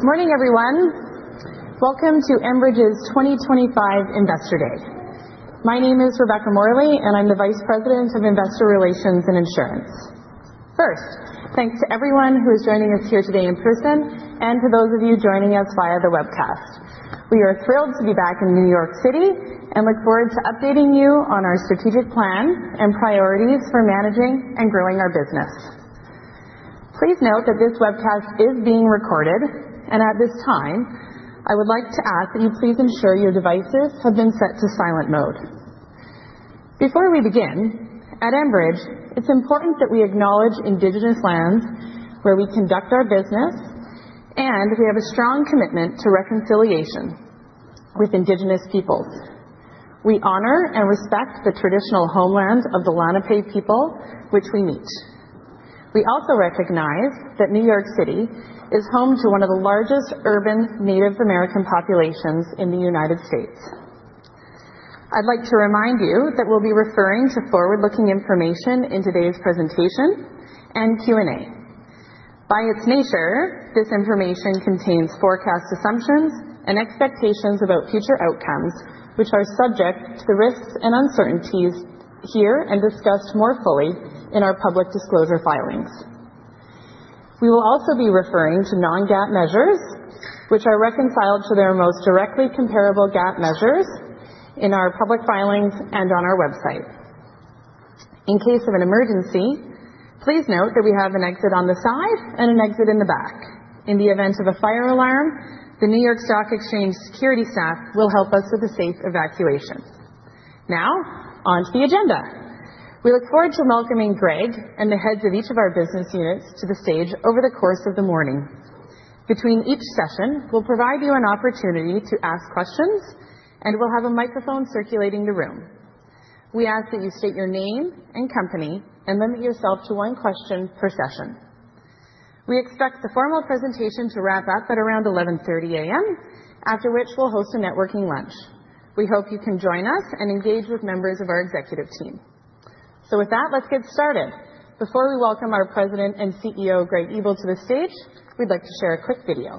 Good morning, everyone. Welcome to Enbridge's 2025 Investor Day. My name is Rebecca Morley, and I'm the Vice President of Investor Relations and Insurance. First, thanks to everyone who is joining us here today in person, and to those of you joining us via the webcast. We are thrilled to be back in New York City and look forward to updating you on our strategic plan and priorities for managing and growing our business. Please note that this webcast is being recorded, and at this time, I would like to ask that you please ensure your devices have been set to silent mode. Before we begin, at Enbridge, it's important that we acknowledge Indigenous lands where we conduct our business, and we have a strong commitment to reconciliation with Indigenous peoples. We honor and respect the traditional homeland of the Lenape people, on which we meet. We also recognize that New York City is home to one of the largest urban Native American populations in the United States. I'd like to remind you that we'll be referring to forward-looking information in today's presentation and Q&A. By its nature, this information contains forecast assumptions and expectations about future outcomes, which are subject to the risks and uncertainties herein and discussed more fully in our public disclosure filings. We will also be referring to non-GAAP measures, which are reconciled to their most directly comparable GAAP measures in our public filings and on our website. In case of an emergency, please note that we have an exit on the side and an exit in the back. In the event of a fire alarm, the New York Stock Exchange security staff will help us with a safe evacuation. Now, on to the agenda. We look forward to welcoming Greg and the heads of each of our business units to the stage over the course of the morning. Between each session, we'll provide you an opportunity to ask questions, and we'll have a microphone circulating the room. We ask that you state your name and company and limit yourself to one question per session. We expect the formal presentation to wrap up at around 11:30 A.M., after which we'll host a networking lunch. We hope you can join us and engage with members of our executive team. So with that, let's get started. Before we welcome our President and CEO, Greg Ebel, to the stage, we'd like to share a quick video.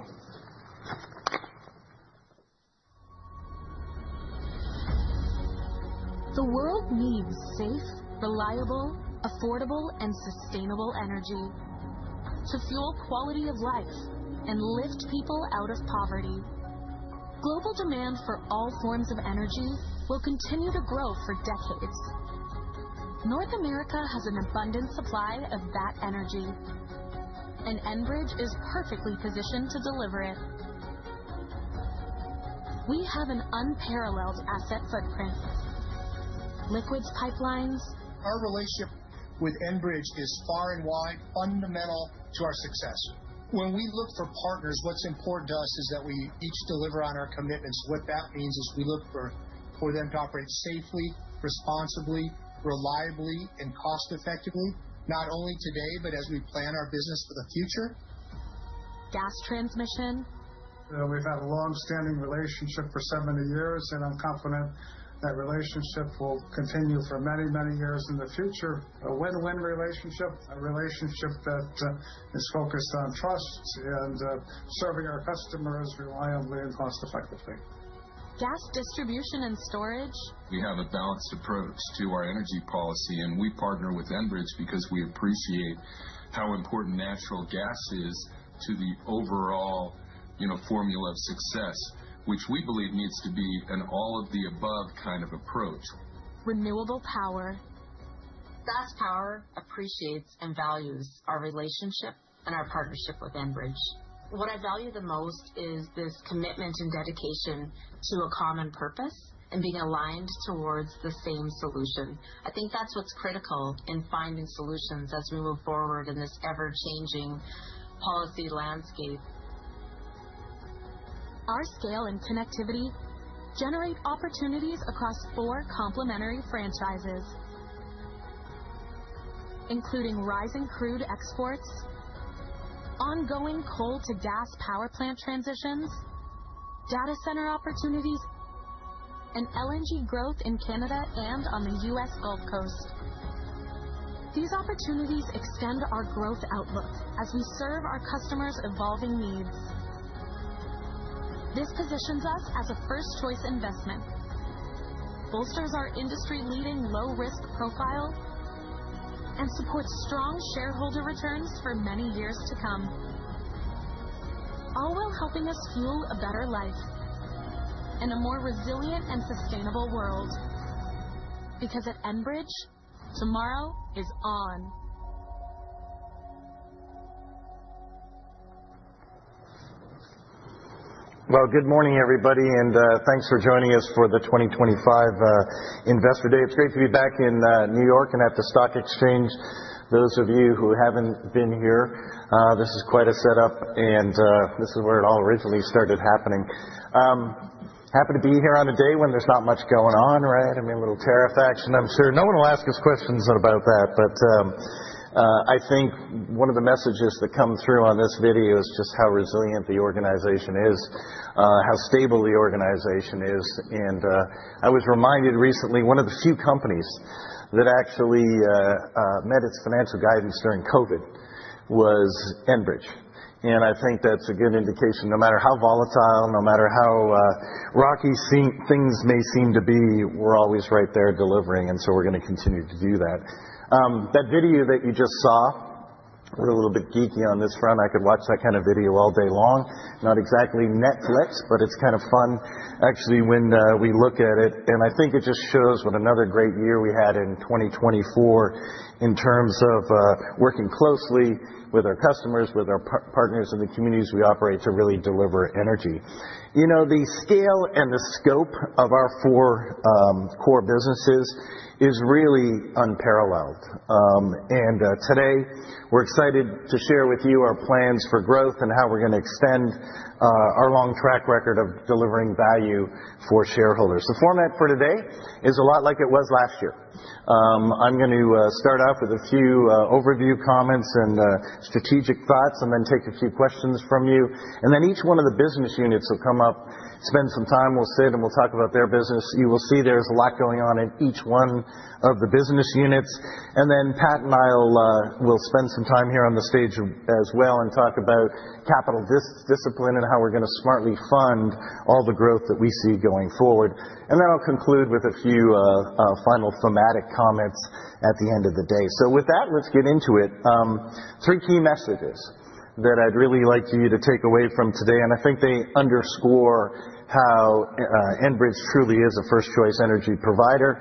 The world needs safe, reliable, affordable, and sustainable energy to fuel quality of life and lift people out of poverty. Global demand for all forms of energy will continue to grow for decades. North America has an abundant supply of that energy, and Enbridge is perfectly positioned to deliver it. We have an unparalleled asset footprint, Liquids Pipelines. Our relationship with Enbridge is far and wide, fundamental to our success. When we look for partners, what's important to us is that we each deliver on our commitments. What that means is we look for them to operate safely, responsibly, reliably, and cost-effectively, not only today, but as we plan our business for the future. Gas Transmission. We've had a long-standing relationship for 70 years, and I'm confident that relationship will continue for many, many years in the future. A win-win relationship, a relationship that is focused on trust and serving our customers reliably and cost-effectively. Gas Distribution and Storage. We have a balanced approach to our energy policy, and we partner with Enbridge because we appreciate how important natural gas is to the overall formula of success, which we believe needs to be an all-of-the-above kind of approach. Renewable Power. Gas power appreciates and values our relationship and our partnership with Enbridge. What I value the most is this commitment and dedication to a common purpose and being aligned towards the same solution. I think that's what's critical in finding solutions as we move forward in this ever-changing policy landscape. Our scale and connectivity generate opportunities across four complementary franchises, including rising crude exports, ongoing coal-to-gas power plant transitions, data center opportunities, and LNG growth in Canada and on the U.S. Gulf Coast. These opportunities extend our growth outlook as we serve our customers' evolving needs. This positions us as a first-choice investment, bolsters our industry-leading low-risk profile, and supports strong shareholder returns for many years to come, all while helping us fuel a better life and a more resilient and sustainable world. Because at Enbridge, tomorrow is on. Well, good morning, everybody, and thanks for joining us for the 2025 Investor Day. It's great to be back in New York and at the New York Stock Exchange. Those of you who haven't been here, this is quite a setup, and this is where it all originally started happening. Happy to be here on a day when there's not much going on, right? I mean, a little tariff action, I'm sure. No one will ask us questions about that, but I think one of the messages that come through on this video is just how resilient the organization is, how stable the organization is. And I was reminded recently one of the few companies that actually met its financial guidance during COVID was Enbridge. I think that's a good indication no matter how volatile, no matter how rocky things may seem to be. We're always right there delivering, and so we're going to continue to do that. That video that you just saw, we're a little bit geeky on this front. I could watch that kind of video all day long. Not exactly Netflix, but it's kind of fun actually when we look at it. I think it just shows what another great year we had in 2024 in terms of working closely with our customers, with our partners in the communities we operate to really deliver energy. You know, the scale and the scope of our four core businesses is really unparalleled. Today, we're excited to share with you our plans for growth and how we're going to extend our long track record of delivering value for shareholders. The format for today is a lot like it was last year. I'm going to start off with a few overview comments and strategic thoughts, and then take a few questions from you, and then each one of the business units will come up, spend some time, we'll sit and we'll talk about their business. You will see there's a lot going on in each one of the business units, and then Pat and I will spend some time here on the stage as well and talk about capital discipline and how we're going to smartly fund all the growth that we see going forward, and then I'll conclude with a few final thematic comments at the end of the day, so with that, let's get into it. Three key messages that I'd really like you to take away from today, and I think they underscore how Enbridge truly is a first-choice energy provider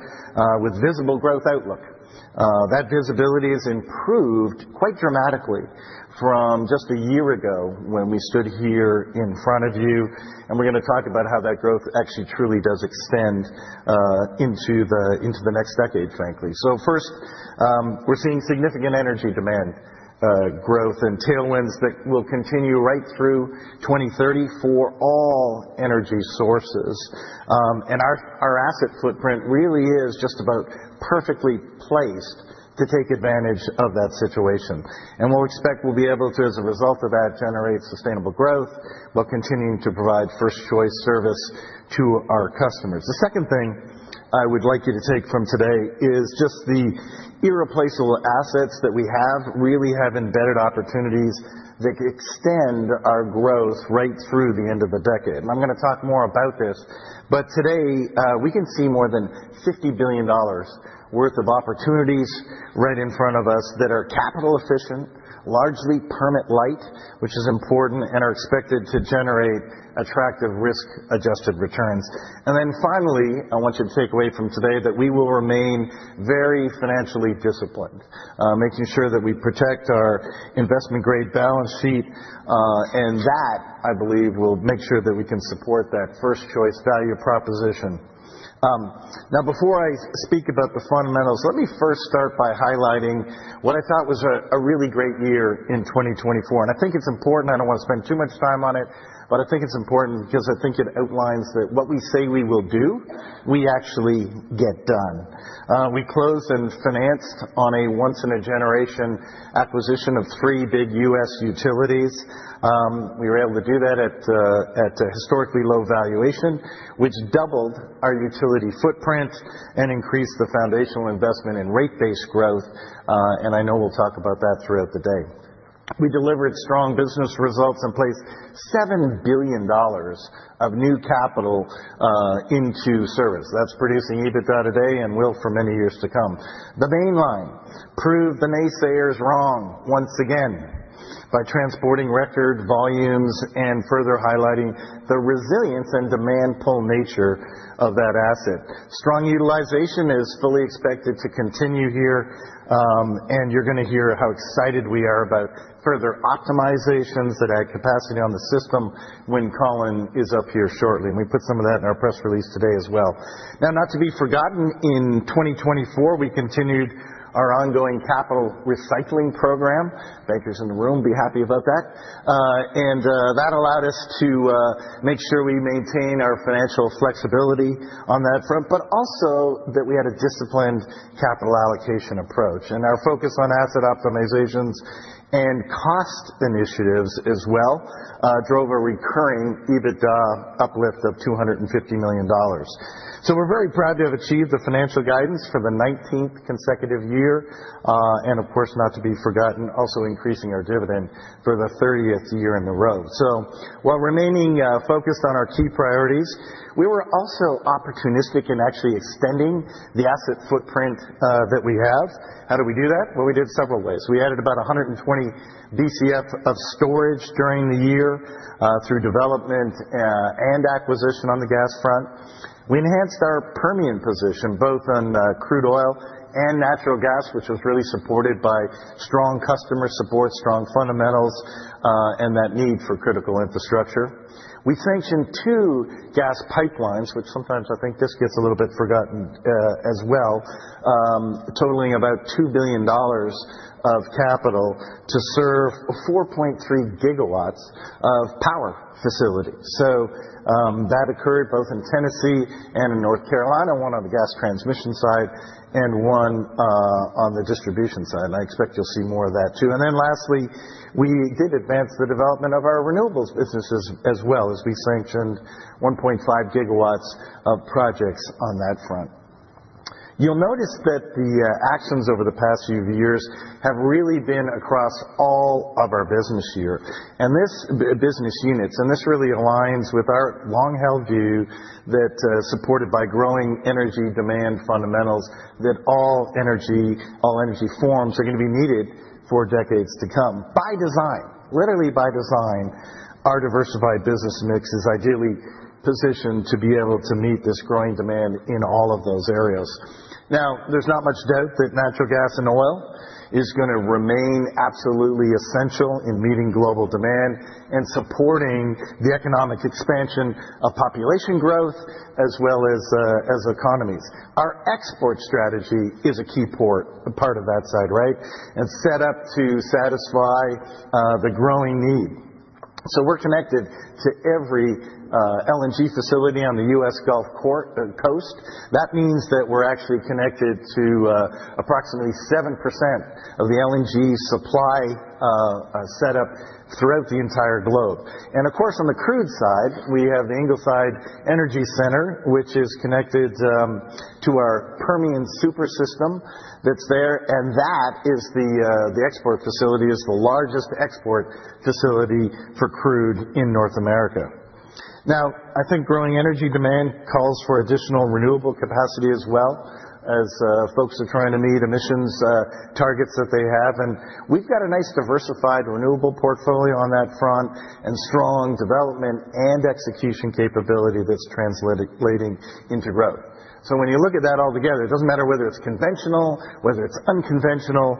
with visible growth outlook. That visibility has improved quite dramatically from just a year ago when we stood here in front of you, and we're going to talk about how that growth actually truly does extend into the next decade, frankly. So first, we're seeing significant energy demand growth and tailwinds that will continue right through 2030 for all energy sources. And our asset footprint really is just about perfectly placed to take advantage of that situation. And we expect we'll be able to, as a result of that, generate sustainable growth while continuing to provide first-choice service to our customers. The second thing I would like you to take from today is just the irreplaceable assets that we have really have embedded opportunities that extend our growth right through the end of the decade, and I'm going to talk more about this, but today we can see more than $50 billion worth of opportunities right in front of us that are capital efficient, largely permit-light, which is important and are expected to generate attractive risk-adjusted returns, and then finally, I want you to take away from today that we will remain very financially disciplined, making sure that we protect our investment-grade balance sheet, and that, I believe, will make sure that we can support that first-choice value proposition. Now, before I speak about the fundamentals, let me first start by highlighting what I thought was a really great year in 2024. And I think it's important. I don't want to spend too much time on it, but I think it's important because I think it outlines that what we say we will do, we actually get done. We closed and financed on a once-in-a-generation acquisition of three big U.S. utilities. We were able to do that at a historically low valuation, which doubled our utility footprint and increased the foundational investment in rate-based growth, and I know we'll talk about that throughout the day. We delivered strong business results and placed $7 billion of new capital into service. That's producing EBITDA today and will for many years to come. The Mainline proved the naysayers wrong once again by transporting record volumes and further highlighting the resilience and demand-pull nature of that asset. Strong utilization is fully expected to continue here, and you're going to hear how excited we are about further optimizations that add capacity on the system when Colin is up here shortly, and we put some of that in our press release today as well. Now, not to be forgotten, in 2024, we continued our ongoing capital recycling program. Bankers in the room, be happy about that. That allowed us to make sure we maintain our financial flexibility on that front, but also that we had a disciplined capital allocation approach. Our focus on asset optimizations and cost initiatives as well drove a recurring EBITDA uplift of $250 million. We're very proud to have achieved the financial guidance for the 19th consecutive year, and of course, not to be forgotten, also increasing our dividend for the 30th year in a row. So while remaining focused on our key priorities, we were also opportunistic in actually extending the asset footprint that we have. How did we do that? Well, we did several ways. We added about 120 BCF of storage during the year through development and acquisition on the gas front. We enhanced our Permian position both on crude oil and natural gas, which was really supported by strong customer support, strong fundamentals, and that need for critical infrastructure. We sanctioned two gas pipelines, which sometimes I think just gets a little bit forgotten as well, totaling about $2 billion of capital to serve 4.3 gigawatts of power facilities. So that occurred both in Tennessee and in North Carolina, one on the gas transmission side and one on the distribution side. And I expect you'll see more of that too. Then lastly, we did advance the development of our renewables businesses as well as we sanctioned 1.5 gigawatts of projects on that front. You'll notice that the actions over the past few years have really been across all of our business units, and this really aligns with our long-held view that supported by growing energy demand fundamentals that all energy, all energy forms are going to be needed for decades to come. By design, literally by design, our diversified business mix is ideally positioned to be able to meet this growing demand in all of those areas. Now, there's not much doubt that natural gas and oil is going to remain absolutely essential in meeting global demand and supporting the economic expansion of population growth as well as economies. Our export strategy is a key part of that side, right? Set up to satisfy the growing need. So we're connected to every LNG facility on the U.S. Gulf Coast. That means that we're actually connected to approximately 7% of the LNG supply setup throughout the entire globe. And of course, on the crude side, we have the Ingleside Energy Center, which is connected to our Permian Super System that's there. And that is the export facility, is the largest export facility for crude in North America. Now, I think growing energy demand calls for additional renewable capacity as well as folks are trying to meet emissions targets that they have. And we've got a nice diversified renewable portfolio on that front and strong development and execution capability that's translating into growth. So when you look at that all together, it doesn't matter whether it's conventional, whether it's unconventional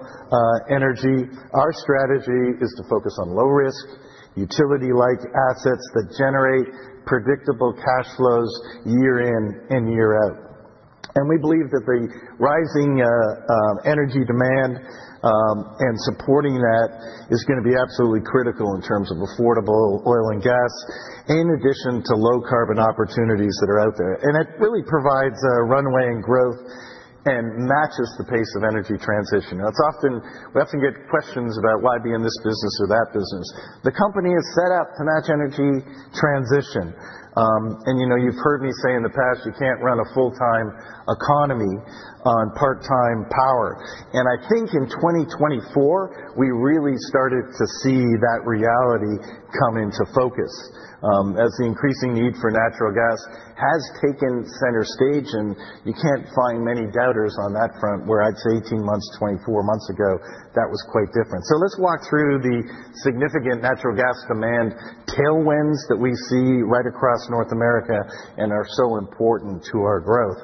energy. Our strategy is to focus on low-risk utility-like assets that generate predictable cash flows year in and year out. And we believe that the rising energy demand and supporting that is going to be absolutely critical in terms of affordable oil and gas, in addition to low carbon opportunities that are out there. And it really provides a runway and growth and matches the pace of energy transition. We often get questions about why be in this business or that business. The company is set up to match energy transition. And you've heard me say in the past, you can't run a full-time economy on part-time power. I think in 2024, we really started to see that reality come into focus as the increasing need for natural gas has taken center stage. You can't find many doubters on that front where I'd say 18 months, 24 months ago, that was quite different. Let's walk through the significant natural gas demand tailwinds that we see right across North America and are so important to our growth.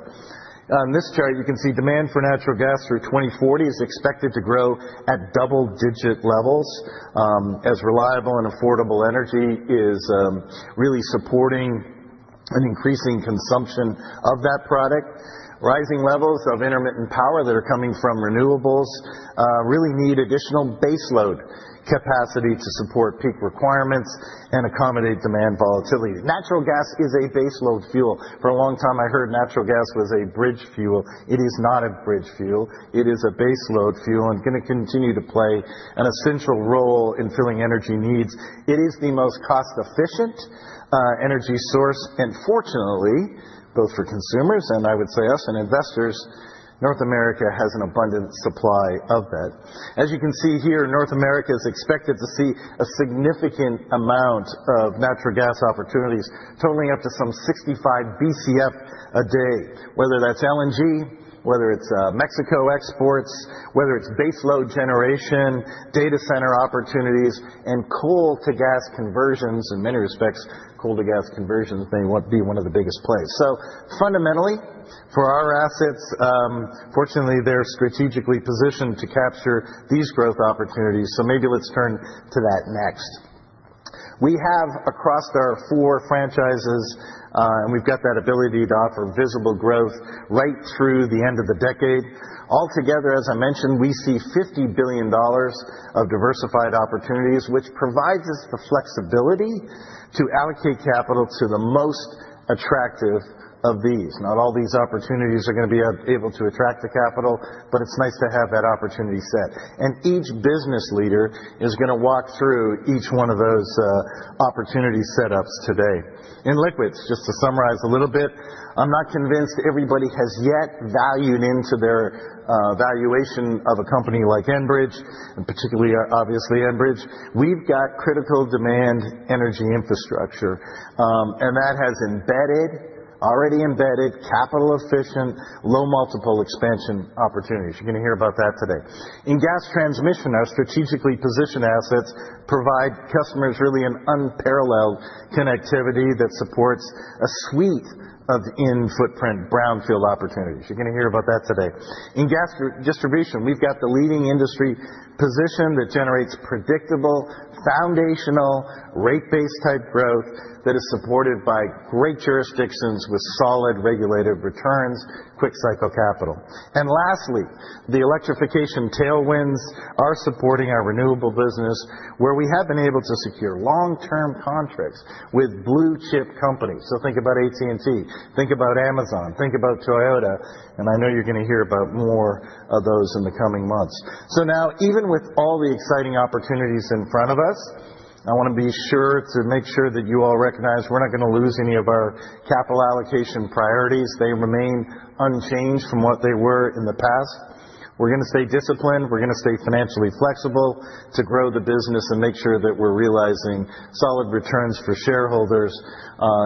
On this chart, you can see demand for natural gas through 2040 is expected to grow at double-digit levels as reliable and affordable energy is really supporting an increasing consumption of that product. Rising levels of intermittent power that are coming from renewables really need additional baseload capacity to support peak requirements and accommodate demand volatility. Natural gas is a baseload fuel. For a long time, I heard natural gas was a bridge fuel. It is not a bridge fuel. It is a baseload fuel and going to continue to play an essential role in filling energy needs. It is the most cost-efficient energy source, and fortunately, both for consumers and I would say us and investors, North America has an abundant supply of that. As you can see here, North America is expected to see a significant amount of natural gas opportunities totaling up to some 65 BCF a day, whether that's LNG, whether it's Mexico exports, whether it's baseload generation, data center opportunities, and coal-to-gas conversions. In many respects, coal-to-gas conversions may be one of the biggest plays, so fundamentally, for our assets, fortunately, they're strategically positioned to capture these growth opportunities, so maybe let's turn to that next. We have across our four franchises, and we've got that ability to offer visible growth right through the end of the decade. Altogether, as I mentioned, we see $50 billion of diversified opportunities, which provides us the flexibility to allocate capital to the most attractive of these. Not all these opportunities are going to be able to attract the capital, but it's nice to have that opportunity set. And each business leader is going to walk through each one of those opportunity setups today. In liquids, just to summarize a little bit, I'm not convinced everybody has yet valued into their valuation of a company like Enbridge, and particularly, obviously, Enbridge. We've got critical demand energy infrastructure, and that has embedded, already embedded, capital-efficient, low-multiple expansion opportunities. You're going to hear about that today. In gas transmission, our strategically positioned assets provide customers really an unparalleled connectivity that supports a suite of in-footprint brownfield opportunities. You're going to hear about that today. In gas distribution, we've got the leading industry position that generates predictable, foundational, rate-based type growth that is supported by great jurisdictions with solid regulated returns, quick-cycle capital. And lastly, the electrification tailwinds are supporting our renewable business where we have been able to secure long-term contracts with blue-chip companies. So think about AT&T, think about Amazon, think about Toyota, and I know you're going to hear about more of those in the coming months. So now, even with all the exciting opportunities in front of us, I want to be sure to make sure that you all recognize we're not going to lose any of our capital allocation priorities. They remain unchanged from what they were in the past. We're going to stay disciplined. We're going to stay financially flexible to grow the business and make sure that we're realizing solid returns for shareholders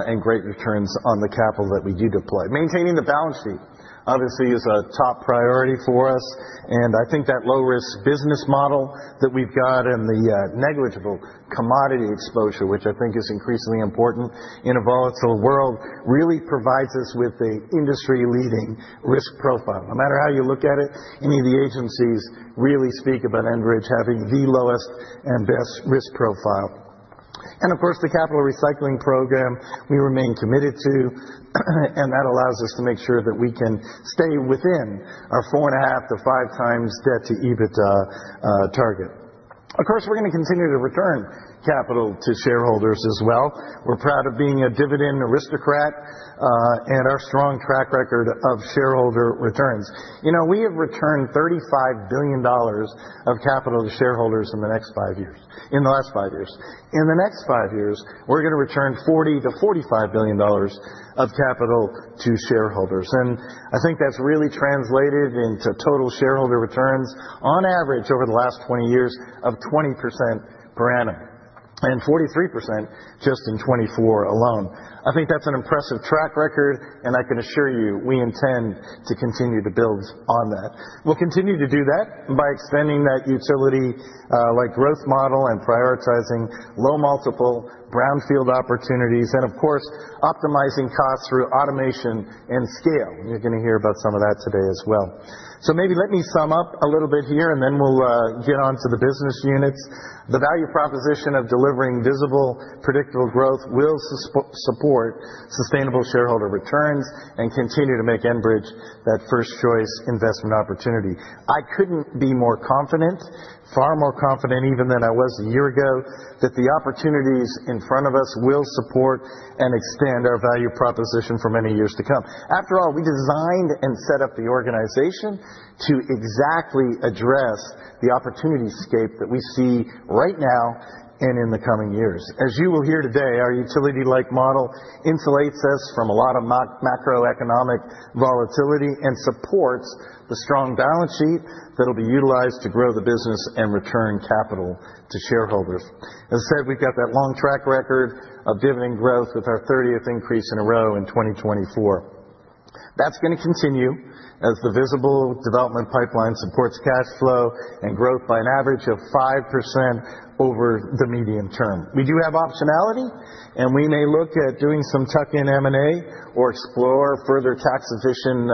and great returns on the capital that we do deploy. Maintaining the balance sheet, obviously, is a top priority for us. And I think that low-risk business model that we've got and the negligible commodity exposure, which I think is increasingly important in a volatile world, really provides us with the industry-leading risk profile. No matter how you look at it, any of the agencies really speak about Enbridge having the lowest and best risk profile. And of course, the capital recycling program we remain committed to, and that allows us to make sure that we can stay within our 4.5-5 times debt-to-EBITDA target. Of course, we're going to continue to return capital to shareholders as well. We're proud of being a dividend aristocrat and our strong track record of shareholder returns. We have returned $35 billion of capital to shareholders in the last five years. In the next five years, we're going to return $40-$45 billion of capital to shareholders. And I think that's really translated into total shareholder returns on average over the last 20 years of 20% per annum and 43% just in 2024 alone. I think that's an impressive track record, and I can assure you we intend to continue to build on that. We'll continue to do that by extending that utility-like growth model and prioritizing low-multiple brownfield opportunities and, of course, optimizing costs through automation and scale. And you're going to hear about some of that today as well. So maybe let me sum up a little bit here, and then we'll get on to the business units. The value proposition of delivering visible, predictable growth will support sustainable shareholder returns and continue to make Enbridge that first-choice investment opportunity. I couldn't be more confident, far more confident even than I was a year ago, that the opportunities in front of us will support and extend our value proposition for many years to come. After all, we designed and set up the organization to exactly address the opportunity landscape that we see right now and in the coming years. As you will hear today, our utility-like model insulates us from a lot of macroeconomic volatility and supports the strong balance sheet that will be utilized to grow the business and return capital to shareholders. As I said, we've got that long track record of dividend growth with our 30th increase in a row in 2024. That's going to continue as the visible development pipeline supports cash flow and growth by an average of 5% over the medium term. We do have optionality, and we may look at doing some tuck-in M&A or explore further tax-efficient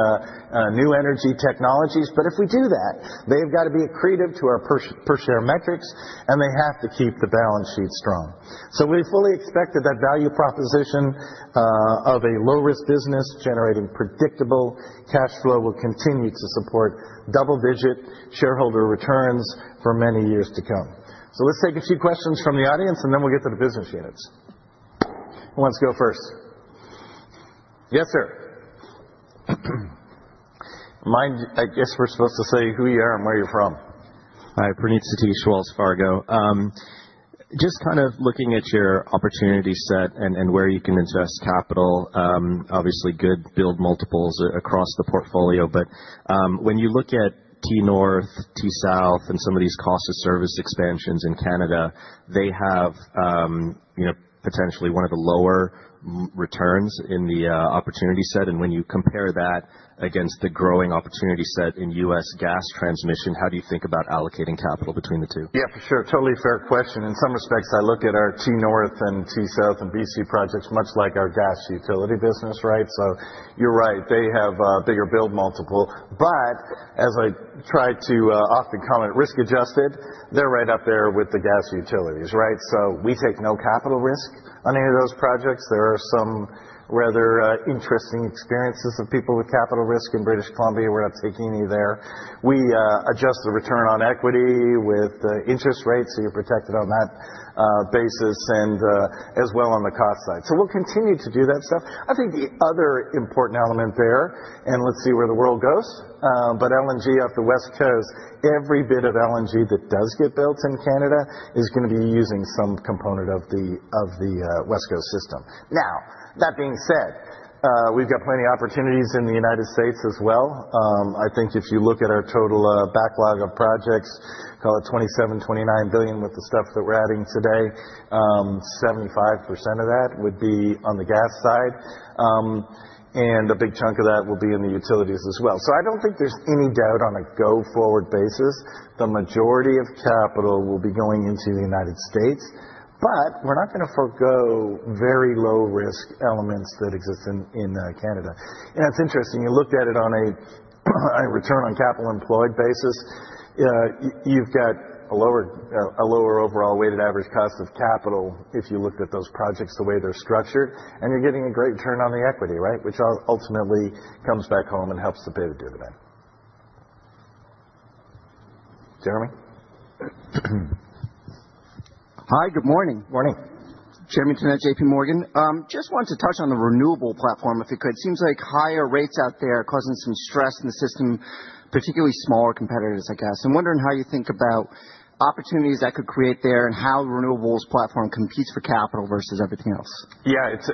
new energy technologies. But if we do that, they've got to be accretive to our per-share metrics, and they have to keep the balance sheet strong. So we fully expect that that value proposition of a low-risk business generating predictable cash flow will continue to support double-digit shareholder returns for many years to come. So let's take a few questions from the audience, and then we'll get to the business units. Who wants to go first? Yes, sir. I guess we're supposed to say who you are and where you're from. Hi, Praneeth Satish, Wells Fargo.Just kind of looking at your opportunity set and where you can invest capital, obviously good build multiples across the portfolio. But when you look at T-North, T-South, and some of these cost-of-service expansions in Canada, they have potentially one of the lower returns in the opportunity set. And when you compare that against the growing opportunity set in U.S. gas transmission, how do you think about allocating capital between the two? Yeah, for sure. Totally fair question. In some respects, I look at our T-North and T-South and BC projects much like our gas utility business, right? So you're right. They have a bigger build multiple. But as I try to often comment, risk-adjusted, they're right up there with the gas utilities, right? So we take no capital risk on any of those projects. There are some rather interesting experiences of people with capital risk in British Columbia. We're not taking any there. We adjust the return on equity with interest rates, so you're protected on that basis as well on the cost side. So we'll continue to do that stuff. I think the other important element there, and let's see where the world goes, but LNG off the West Coast, every bit of LNG that does get built in Canada is going to be using some component of the West Coast system. Now, that being said, we've got plenty of opportunities in the United States as well. I think if you look at our total backlog of projects, call it 27-29 billion with the stuff that we're adding today, 75% of that would be on the gas side. And a big chunk of that will be in the utilities as well. So I don't think there's any doubt on a go-forward basis. The majority of capital will be going into the United States, but we're not going to forgo very low-risk elements that exist in Canada, and it's interesting. You looked at it on a return on capital employed basis. You've got a lower overall weighted average cost of capital if you look at those projects the way they're structured, and you're getting a great return on the equity, right? Which ultimately comes back home and helps to pay the dividend. Jeremy. Hi, good morning. Morning. Jeremy Tonet, JPMorgan. Just wanted to touch on the renewable platform if I could. Seems like higher rates out there are causing some stress in the system, particularly smaller competitors, I guess. I'm wondering how you think about opportunities that could create there and how the renewables platform competes for capital versus everything else. Yeah, it's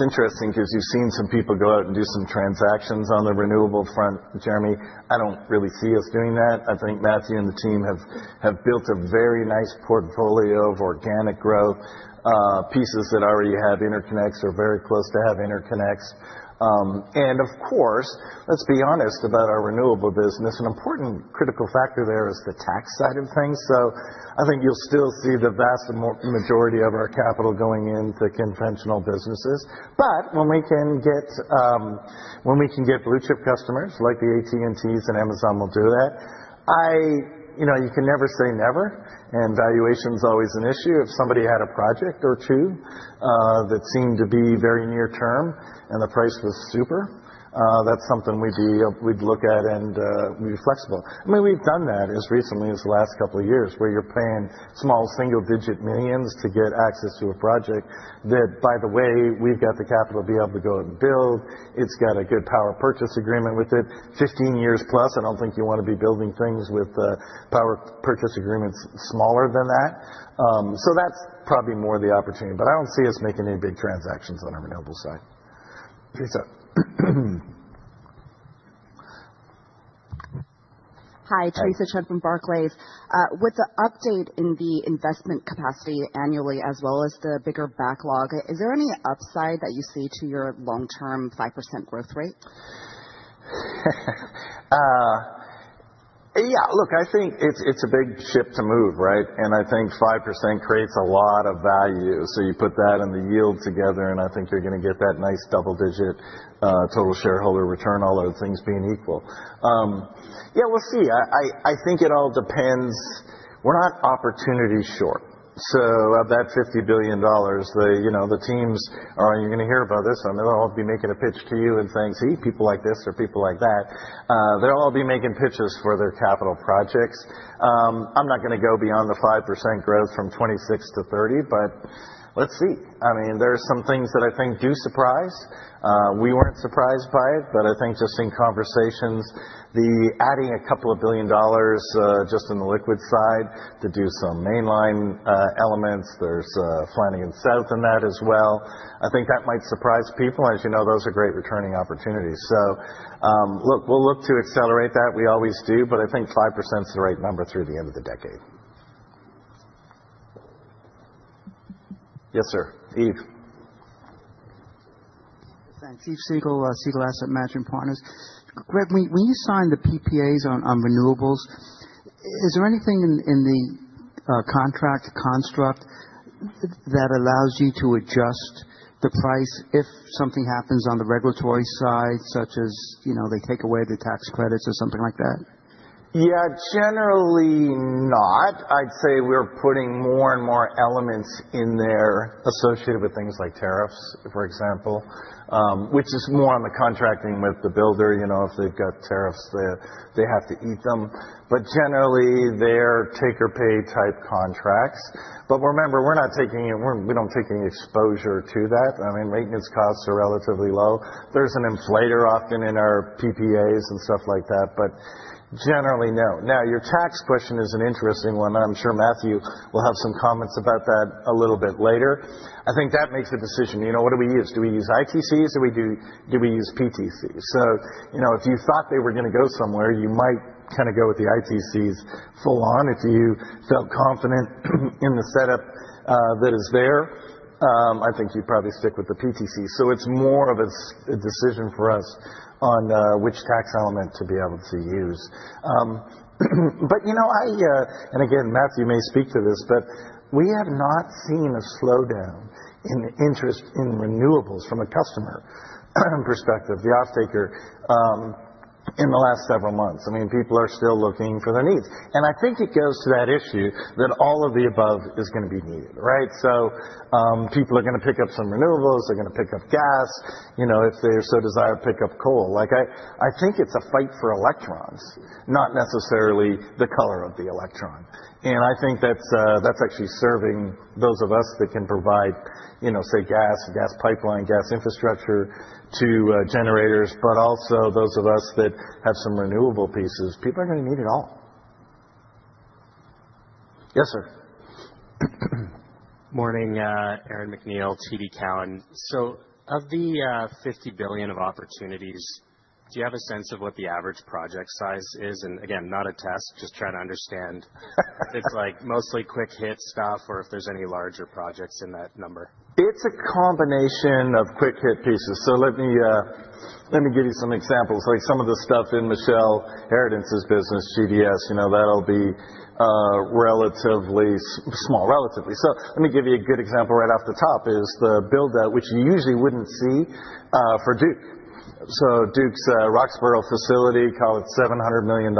interesting because you've seen some people go out and do some transactions on the renewable front. Jeremy, I don't really see us doing that. I think Matthew and the team have built a very nice portfolio of organic growth pieces that already have interconnects or very close to having interconnects. And of course, let's be honest about our renewable business. An important critical factor there is the tax side of things. So I think you'll still see the vast majority of our capital going into conventional businesses. But when we can get blue-chip customers like the AT&Ts and Amazon will do that, you can never say never, and valuation is always an issue. If somebody had a project or two that seemed to be very near term and the price was super, that's something we'd look at and we'd be flexible. I mean, we've done that as recently as the last couple of years where you're paying small single-digit millions to get access to a project that, by the way, we've got the capital to be able to go and build. It's got a good power purchase agreement with it. 15 years plus, I don't think you want to be building things with power purchase agreements smaller than that. So that's probably more the opportunity, but I don't see us making any big transactions on our renewable side. Theresa. Hi, Theresa Chen from Barclays. With the update in the investment capacity annually as well as the bigger backlog, is there any upside that you see to your long-term 5% growth rate? Yeah, look, I think it's a big ship to move, right? And I think 5% creates a lot of value. So you put that and the yield together, and I think you're going to get that nice double-digit total shareholder return, all those things being equal. Yeah, we'll see. I think it all depends. We're not opportunity short. So of that $50 billion, the teams are all, you're going to hear about this. I mean, they'll all be making a pitch to you and saying, "See, people like this or people like that." They'll all be making pitches for their capital projects. I'm not going to go beyond the 5% growth from 26 to 30, but let's see. I mean, there are some things that I think do surprise. We weren't surprised by it, but I think just in conversations, the adding a couple of billion dollars just on the liquid side to do some mainline elements, there's planning in South in that as well. I think that might surprise people. As you know, those are great returning opportunities. So look, we'll look to accelerate that. We always do, but I think 5% is the right number through the end of the decade. Yes, sir. Yves. Thanks. Yves Siegel, Siegel Asset Management Partners. Greg, when you sign the PPAs on renewables, is there anything in the contract construct that allows you to adjust the price if something happens on the regulatory side, such as they take away the tax credits or something like that? Yeah, generally not. I'd say we're putting more and more elements in there associated with things like tariffs, for example, which is more on the contracting with the builder. If they've got tariffs, they have to eat them. But generally, they're take-or-pay type contracts. But remember, we're not taking it. We don't take any exposure to that. I mean, maintenance costs are relatively low. There's an inflator often in our PPAs and stuff like that, but generally, no. Now, your tax question is an interesting one, and I'm sure Matthew will have some comments about that a little bit later. I think that makes a decision. What do we use? Do we use ITCs? Do we use PTCs? So if you thought they were going to go somewhere, you might kind of go with the ITCs full-on if you felt confident in the setup that is there. I think you'd probably stick with the PTCs. So it's more of a decision for us on which tax element to be able to use. But again, Matthew may speak to this, but we have not seen a slowdown in interest in renewables from a customer perspective, the off-taker, in the last several months. I mean, people are still looking for their needs. And I think it goes to that issue that all of the above is going to be needed, right? So people are going to pick up some renewables. They're going to pick up gas if they so desire to pick up coal. I think it's a fight for electrons, not necessarily the color of the electron. And I think that's actually serving those of us that can provide, say, gas, gas pipeline, gas infrastructure to generators, but also those of us that have some renewable pieces. People are going to need it all. Yes, sir. Morning, Aaron MacNeil, TD Cowen. So of the $50 billion of opportunities, do you have a sense of what the average project size is? Again, not a test, just trying to understand if it's mostly quick-hit stuff or if there's any larger projects in that number. It's a combination of quick-hit pieces. So let me give you some examples. Some of the stuff in Michele Harradence's business, GDS, that'll be relatively small. Relatively. So let me give you a good example right off the top is the build-out, which you usually wouldn't see for Duke. So Duke's Roxboro facility, call it $700 million,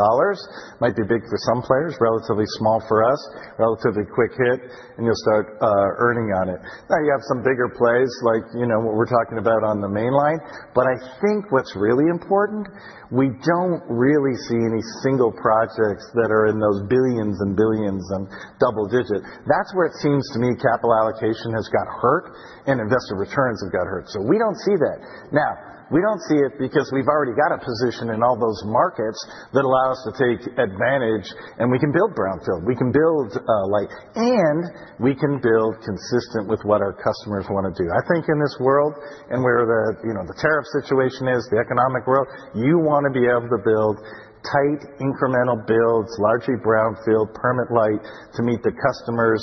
might be big for some players, relatively small for us, relatively quick-hit, and you'll start earning on it. Now, you have some bigger plays like what we're talking about on the Mainline. But I think what's really important, we don't really see any single projects that are in those billions and billions and double-digit. That's where it seems to me capital allocation has got hurt and investment returns have got hurt. So we don't see that. Now, we don't see it because we've already got a position in all those markets that allow us to take advantage, and we can build brownfield. We can build light, and we can build consistent with what our customers want to do. I think in this world and where the tariff situation is, the economic world, you want to be able to build tight incremental builds, largely brownfield, permit light to meet the customer's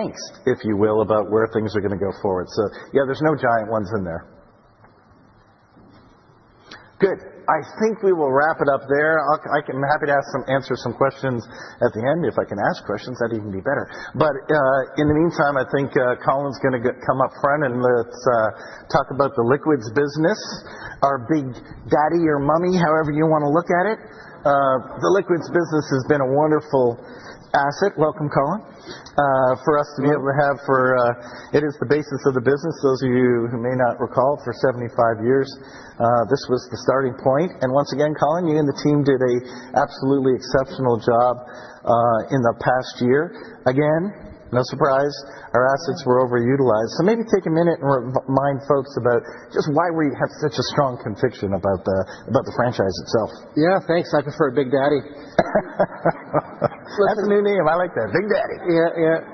angst, if you will, about where things are going to go forward. So yeah, there's no giant ones in there. Good. I think we will wrap it up there. I'm happy to answer some questions at the end. If I can ask questions, that'd even be better. But in the meantime, I think Colin's going to come up front and let's talk about the liquids business. our big daddy or mummy, however you want to look at it. The liquids business has been a wonderful asset. Welcome, Colin, for us to be able to have for it is the basis of the business. Those of you who may not recall, for 75 years, this was the starting point. And once again, Colin, you and the team did an absolutely exceptional job in the past year. Again, no surprise, our assets were overutilized. So maybe take a minute and remind folks about just why we have such a strong conviction about the franchise itself. Yeah, thanks. I prefer big daddy. That's a new name. I like that. Big daddy. Yeah,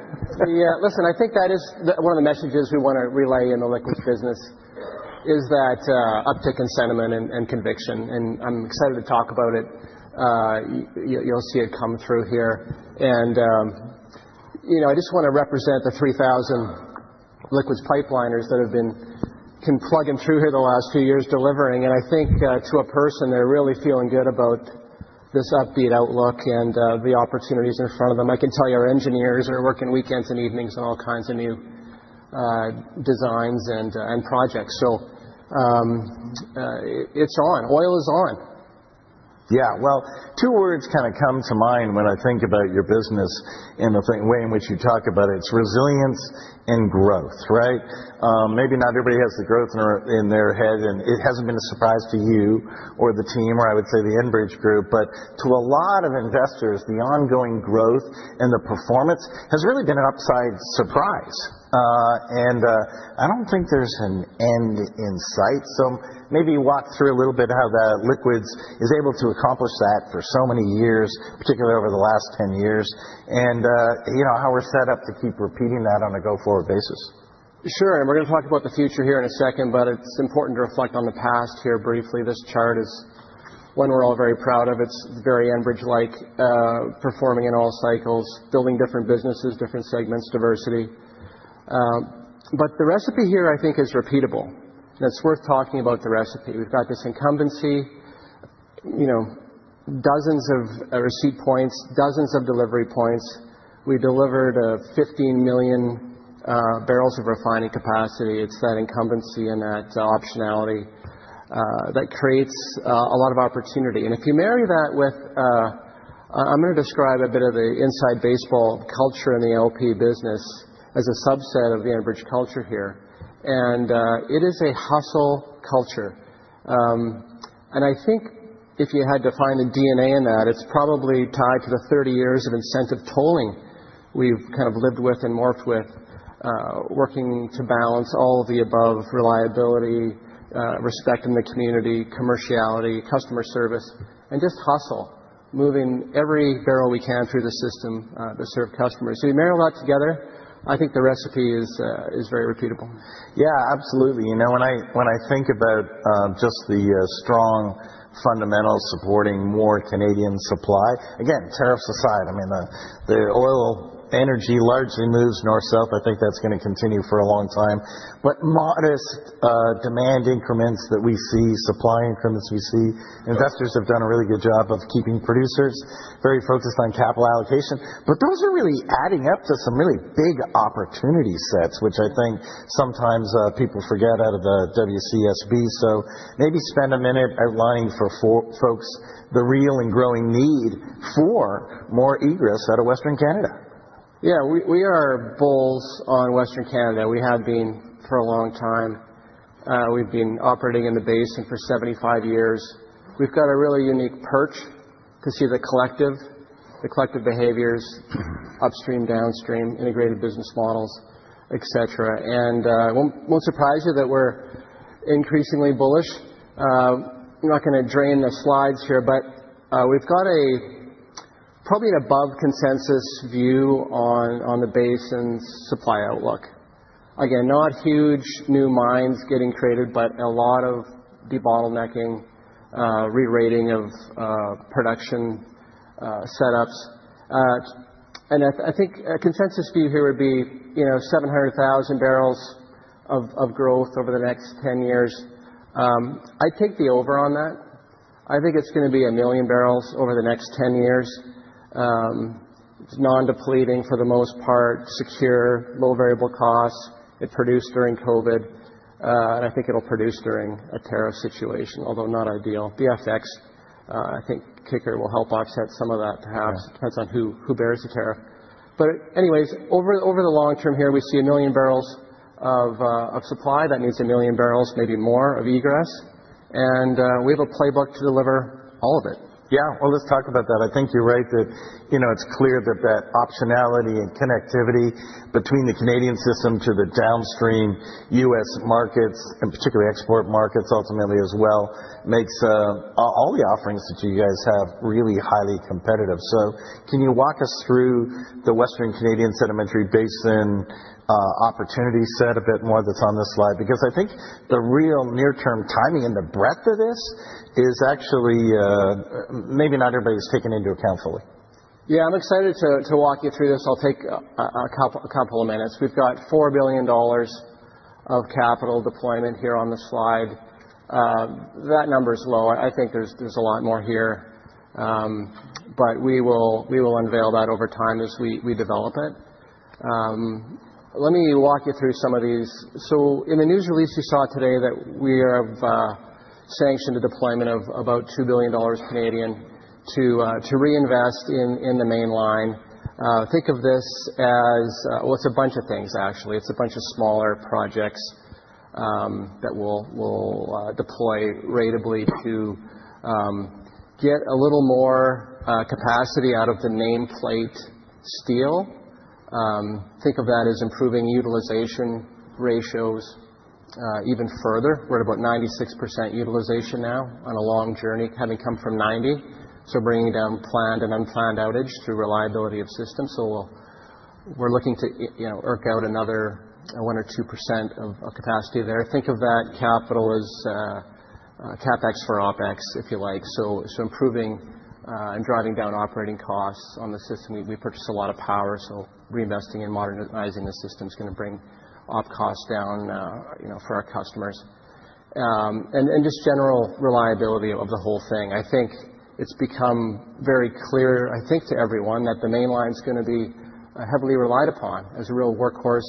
yeah. Listen, I think that is one of the messages we want to relay in the liquids business: that uptick in sentiment and conviction. And I'm excited to talk about it. You'll see it come through here. And I just want to represent the 3,000 liquids pipeliners that have been plugging through here the last few years delivering. And I think to a person, they're really feeling good about this upbeat outlook and the opportunities in front of them. I can tell your engineers are working weekends and evenings on all kinds of new designs and projects. So it's on. Oil is on. Yeah. Well, two words kind of come to mind when I think about your business and the way in which you talk about it. It's resilience and growth, right? Maybe not everybody has the growth in their head, and it hasn't been a surprise to you or the team, or I would say the Enbridge Group, but to a lot of investors, the ongoing growth and the performance has really been an upside surprise. And I don't think there's an end in sight. So maybe walk through a little bit how the liquids is able to accomplish that for so many years, particularly over the last 10 years, and how we're set up to keep repeating that on a go-forward basis. Sure. And we're going to talk about the future here in a second, but it's important to reflect on the past here briefly. This chart is one we're all very proud of. It's very Enbridge-like performing in all cycles, building different businesses, different segments, diversity. But the recipe here, I think, is repeatable. And it's worth talking about the recipe. We've got this incumbency, dozens of receipt points, dozens of delivery points. We delivered 15 million barrels of refining capacity. It's that incumbency and that optionality that creates a lot of opportunity. And if you marry that with I'm going to describe a bit of the inside baseball culture in the LP business as a subset of the Enbridge culture here. And it is a hustle culture. And I think if you had to find the DNA in that, it's probably tied to the 30 years of incentive tolling we've kind of lived with and morphed with, working to balance all of the above: reliability, respect in the community, commerciality, customer service, and just hustle, moving every barrel we can through the system to serve customers. So you marry all that together, I think the recipe is very repeatable. Yeah, absolutely. When I think about just the strong fundamentals supporting more Canadian supply, again, tariffs aside, I mean, the oil energy largely moves north-south. I think that's going to continue for a long time. But modest demand increments that we see, supply increments we see, investors have done a really good job of keeping producers very focused on capital allocation. But those are really adding up to some really big opportunity sets, which I think sometimes people forget out of the WCSB. So maybe spend a minute outlining for folks the real and growing need for more egress out of Western Canada. Yeah, we are bulls on Western Canada. We have been for a long time. We've been operating in the basin for 75 years. We've got a really unique perch to see the collective behaviors, upstream, downstream, integrated business models, etc.And it won't surprise you that we're increasingly bullish. I'm not going to drone on the slides here, but we've got probably an above-consensus view on the basin's supply outlook. Again, not huge new mines getting created, but a lot of debottlenecking, re-rating of production setups. And I think a consensus view here would be 700,000 barrels of growth over the next 10 years. I'd take the over on that. I think it's going to be a million barrels over the next 10 years. It's non-depleting for the most part, secure, low variable costs. It produced during COVID. And I think it'll produce during a tariff situation, although not ideal. But FX, I think kicker will help offset some of that, perhaps. Depends on who bears the tariff. But anyways, over the long term here, we see a million barrels of supply. That means a million barrels, maybe more, of egress. And we have a playbook to deliver all of it. Yeah. Well, let's talk about that. I think you're right that it's clear that that optionality and connectivity between the Canadian system to the downstream U.S. markets, and particularly export markets ultimately as well, makes all the offerings that you guys have really highly competitive. So can you walk us through the Western Canadian Sedimentary Basin opportunity set a bit more that's on this slide? Because I think the real near-term timing and the breadth of this is actually maybe not everybody's taken into account fully. Yeah, I'm excited to walk you through this. I'll take a couple of minutes. We've got $4 billion of capital deployment here on the slide. That number is low. I think there's a lot more here, but we will unveil that over time as we develop it. Let me walk you through some of these. In the news release you saw today that we have sanctioned a deployment of about 2 billion Canadian dollars to reinvest in the Mainline. Think of this as, well, it's a bunch of things, actually. It's a bunch of smaller projects that we'll deploy ratably to get a little more capacity out of the nameplate steel. Think of that as improving utilization ratios even further. We're at about 96% utilization now on a long journey, having come from 90%. Bringing down planned and unplanned outage through reliability of systems. We're looking to eke out another 1% or 2% of capacity there. Think of that capital as CapEx for OpEx, if you like. Improving and driving down operating costs on the system. We purchase a lot of power, so reinvesting and modernizing the system is going to bring opex costs down for our customers, and just general reliability of the whole thing. I think it's become very clear, I think, to everyone that the Mainline is going to be heavily relied upon as a real workhorse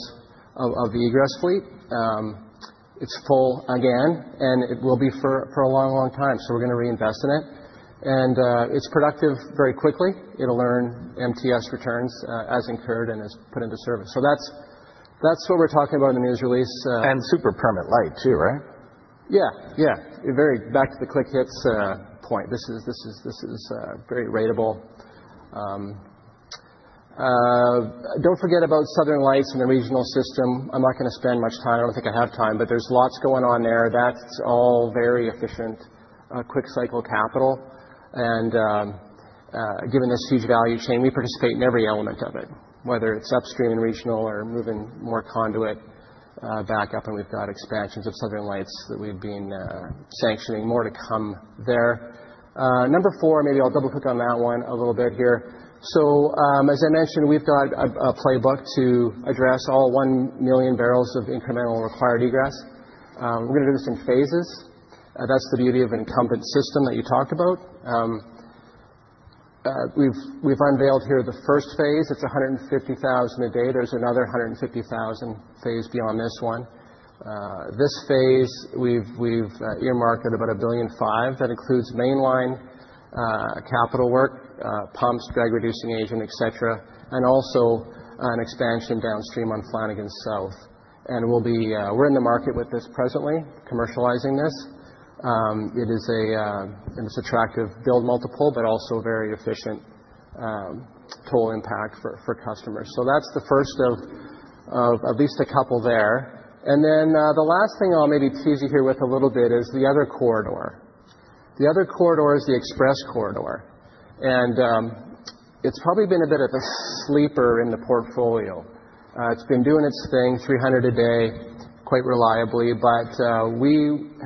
of the egress fleet. It's full again, and it will be for a long, long time, so we're going to reinvest in it, and it's productive very quickly. It'll earn MTS returns as incurred and as put into service, so that's what we're talking about in the news release, and super permit-light too, right? Yeah, yeah. Back to the quick-hits point. This is very ratable. Don't forget about Southern Lights and the regional system. I'm not going to spend much time. I don't think I have time, but there's lots going on there. That's all very efficient quick-cycle capital. And given this huge value chain, we participate in every element of it, whether it's upstream and regional or moving more conduit back up. And we've got expansions of Southern Lights that we've been sanctioning more to come there. Number four, maybe I'll double-click on that one a little bit here. So as I mentioned, we've got a playbook to address all 1 million barrels of incremental required egress. We're going to do this in phases. That's the beauty of an incumbent system that you talked about. We've unveiled here the first phase. It's 150,000 a day. There's another 150,000 phase beyond this one. This phase, we've earmarked at about 1.5 billion. That includes Mainline capital work, pumps, drag-reducing agent, etc., and also an expansion downstream on Flanagan South. And we're in the market with this presently, commercializing this. It is a most attractive build multiple, but also very efficient toll impact for customers, so that's the first of at least a couple there, and then the last thing I'll maybe tease you here with a little bit is the other corridor, the other corridor is the Express-Platte corridor, and it's probably been a bit of a sleeper in the portfolio. It's been doing its thing, 300 a day, quite reliably, but we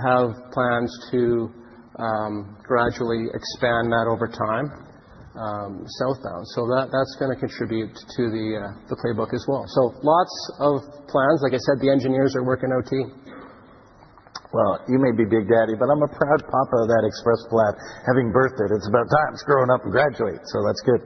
have plans to gradually expand that over time southbound, so that's going to contribute to the playbook as well, so lots of plans. Like I said, the engineers are working OT, well, you may be big daddy, but I'm a proud papa of that Express-Platte having birthed. It's about time it's growing up and graduate, so that's good.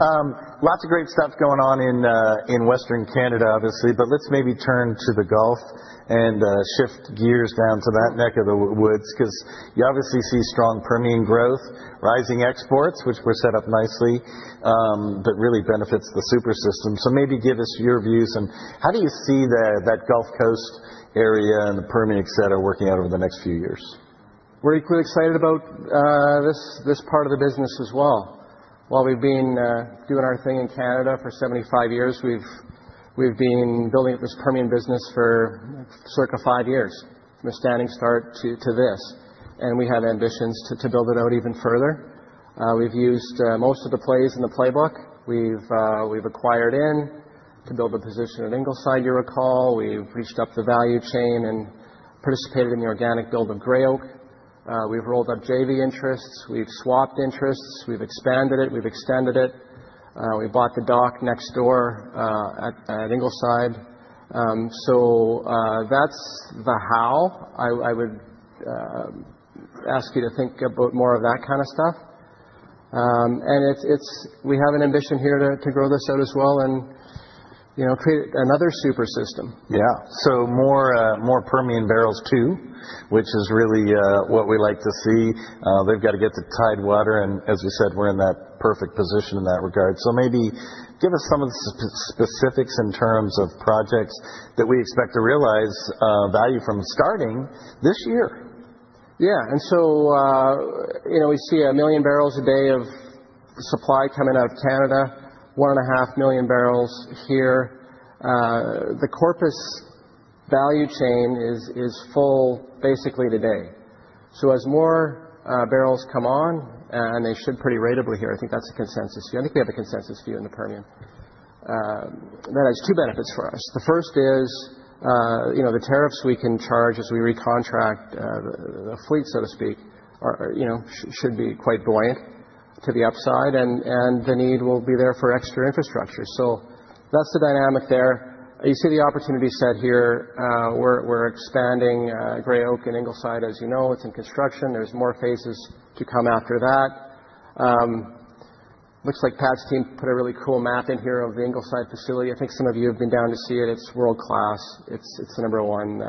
Lots of great stuff going on in Western Canada, obviously. But let's maybe turn to the Gulf and shift gears down to that neck of the woods because you obviously see strong Permian growth, rising exports, which were set up nicely, but really benefits the super system. So maybe give us your views. And how do you see that Gulf Coast area and the Permian etc. working out over the next few years? We're equally excited about this part of the business as well. While we've been doing our thing in Canada for 75 years, we've been building up this Permian business for circa five years, from a standing start to this. And we have ambitions to build it out even further. We've used most of the plays in the playbook. We've acquired in to build a position at Ingleside, you recall. We've reached up the value chain and participated in the organic build of Gray Oak. We've rolled up JV interests. We've swapped interests. We've expanded it. We've extended it. We bought the dock next door at Ingleside. So that's the how. I would ask you to think about more of that kind of stuff. And we have an ambition here to grow this out as well and create another super system. Yeah. So more Permian barrels too, which is really what we like to see. They've got to get to tide water. And as you said, we're in that perfect position in that regard. So maybe give us some of the specifics in terms of projects that we expect to realize value from starting this year. Yeah. And so we see a million barrels a day of supply coming out of Canada, one and a half million barrels here. The Corpus value chain is full basically today. So as more barrels come on, and they should pretty ratably here, I think that's a consensus view. I think we have a consensus view in the Permian. That has two benefits for us. The first is the tariffs we can charge as we recontract the fleet, so to speak, should be quite buoyant to the upside. And the need will be there for extra infrastructure. So that's the dynamic there. You see the opportunity set here. We're expanding Gray Oak and Ingleside, as you know. It's in construction. There's more phases to come after that. Looks like Pat's team put a really cool map in here of the Ingleside facility. I think some of you have been down to see it. It's world-class. It's the number one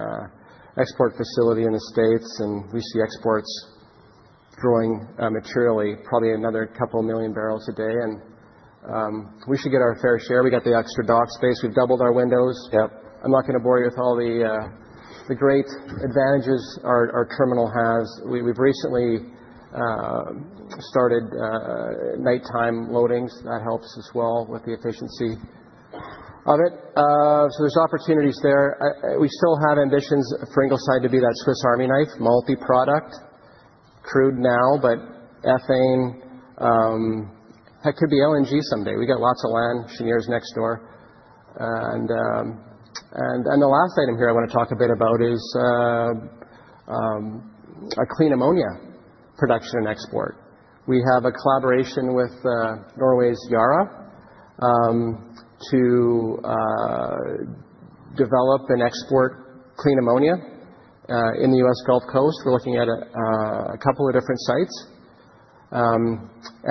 export facility in the States. And we see exports growing materially, probably another couple of million barrels a day. And we should get our fair share. We got the extra dock space. We've doubled our windows. Yep. I'm not going to bore you with all the great advantages our terminal has. We've recently started nighttime loadings. That helps as well with the efficiency of it. So there's opportunities there. We still have ambitions for Ingleside to be that Swiss Army knife, multi-product, crude now, but ethane. That could be LNG someday. We got lots of land, Cheniere's next door. And the last item here I want to talk a bit about is clean ammonia production and export. We have a collaboration with Norway's Yara to develop and export clean ammonia in the U.S. Gulf Coast. We're looking at a couple of different sites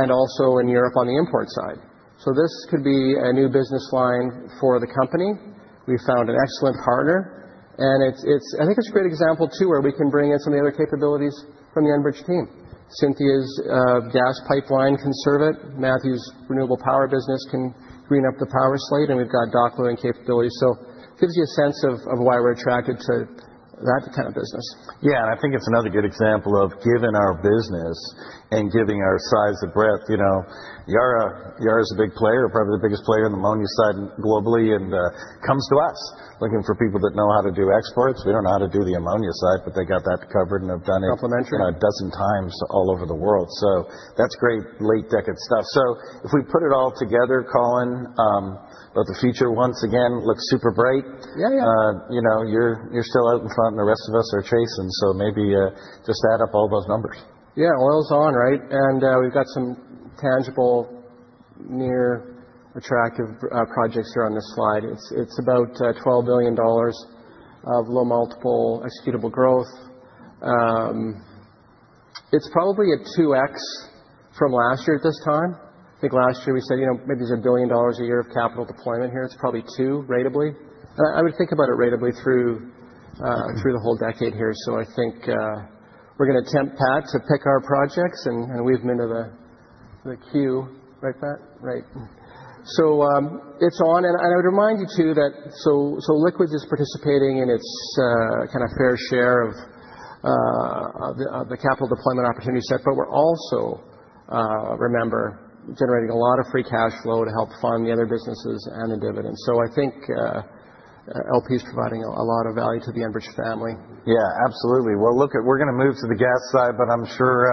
and also in Europe on the import side. So this could be a new business line for the company. We found an excellent partner. And I think it's a great example too where we can bring in some of the other capabilities from the Enbridge team. Cynthia's gas pipeline can serve it. Matthew's renewable power business can green up the power slate. And we've got dock loading capability. So it gives you a sense of why we're attracted to that kind of business. Yeah. And I think it's another good example, given our business and given our size and breadth, Yara is a big player, probably the biggest player in the ammonia side globally, and comes to us looking for people that know how to do exports. We don't know how to do the ammonia side, but they got that covered and have done it a dozen times all over the world. So that's great late-decade stuff. So if we put it all together, Colin, about the future once again, looks super bright. You're still out in front and the rest of us are chasing. So maybe just add up all those numbers. Yeah. Oil's on, right? And we've got some tangible, near-term attractive projects here on this slide. It's about $24 billion of low multiple executable growth. It's probably a 2x from last year at this time. I think last year we said maybe there's $1 billion a year of capital deployment here. It's probably 2x ratably. And I would think about it ratably through the whole decade here. So I think we're going to tempt Pat to pick our projects. And we've been to the queue. Right, Pat? Right. So it's on. And I would remind you too that Liquids is participating in its kind of fair share of the capital deployment opportunity set. But we're also, remember, generating a lot of free cash flow to help fund the other businesses and the dividends. So I think LP is providing a lot of value to the Enbridge family. Yeah, absolutely. Well, look, we're going to move to the gas side, but I'm sure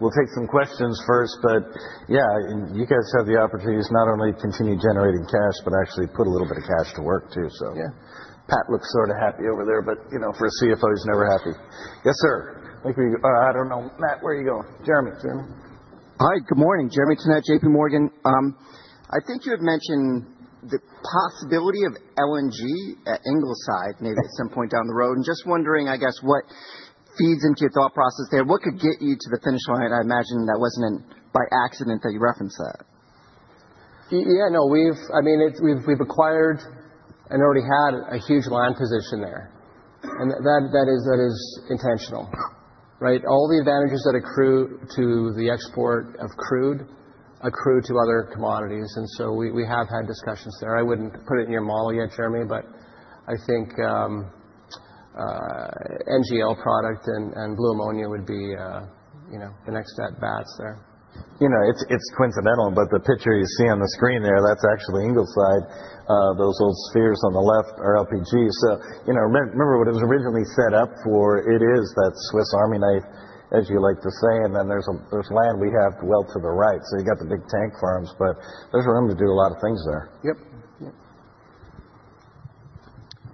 we'll take some questions first. But yeah, you guys have the opportunities not only to continue generating cash, but actually put a little bit of cash to work too, so. Yeah. Pat looks sort of happy over there, but for a CFO, he's never happy. Yes, sir. I don't know. Matt, where are you going? Jeremy. Jeremy. Hi. Good morning. Jeremy Tonet, JPMorgan. I think you had mentioned the possibility of LNG at Ingleside maybe at some point down the road. And just wondering, I guess, what feeds into your thought process there? What could get you to the finish line? I imagine that wasn't by accident that you referenced that. Yeah. No, I mean, we've acquired and already had a huge line position there. And that is intentional, right? All the advantages that accrue to the export of crude accrue to other commodities. And so we have had discussions there. I wouldn't put it in your model yet, Jeremy, but I think NGL product and blue ammonia would be the next at-bats there. It's coincidental, but the picture you see on the screen there, that's actually Ingleside. Those old spheres on the left are LPG. So remember what it was originally set up for. It is that Swiss Army knife, as you like to say. And then there's land we have well to the right. So you've got the big tank farms, but there's room to do a lot of things there.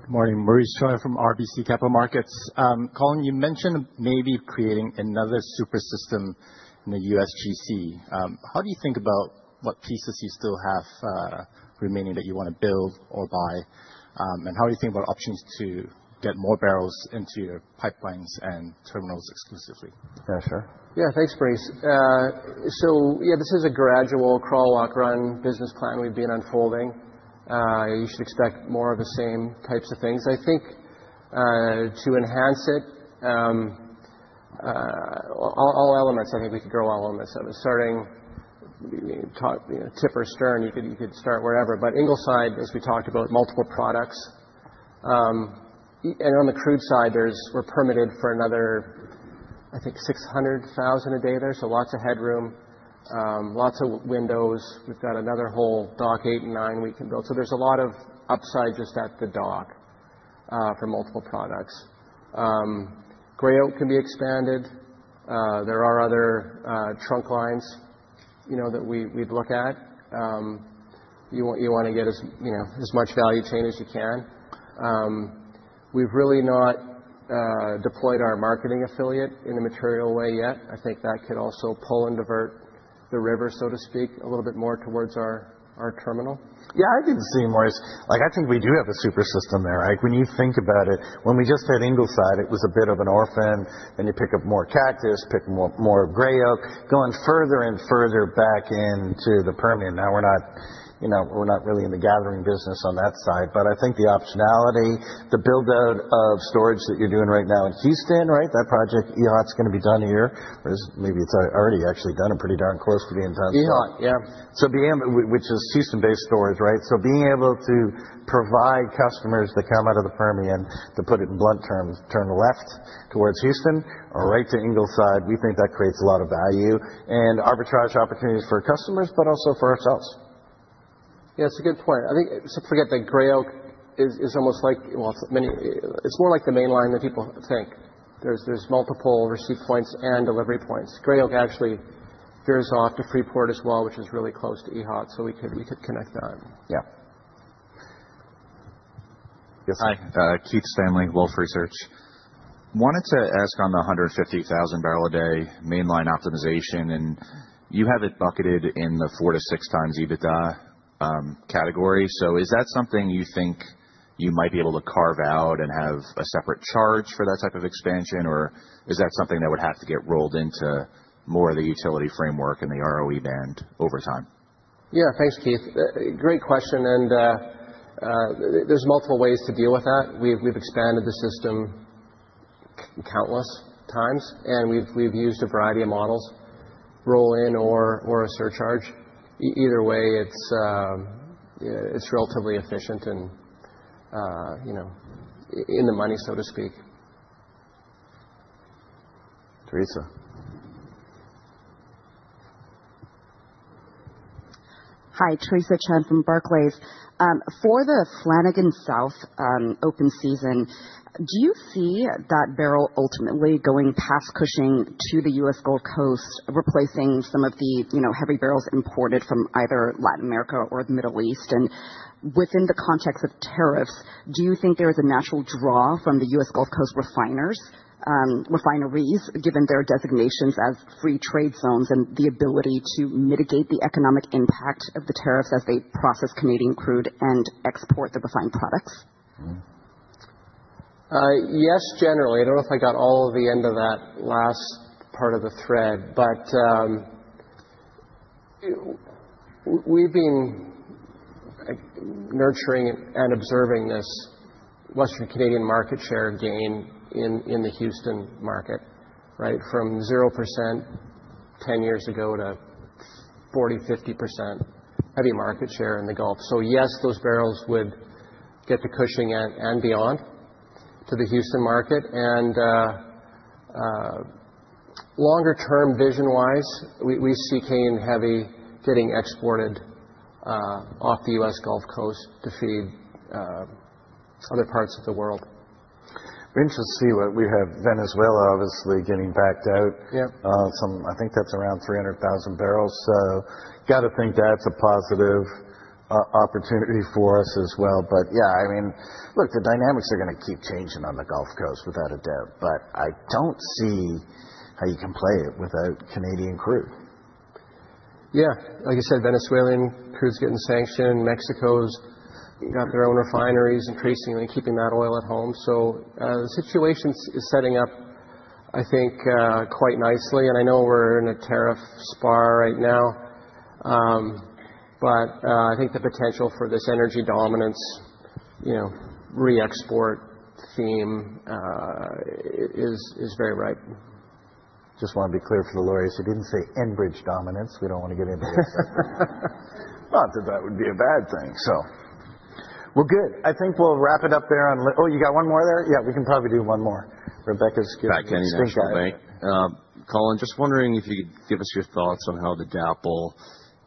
Good morning. Maurice Choy from RBC Capital Markets. Colin, you mentioned maybe creating another super system in the USGC. How do you think about what pieces you still have remaining that you want to build or buy? And how do you think about options to get more barrels into your pipelines and terminals exclusively? Yeah, sure. Yeah. Thanks, Bruce. So yeah, this is a gradual crawl lock run business plan we've been unfolding. You should expect more of the same types of things. I think to enhance it, all elements. I think we could grow all elements of it, starting tip or stern. You could start wherever. But Ingleside, as we talked about, multiple products. And on the crude side, we're permitted for another, I think, 600,000 a day there. So lots of headroom, lots of windows. We've got another whole dock eight and nine we can build. So there's a lot of upside just at the dock for multiple products. Gray Oak can be expanded. There are other trunk lines that we'd look at. You want to get as much value chain as you can. We've really not deployed our marketing affiliate in a material way yet. I think that could also pull and divert the river, so to speak, a little bit more towards our terminal. Yeah, I can see Maurice. I think we do have a super system there. When you think about it, when we just had Ingleside, it was a bit of an orphan. Then you pick up more Cactus, pick more Gray Oak, going further and further back into the Permian. Now we're not really in the gathering business on that side. But I think the optionality, the build-out of storage that you're doing right now in Houston, right? That project, EHOT's going to be done here. Maybe it's already actually done a pretty darn close to being done here. EHOT, yeah. So being able, which is Houston-based storage, right? So being able to provide customers that come out of the Permian, to put it in blunt terms, turn left towards Houston or right to Ingleside, we think that creates a lot of value and arbitrage opportunities for customers, but also for ourselves. Yeah, that's a good point. I think forget that Gray Oak is almost like, well, it's more like the Mainline than people think. There's multiple receipt points and delivery points. Gray Oak actually veers off to Freeport as well, which is really close to EHOT. So we could connect that. Yeah. Yes. Hi Keith Stanley, Wolfe Research.Wanted to ask on the 150,000 barrel a day Mainline optimization. And you have it bucketed in the four to six times EBITDA category. So is that something you think you might be able to carve out and have a separate charge for that type of expansion? Or is that something that would have to get rolled into more of the utility framework and the ROE band over time? Yeah. Thanks, Keith. Great question. And there's multiple ways to deal with that. We've expanded the system countless times. And we've used a variety of models, roll in or a surcharge. Either way, it's relatively efficient and in the money, so to speak. Theresa. Hi, Theresa Chen from Barclays. For the Flanagan South open season, do you see that barrel ultimately going past Cushing to the U.S. Gulf Coast, replacing some of the heavy barrels imported from either Latin America or the Middle East? Within the context of tariffs, do you think there is a natural draw from the U.S. Gulf Coast refineries, given their designations as free trade zones and the ability to mitigate the economic impact of the tariffs as they process Canadian crude and export the refined products? Yes, generally. I don't know if I got all of the end of that last part of the thread. But we've been nurturing and observing this Western Canadian market share gain in the Houston market, right, from 0% 10 years ago to 40%-50% heavy market share in the Gulf. So yes, those barrels would get the Cushing and beyond to the Houston market. And longer-term vision-wise, we see Canadian heavy getting exported off the U.S. Gulf Coast to feed other parts of the world. Interestingly what we have Venezuela, obviously, getting backed out. I think that's around 300,000 barrels. So, got to think that's a positive opportunity for us as well. But yeah, I mean, look, the dynamics are going to keep changing on the Gulf Coast without a doubt. But I don't see how you can play it without Canadian crude. Yeah. Like I said, Venezuelan crude's getting sanctioned. Mexico's got their own refineries increasingly, keeping that oil at home. So the situation is setting up, I think, quite nicely. And I know we're in a tariff spar right now. But I think the potential for this energy dominance re-export theme is very ripe. Just want to be clear for the lawyers. He didn't say Enbridge dominance. We don't want to get into this. Not that that would be a bad thing, so. Well, good. I think we'll wrap it up there on. Oh, you got one more there? Yeah, we can probably do one more. Rebecca's good. Back to anything for me. Colin, just wondering if you could give us your thoughts on how the DAPL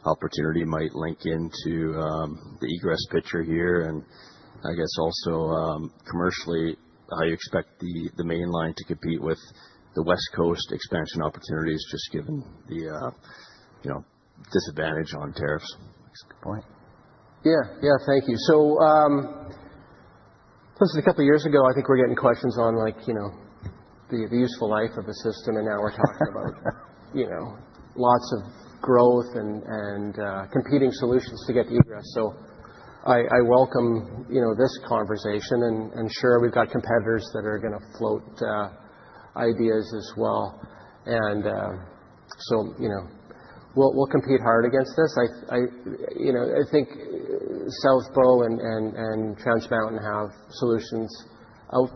opportunity might link into the egress picture here. And I guess also commercially, how you expect the mainline to compete with the West Coast expansion opportunities, just given the disadvantage on tariffs. That's a good point. Yeah. Yeah. Thank you. So this is a couple of years ago, I think we're getting questions on the useful life of the system. And now we're talking about lots of growth and competing solutions to get the egress. So I welcome this conversation. And sure, we've got competitors that are going to float ideas as well. And so we'll compete hard against this. I think South Bow and Trans Mountain have solutions out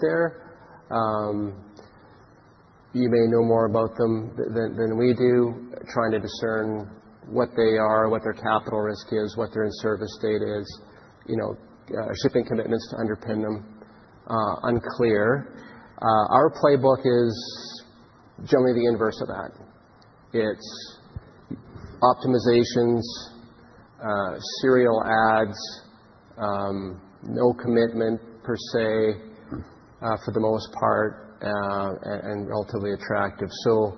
there. You may know more about them than we do, trying to discern what they are, what their capital risk is, what their in-service date is, shipping commitments to underpin them. Unclear. Our playbook is generally the inverse of that. It's optimizations, serial adds, no commitment per se for the most part, and relatively attractive. So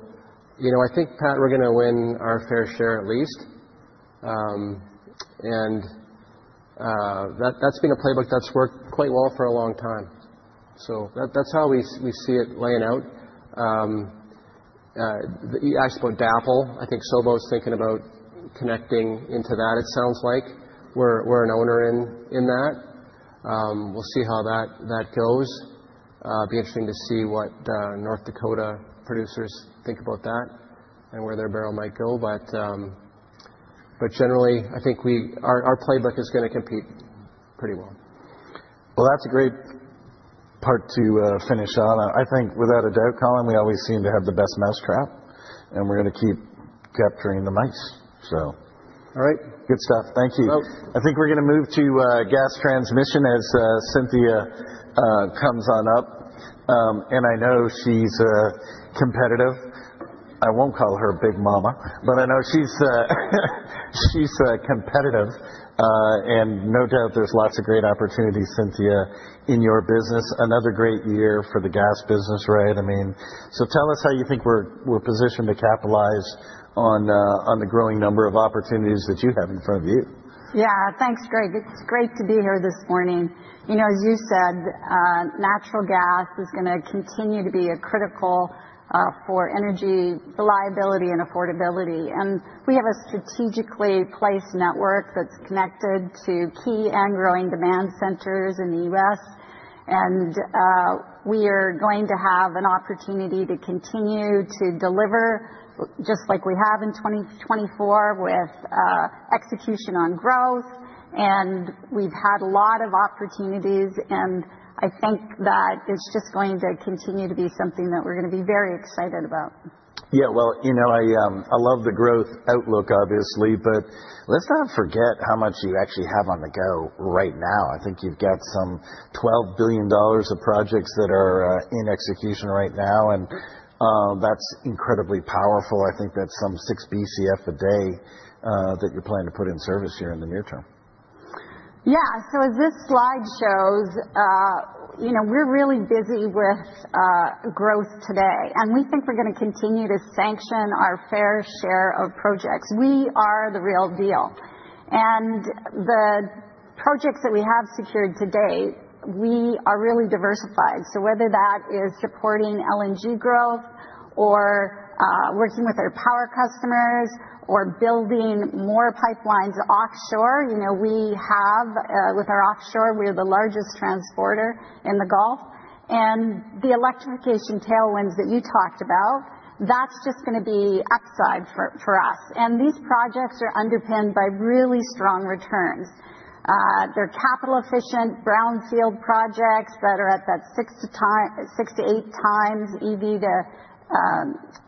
I think, Pat, we're going to win our fair share at least. And that's been a playbook that's worked quite well for a long time. So that's how we see it laying out. I spoke DAPL. I think South Bow's thinking about connecting into that, it sounds like. We're an owner in that. We'll see how that goes. It'd be interesting to see what North Dakota producers think about that and where their barrel might go. But generally, I think our playbook is going to compete pretty well. Well, that's a great part to finish on. I think without a doubt, Colin, we always seem to have the best mousetrap. And we're going to keep capturing the mice, so. All right. Good stuff. Thank you. I think we're going to move to gas transmission as Cynthia comes on up. And I know she's competitive. I won't call her a big mama, but I know she's competitive. And no doubt there's lots of great opportunities, Cynthia, in your business. Another great year for the gas business, right? I mean, so tell us how you think we're positioned to capitalize on the growing number of opportunities that you have in front of you. Yeah. Thanks, Greg. It's great to be here this morning. As you said, natural gas is going to continue to be critical for energy reliability and affordability. And we have a strategically placed network that's connected to key and growing demand centers in the U.S.And we are going to have an opportunity to continue to deliver, just like we have in 2024, with execution on growth. And we've had a lot of opportunities. And I think that it's just going to continue to be something that we're going to be very excited about. Yeah. Well, you know I love the growth outlook, obviously. But let's not forget how much you actually have on the go right now. I think you've got some $12 billion of projects that are in execution right now. And that's incredibly powerful. I think that's some six BCF a day that you're planning to put in service here in the near term. Yeah. So as this slide shows, we're really busy with growth today. And we think we're going to continue to sanction our fair share of projects. We are the real deal. And the projects that we have secured today, we are really diversified. So whether that is supporting LNG growth or working with our power customers or building more pipelines offshore, we have with our offshore, we're the largest transporter in the Gulf. And the electrification tailwinds that you talked about, that's just going to be upside for us. And these projects are underpinned by really strong returns. They're capital-efficient brownfield projects that are at that six-to-eight times EV-to-EBITDA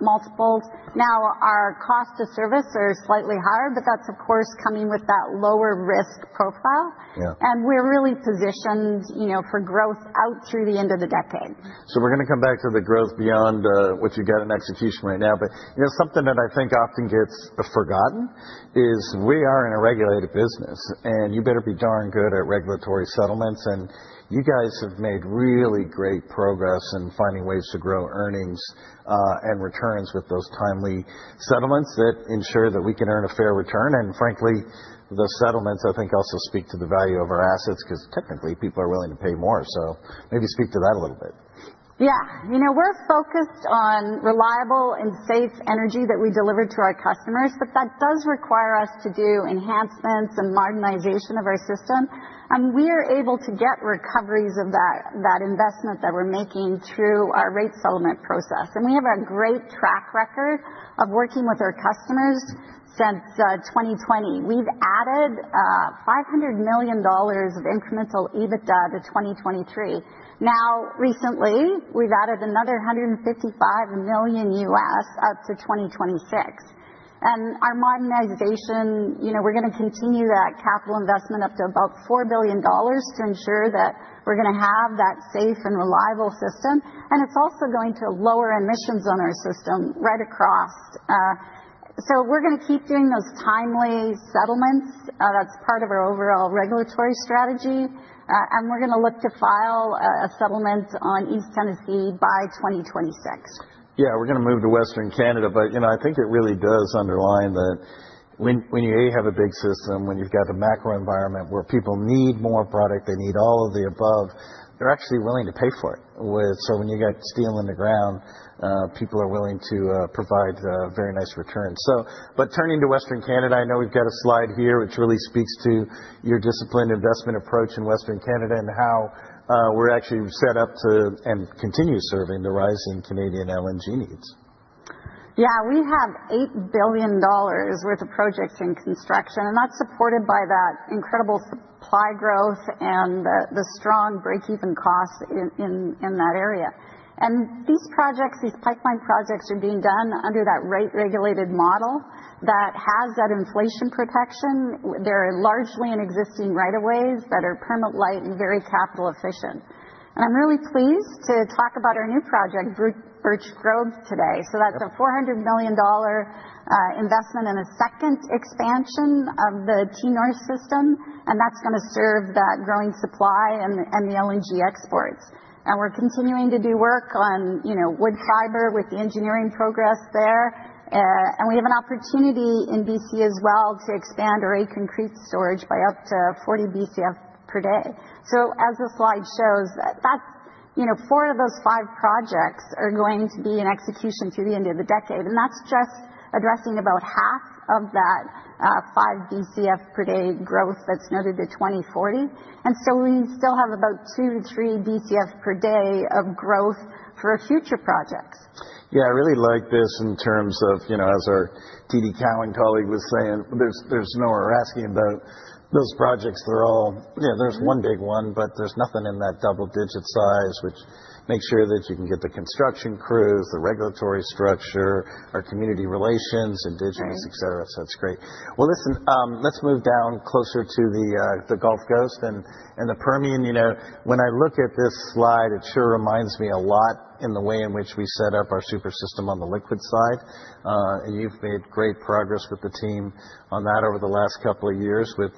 multiples. Now our cost of service are slightly higher, but that's, of course, coming with that lower risk profile. And we're really positioned for growth out through the end of the decade. So we're going to come back to the growth beyond what you've got in execution right now. But something that I think often gets forgotten is we are in a regulated business. And you better be darn good at regulatory settlements. And you guys have made really great progress in finding ways to grow earnings and returns with those timely settlements that ensure that we can earn a fair return. And frankly, the settlements, I think, also speak to the value of our assets because technically people are willing to pay more. So maybe speak to that a little bit. Yeah. We're focused on reliable and safe energy that we deliver to our customers. But that does require us to do enhancements and modernization of our system. And we are able to get recoveries of that investment that we're making through our rate settlement process. And we have a great track record of working with our customers since 2020. We've added $500 million of incremental EBITDA to 2023. Now recently, we've added another $155 million up to 2026. And our modernization, we're going to continue that capital investment up to about $4 billion to ensure that we're going to have that safe and reliable system. And it's also going to lower emissions on our system right across. So we're going to keep doing those timely settlements. That's part of our overall regulatory strategy. And we're going to look to file a settlement on East Tennessee by 2026. Yeah. We're going to move to Western Canada. But I think it really does underline that when you have a big system, when you've got the macro environment where people need more product, they need all of the above, they're actually willing to pay for it. So when you got steel in the ground, people are willing to provide very nice returns. Turning to Western Canada, I know we've got a slide here which really speaks to your disciplined investment approach in Western Canada and how we're actually set up to and continue serving the rising Canadian LNG needs. Yeah. We have 8 billion dollars worth of projects in construction. That's supported by that incredible supply growth and the strong break-even costs in that area. These projects, these pipeline projects are being done under that rate-regulated model that has that inflation protection. They're largely in existing rights-of-way that are permit-light and very capital-efficient. I'm really pleased to talk about our new project, Birch Grove, today. That's a 400 million dollar investment in a second expansion of the T-North system. That's going to serve that growing supply and the LNG exports. We're continuing to do work on Woodfibre with the engineering progress there. We have an opportunity in BC as well to expand our Aitken Creek storage by up to 40 BCF per day. As the slide shows, four of those five projects are going to be in execution through the end of the decade. That's just addressing about half of that 5 BCF per day growth that's noted to 2040. We still have about 2-3 BCF per day of growth for future projects. Yeah. I really like this in terms of, as our TD Cowen colleague was saying, there's no more asking about those projects. There's one big one, but there's nothing in that double-digit size, which makes sure that you can get the construction crews, the regulatory structure, our community relations, Indigenous, etc. That's great. Listen, let's move down closer to the Gulf Coast and the Permian. When I look at this slide, it sure reminds me a lot of the way in which we set up our super system on the liquid side, and you've made great progress with the team on that over the last couple of years with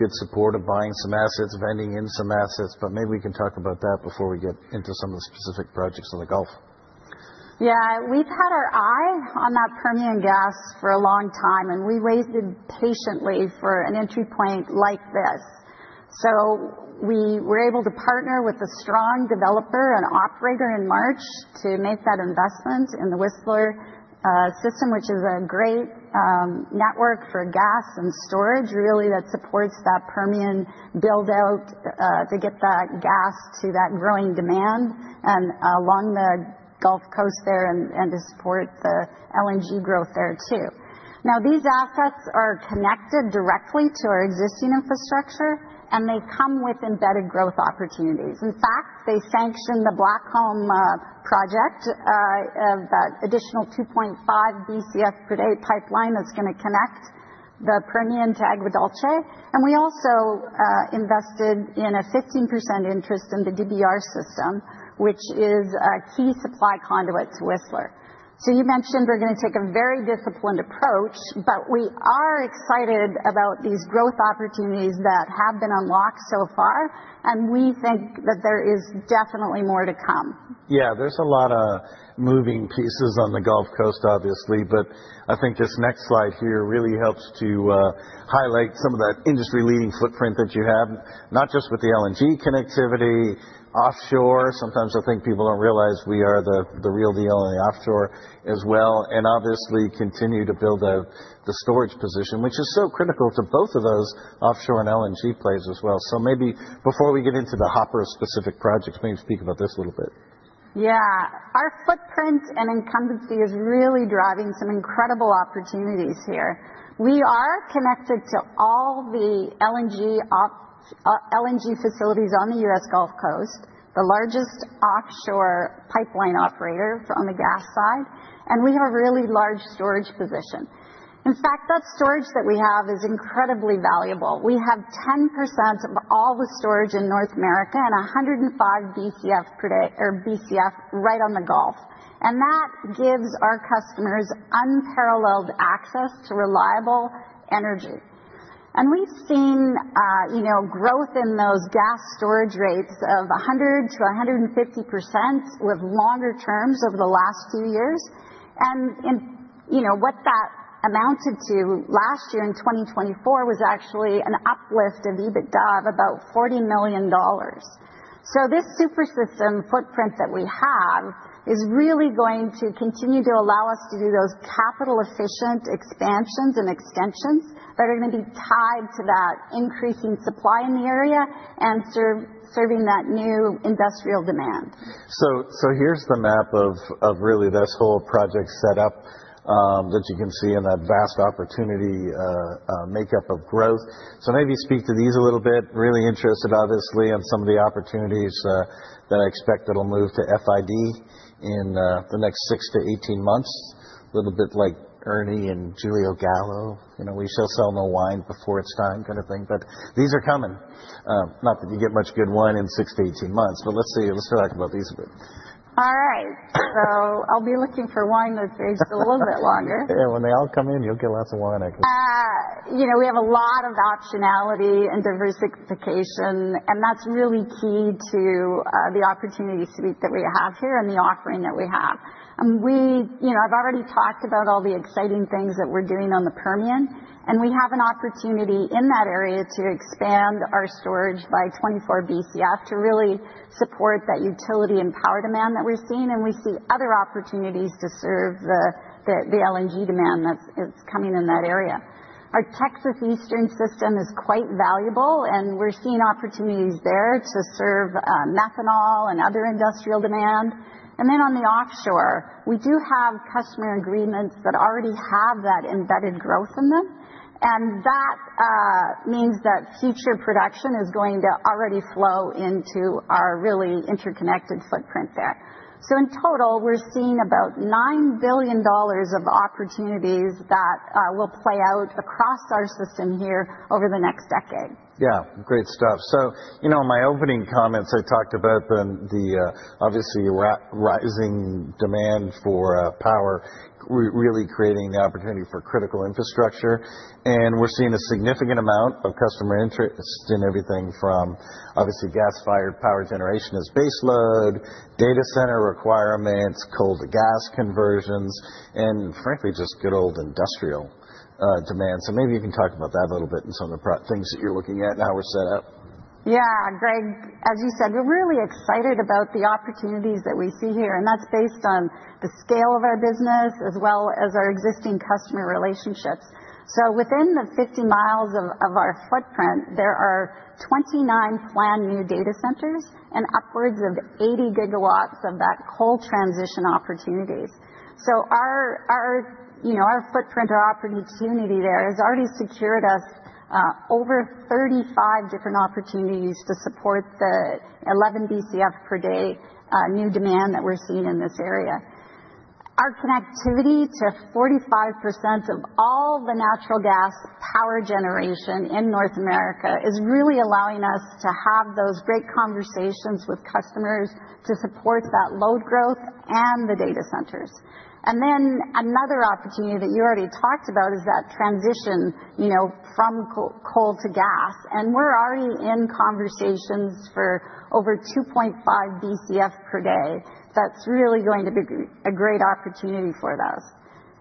good support of buying some assets, vending in some assets. But maybe we can talk about that before we get into some of the specific projects in the Gulf. Yeah. We've had our eye on that Permian gas for a long time, and we waited patiently for an entry point like this. So we were able to partner with a strong developer and operator in March to make that investment in the Whistler system, which is a great network for gas and storage, really, that supports that Permian buildout to get that gas to that growing demand along the Gulf Coast there and to support the LNG growth there too. Now these assets are connected directly to our existing infrastructure. And they come with embedded growth opportunities. In fact, they sanctioned the Blackcomb project, that additional 2.5 BCF per day pipeline that's going to connect the Permian to Agua Dulce. And we also invested in a 15% interest in the DBR system, which is a key supply conduit to Whistler. So you mentioned we're going to take a very disciplined approach, but we are excited about these growth opportunities that have been unlocked so far. We think that there is definitely more to come. Yeah. There's a lot of moving pieces on the Gulf Coast, obviously. I think this next slide here really helps to highlight some of that industry-leading footprint that you have, not just with the LNG connectivity, offshore. Sometimes I think people don't realize we are the real deal on the offshore as well. We obviously continue to build the storage position, which is so critical to both of those offshore and LNG plays as well. Maybe before we get into the Ingleside-specific projects, maybe speak about this a little bit. Yeah. Our footprint and incumbency is really driving some incredible opportunities here. We are connected to all the LNG facilities on the U.S. Gulf Coast, the largest offshore pipeline operator on the gas side. We have a really large storage position. In fact, that storage that we have is incredibly valuable. We have 10% of all the storage in North America and 105 BCF per day or BCF right on the Gulf. And that gives our customers unparalleled access to reliable energy. And we've seen growth in those gas storage rates of 100%-150% with longer terms over the last few years. And what that amounted to last year in 2024 was actually an uplift of EBITDA of about $40 million. So this super system footprint that we have is really going to continue to allow us to do those capital-efficient expansions and extensions that are going to be tied to that increasing supply in the area and serving that new industrial demand. So here's the map of really this whole project setup that you can see in that vast opportunity makeup of growth. So, maybe speak to these a little bit. Really interested, obviously, on some of the opportunities that I expect that'll move to FID in the next six to 18 months. A little bit like Ernie and Julio Gallo. We shall sell no wine before it's time kind of thing. But these are coming. Not that you get much good wine in six to 18 months. But let's talk about these a bit. All right. So I'll be looking for wine that's aged a little bit longer. Yeah. When they all come in, you'll get lots of wine. We have a lot of optionality and diversification. And that's really key to the opportunity suite that we have here and the offering that we have. I've already talked about all the exciting things that we're doing on the Permian. And we have an opportunity in that area to expand our storage by 24 BCF to really support that utility and power demand that we're seeing. And we see other opportunities to serve the LNG demand that's coming in that area. Our Texas Eastern system is quite valuable. And we're seeing opportunities there to serve methanol and other industrial demand. And then on the offshore, we do have customer agreements that already have that embedded growth in them. And that means that future production is going to already flow into our really interconnected footprint there. So in total, we're seeing about $9 billion of opportunities that will play out across our system here over the next decade. Yeah. Great stuff. So in my opening comments, I talked about the, obviously, rising demand for power really creating the opportunity for critical infrastructure. We're seeing a significant amount of customer interest in everything from, obviously, gas-fired power generation as baseload, data center requirements, coal-to-gas conversions, and frankly, just good old industrial demand. Maybe you can talk about that a little bit and some of the things that you're looking at in our setup. Yeah. Greg, as you said, we're really excited about the opportunities that we see here. That's based on the scale of our business as well as our existing customer relationships. Within the 50 mi of our footprint, there are 29 planned new data centers and upwards of 80 gigawatts of that coal transition opportunities. Our footprint, our opportunity there has already secured us over 35 different opportunities to support the 11 BCF per day new demand that we're seeing in this area. Our connectivity to 45% of all the natural gas power generation in North America is really allowing us to have those great conversations with customers to support that load growth and the data centers. And then another opportunity that you already talked about is that transition from coal to gas. And we're already in conversations for over 2.5 BCF per day. That's really going to be a great opportunity for those.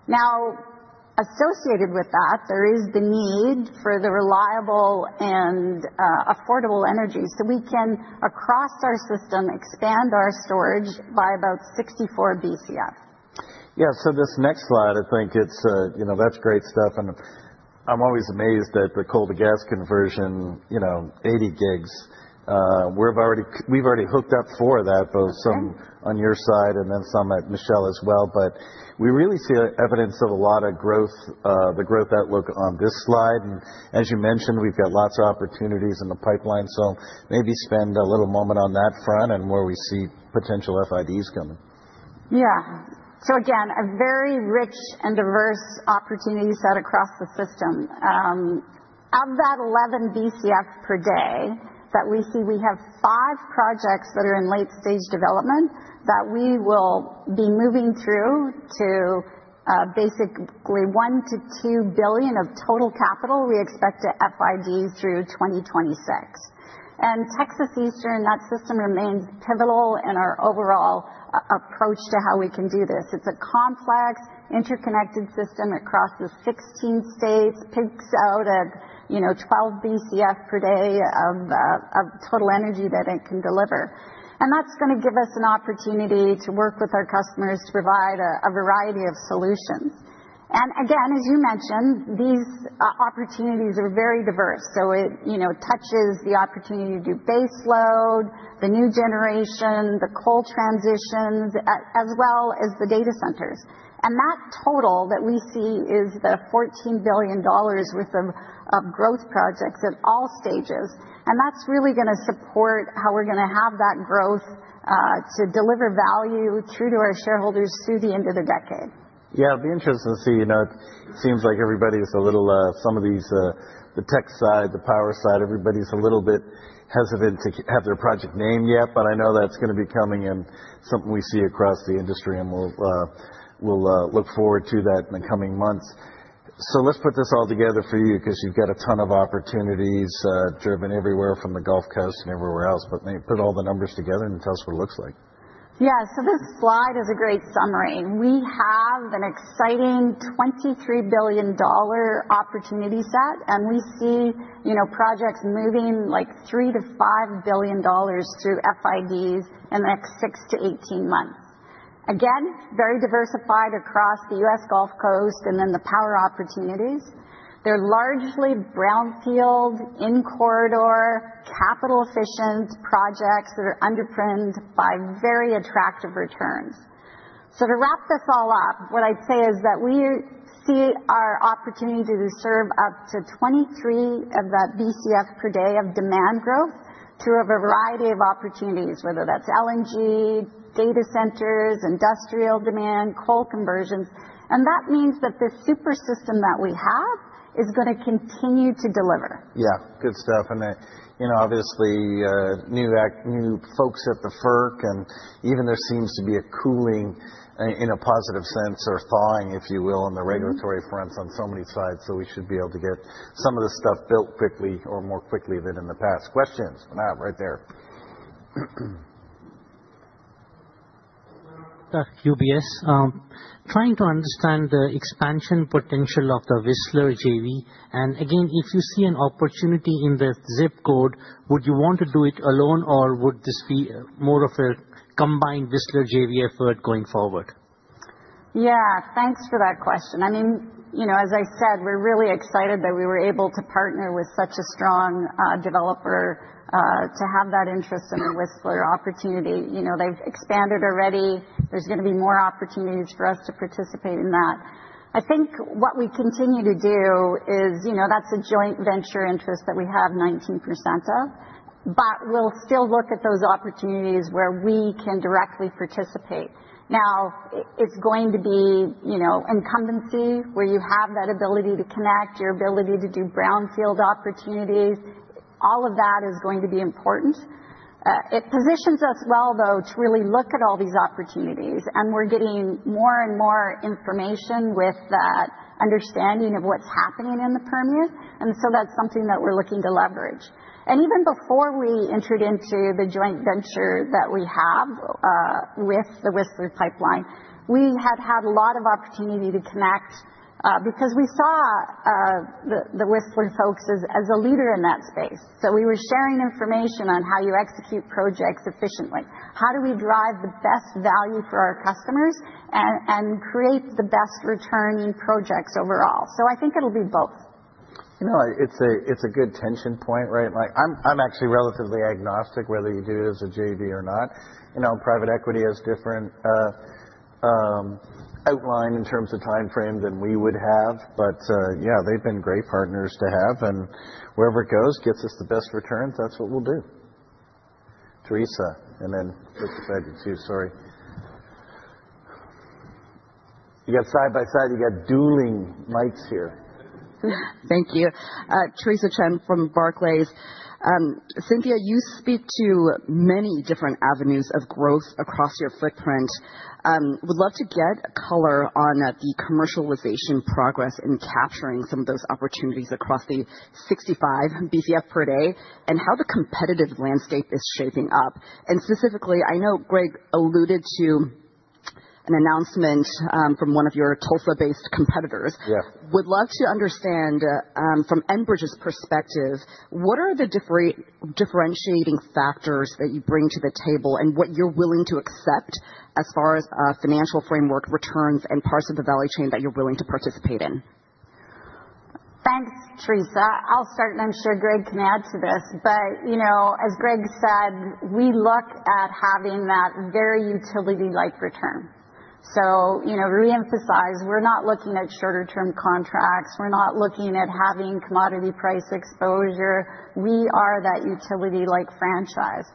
Now associated with that, there is the need for the reliable and affordable energy so we can, across our system, expand our storage by about 64 BCF. Yeah. So this next slide, I think that's great stuff. And I'm always amazed at the coal-to-gas conversion, 80 gigs. We've already hooked up for that, both some on your side and then some at Michele as well. But we really see evidence of a lot of growth, the growth outlook on this slide. As you mentioned, we've got lots of opportunities in the pipeline. So maybe spend a little moment on that front and where we see potential FIDs coming. Yeah. So again, a very rich and diverse opportunity set across the system. Of that 11 BCF per day that we see, we have five projects that are in late-stage development that we will be moving through to basically 1-2 billion of total capital we expect to FID through 2026, and Texas Eastern, that system remains pivotal in our overall approach to how we can do this. It's a complex interconnected system across the 16 states, picks out at 12 BCF per day of total energy that it can deliver. That's going to give us an opportunity to work with our customers to provide a variety of solutions. Again, as you mentioned, these opportunities are very diverse. It touches the opportunity to do baseload, the new generation, the coal transitions, as well as the data centers. That total that we see is the $14 billion worth of growth projects at all stages. That's really going to support how we're going to have that growth to deliver value true to our shareholders through the end of the decade. Yeah. It'll be interesting to see. It seems like everybody's a little, some of these, the tech side, the power side, everybody's a little bit hesitant to have their project name yet. I know that's going to be coming and something we see across the industry. We'll look forward to that in the coming months. So let's put this all together for you because you've got a ton of opportunities driven everywhere from the Gulf Coast and everywhere else. But put all the numbers together and tell us what it looks like. Yeah. So this slide is a great summary. We have an exciting $23 billion opportunity set. And we see projects moving like $3-$5 billion through FIDs in the next six to 18 months. Again, very diversified across the U.S. Gulf Coast and then the power opportunities. They're largely brownfield, in-corridor, capital-efficient projects that are underpinned by very attractive returns. So to wrap this all up, what I'd say is that we see our opportunity to serve up to 23 BCF per day of demand growth through a variety of opportunities, whether that's LNG, data centers, industrial demand, coal conversions. And that means that the super system that we have is going to continue to deliver. Yeah. Good stuff. And obviously, new folks at the FERC. And even there seems to be a cooling in a positive sense or thawing, if you will, on the regulatory fronts on so many sides. So we should be able to get some of this stuff built quickly or more quickly than in the past. Questions? We're not right there. Q&A. Trying to understand the expansion potential of the Whistler JV. And again, if you see an opportunity in the zip code, would you want to do it alone or would this be more of a combined Whistler JV effort going forward? Yeah. Thanks for that question. I mean, as I said, we're really excited that we were able to partner with such a strong developer to have that interest in the Whistler opportunity. They've expanded already. There's going to be more opportunities for us to participate in that. I think what we continue to do is that's a joint venture interest that we have 19% of. But we'll still look at those opportunities where we can directly participate. Now, it's going to be incumbency where you have that ability to connect, your ability to do brownfield opportunities. All of that is going to be important. It positions us well, though, to really look at all these opportunities. And we're getting more and more information with that understanding of what's happening in the Permian. And so that's something that we're looking to leverage. And even before we entered into the joint venture that we have with the Whistler Pipeline, we had had a lot of opportunity to connect because we saw the Whistler folks as a leader in that space. So we were sharing information on how you execute projects efficiently. How do we drive the best value for our customers and create the best returning projects overall? So I think it'll be both. It's a good tension point, right? I'm actually relatively agnostic whether you do it as a JV or not. Private equity has a different outline in terms of time frame than we would have. But yeah, they've been great partners to have. And wherever it goes, gets us the best returns, that's what we'll do. Theresa, and then look at Becky too. Sorry. You got side by side, you got dueling mics here. Thank you. Theresa Chen from Barclays. Cynthia, you speak to many different avenues of growth across your footprint. Would love to get a color on the commercialization progress in capturing some of those opportunities across the 65 BCF per day and how the competitive landscape is shaping up. And specifically, I know Greg alluded to an announcement from one of your Tulsa-based competitors. Would love to understand from Enbridge's perspective, what are the differentiating factors that you bring to the table and what you're willing to accept as far as financial framework returns and parts of the value chain that you're willing to participate in? Thanks, Teresa. I'll start, and I'm sure Greg can add to this. But as Greg said, we look at having that very utility-like return. So we emphasize we're not looking at shorter-term contracts. We're not looking at having commodity price exposure. We are that utility-like franchise.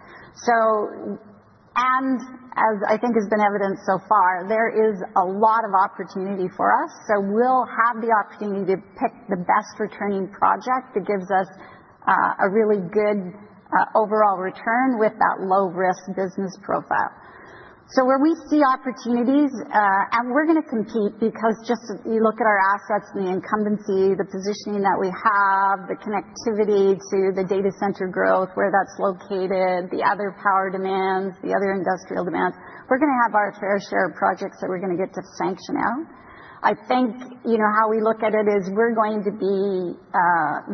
And as I think has been evident so far, there is a lot of opportunity for us. So we'll have the opportunity to pick the best returning project that gives us a really good overall return with that low-risk business profile. So where we see opportunities, and we're going to compete because, just, you look at our assets and the incumbency, the positioning that we have, the connectivity to the data center growth, where that's located, the other power demands, the other industrial demands, we're going to have our fair share of projects that we're going to get to sanction out. I think how we look at it is we're going to be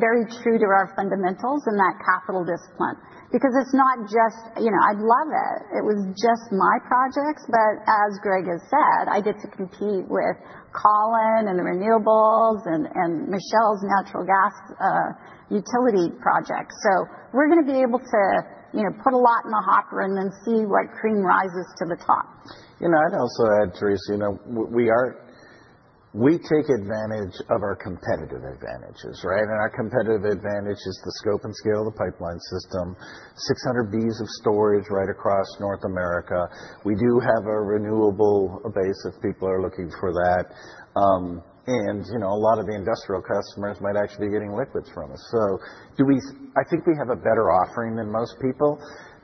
very true to our fundamentals in that capital discipline because it's not just I'd love it. It was just my projects. But as Greg has said, I get to compete with Colin and the renewables and Michele's natural gas utility projects. So we're going to be able to put a lot in the hopper and then see what cream rises to the top. I'd also add, Theresa, we take advantage of our competitive advantages, right? And our competitive advantage is the scope and scale of the pipeline system, 600 Bcf of storage right across North America. We do have a renewable base if people are looking for that. And a lot of the industrial customers might actually be getting liquids from us. So I think we have a better offering than most people.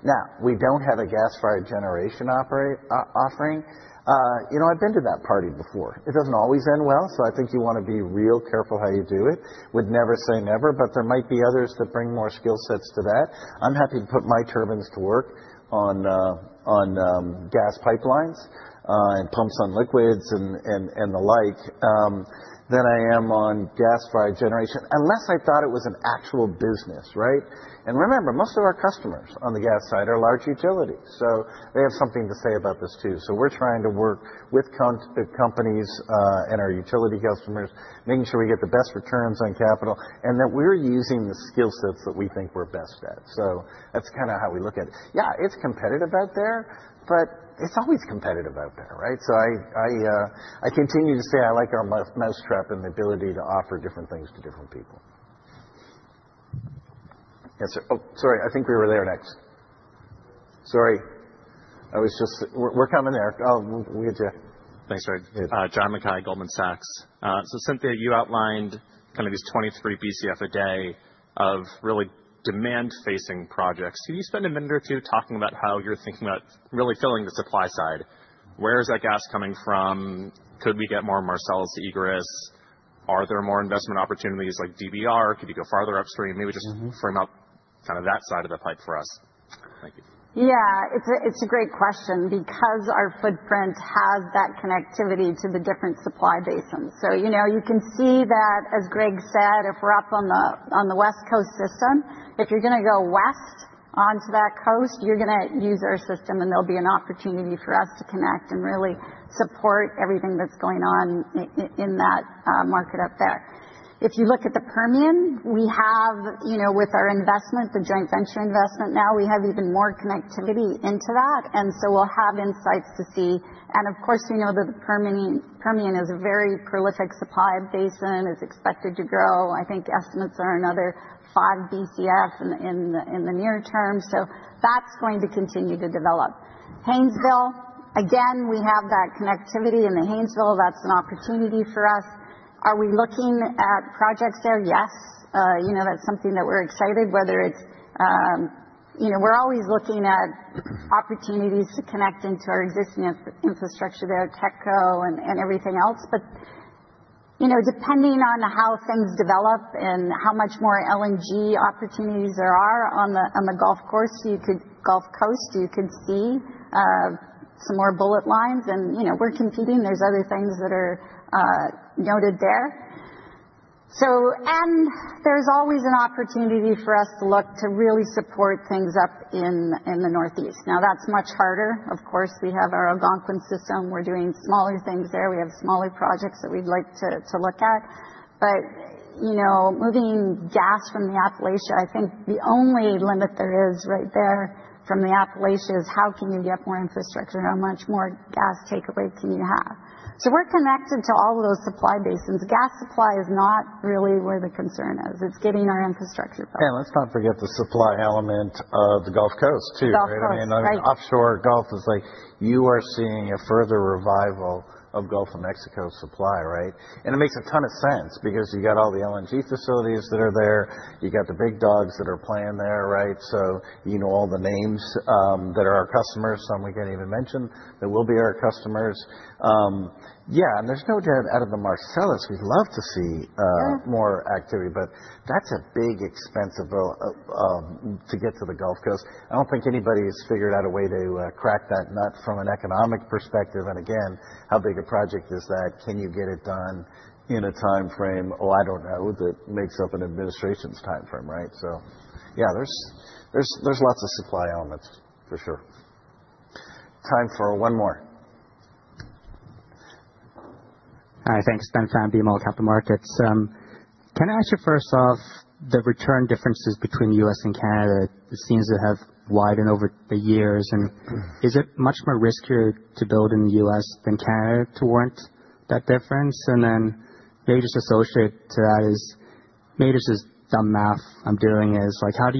Now, we don't have a gas-fired generation offering. I've been to that party before. It doesn't always end well. So I think you want to be real careful how you do it. Would never say never, but there might be others that bring more skill sets to that. I'm happy to put my turbines to work on gas pipelines and pumps on liquids and the like than I am on gas-fired generation, unless I thought it was an actual business, right? And remember, most of our customers on the gas side are large utilities. So they have something to say about this too. So we're trying to work with companies and our utility customers, making sure we get the best returns on capital and that we're using the skill sets that we think we're best at. So that's kind of how we look at it. Yeah, it's competitive out there, but it's always competitive out there, right? So I continue to say I like our mousetrap and the ability to offer different things to different people. Oh, sorry, I think we were there next. Sorry. We're coming there. Oh, we had to. Thanks, Greg.John Mackay, Goldman Sachs.Cynthia, you outlined kind of these 23 BCF a day of really demand-facing projects. Can you spend a minute or two talking about how you're thinking about really filling the supply side? Where is that gas coming from? Could we get more Marcellus egress? Are there more investment opportunities like DBR? Could you go farther upstream? Maybe just frame up kind of that side of the pipe for us. Thank you. Yeah, it's a great question because our footprint has that connectivity to the different supply basins. So you can see that, as Greg said, if we're up on the West Coast system, if you're going to go west onto that coast, you're going to use our system, and there'll be an opportunity for us to connect and really support everything that's going on in that market up there. If you look at the Permian, we have, with our investment, the joint venture investment now, we have even more connectivity into that. And so we'll have insights to see. And of course, we know that the Permian is a very prolific supply basin, is expected to grow. I think estimates are another 5 BCF in the near term. So that's going to continue to develop. Haynesville, again, we have that connectivity in the Haynesville. That's an opportunity for us. Are we looking at projects there? Yes. That's something that we're excited, whether it's we're always looking at opportunities to connect into our existing infrastructure there, Tetco and everything else. But depending on how things develop and how much more LNG opportunities there are on the Gulf Coast, you could see some more bullet lines. And we're competing. There's other things that are noted there. And there's always an opportunity for us to look to really support things up in the Northeast. Now, that's much harder. Of course, we have our Algonquin system. We're doing smaller things there. We have smaller projects that we'd like to look at. But moving gas from the Appalachia, I think the only limit there is right there from the Appalachia is how can you get more infrastructure and how much more gas takeaway can you have? So we're connected to all of those supply basins. Gas supply is not really where the concern is. It's getting our infrastructure built. Yeah, let's not forget the supply element of the Gulf Coast too, right? I mean, offshore Gulf is like you are seeing a further revival of Gulf of Mexico supply, right? And it makes a ton of sense because you got all the LNG facilities that are there. You got the big dogs that are playing there, right? So you know all the names that are our customers. Some we can't even mention that will be our customers. Yeah. And there's no doubt out of the Marcellus, we'd love to see more activity. But that's a big expense to get to the Gulf Coast. I don't think anybody has figured out a way to crack that nut from an economic perspective. And again, how big a project is that? Can you get it done in a time frame? Oh, I don't know that makes up an administration's time frame, right? So yeah, there's lots of supply elements for sure. Time for one more. Hi. Thanks. Ben Pham, BMO Capital Markets. Can I ask you first off the return differences between the U.S. and Canada? It seems to have widened over the years. And is it much more riskier to build in the U.S. than Canada to warrant that difference? And then maybe just associate to that is maybe this is dumb math I'm doing. It's like how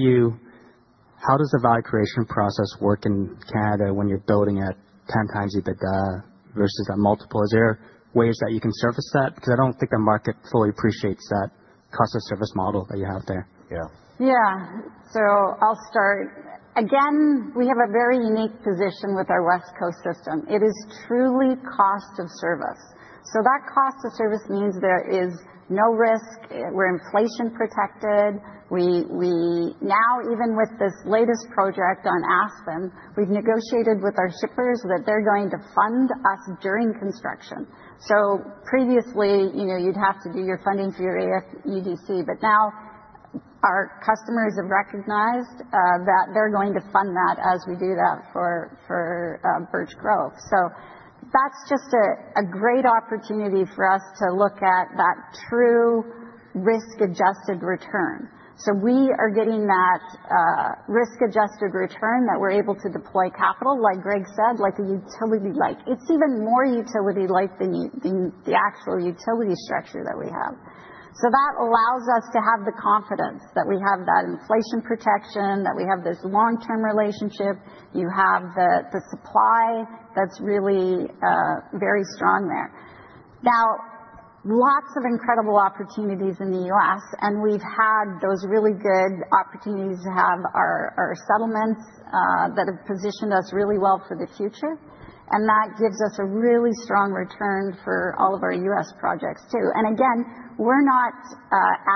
does the value creation process work in Canada when you're building at 10 times EBITDA versus that multiple? Is there ways that you can service that? Because I don't think the market fully appreciates that cost of service model that you have there. Yeah. Yeah. So I'll start. Again, we have a very unique position with our West Coast system. It is truly cost of service. So that cost of service means there is no risk. We're inflation protected. Now, even with this latest project on Aspen, we've negotiated with our shippers that they're going to fund us during construction. So previously, you'd have to do your funding through AFUDC. But now our customers have recognized that they're going to fund that as we do that for Birch Grove. So that's just a great opportunity for us to look at that true risk-adjusted return. So we are getting that risk-adjusted return that we're able to deploy capital, like Greg said, like a utility-like. It's even more utility-like than the actual utility structure that we have. So that allows us to have the confidence that we have that inflation protection, that we have this long-term relationship. You have the supply that's really very strong there. Now, lots of incredible opportunities in the U.S. And we've had those really good opportunities to have our settlements that have positioned us really well for the future. And that gives us a really strong return for all of our U.S. projects too. And again, we're not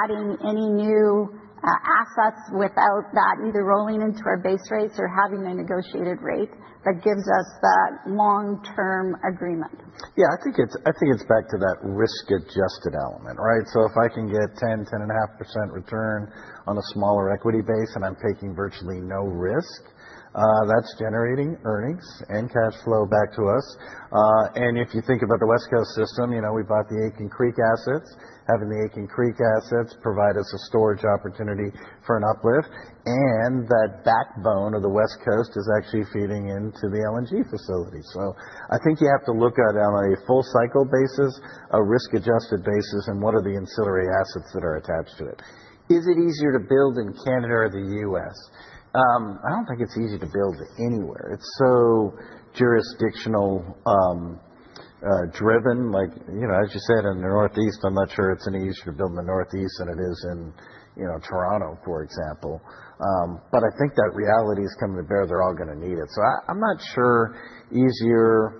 adding any new assets without that either rolling into our base rates or having a negotiated rate that gives us that long-term agreement. Yeah, I think it's back to that risk-adjusted element, right? So if I can get 10-10.5% return on a smaller equity base and I'm taking virtually no risk, that's generating earnings and cash flow back to us. And if you think about the West Coast system, we bought the Aitken Creek assets. Having the Aitken Creek assets provides us a storage opportunity for an uplift. And that backbone of the West Coast is actually feeding into the LNG facility. So I think you have to look at it on a full-cycle basis, a risk-adjusted basis, and what are the ancillary assets that are attached to it. Is it easier to build in Canada or the U.S.? I don't think it's easy to build anywhere. It's so jurisdictional-driven. As you said, in the Northeast, I'm not sure it's any easier to build in the Northeast than it is in Toronto, for example, but I think that reality is coming to bear. They're all going to need it. So I'm not sure easier,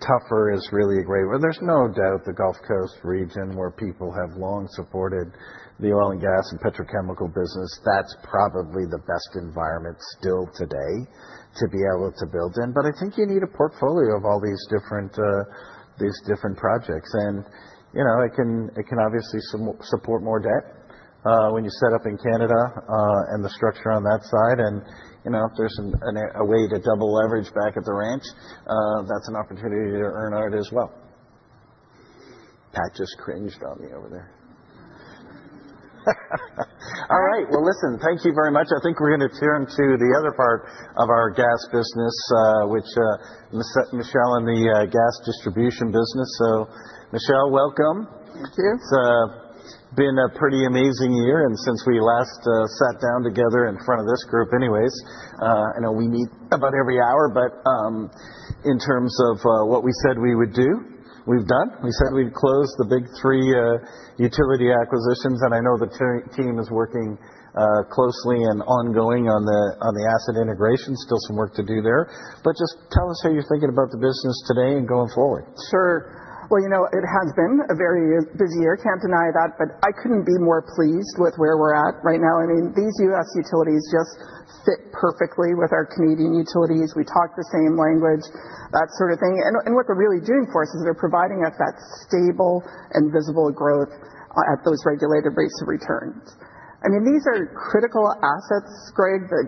tougher is really a great word. There's no doubt the Gulf Coast region, where people have long supported the oil and gas and petrochemical business, that's probably the best environment still today to be able to build in, but I think you need a portfolio of all these different projects, and it can obviously support more debt when you set up in Canada and the structure on that side, and if there's a way to double leverage back at the ranch, that's an opportunity to earn a return as well. Pat just cringed on me over there. All right. Well, listen, thank you very much. I think we're going to turn to the other part of our gas business, which Michele and the gas distribution business. So Michele, welcome. Thank you. It's been a pretty amazing year. And since we last sat down together in front of this group, anyways, I know we meet about every hour. But in terms of what we said we would do, we've done. We said we'd close the big three utility acquisitions. And I know the team is working closely and ongoing on the asset integration. Still some work to do there. But just tell us how you're thinking about the business today and going forward. Sure. Well, it has been a very busy year. Can't deny that. But I couldn't be more pleased with where we're at right now. I mean, these U.S. Utilities just fit perfectly with our Canadian utilities. We talk the same language, that sort of thing. And what they're really doing for us is they're providing us that stable and visible growth at those regulated rates of returns. I mean, these are critical assets, Greg, that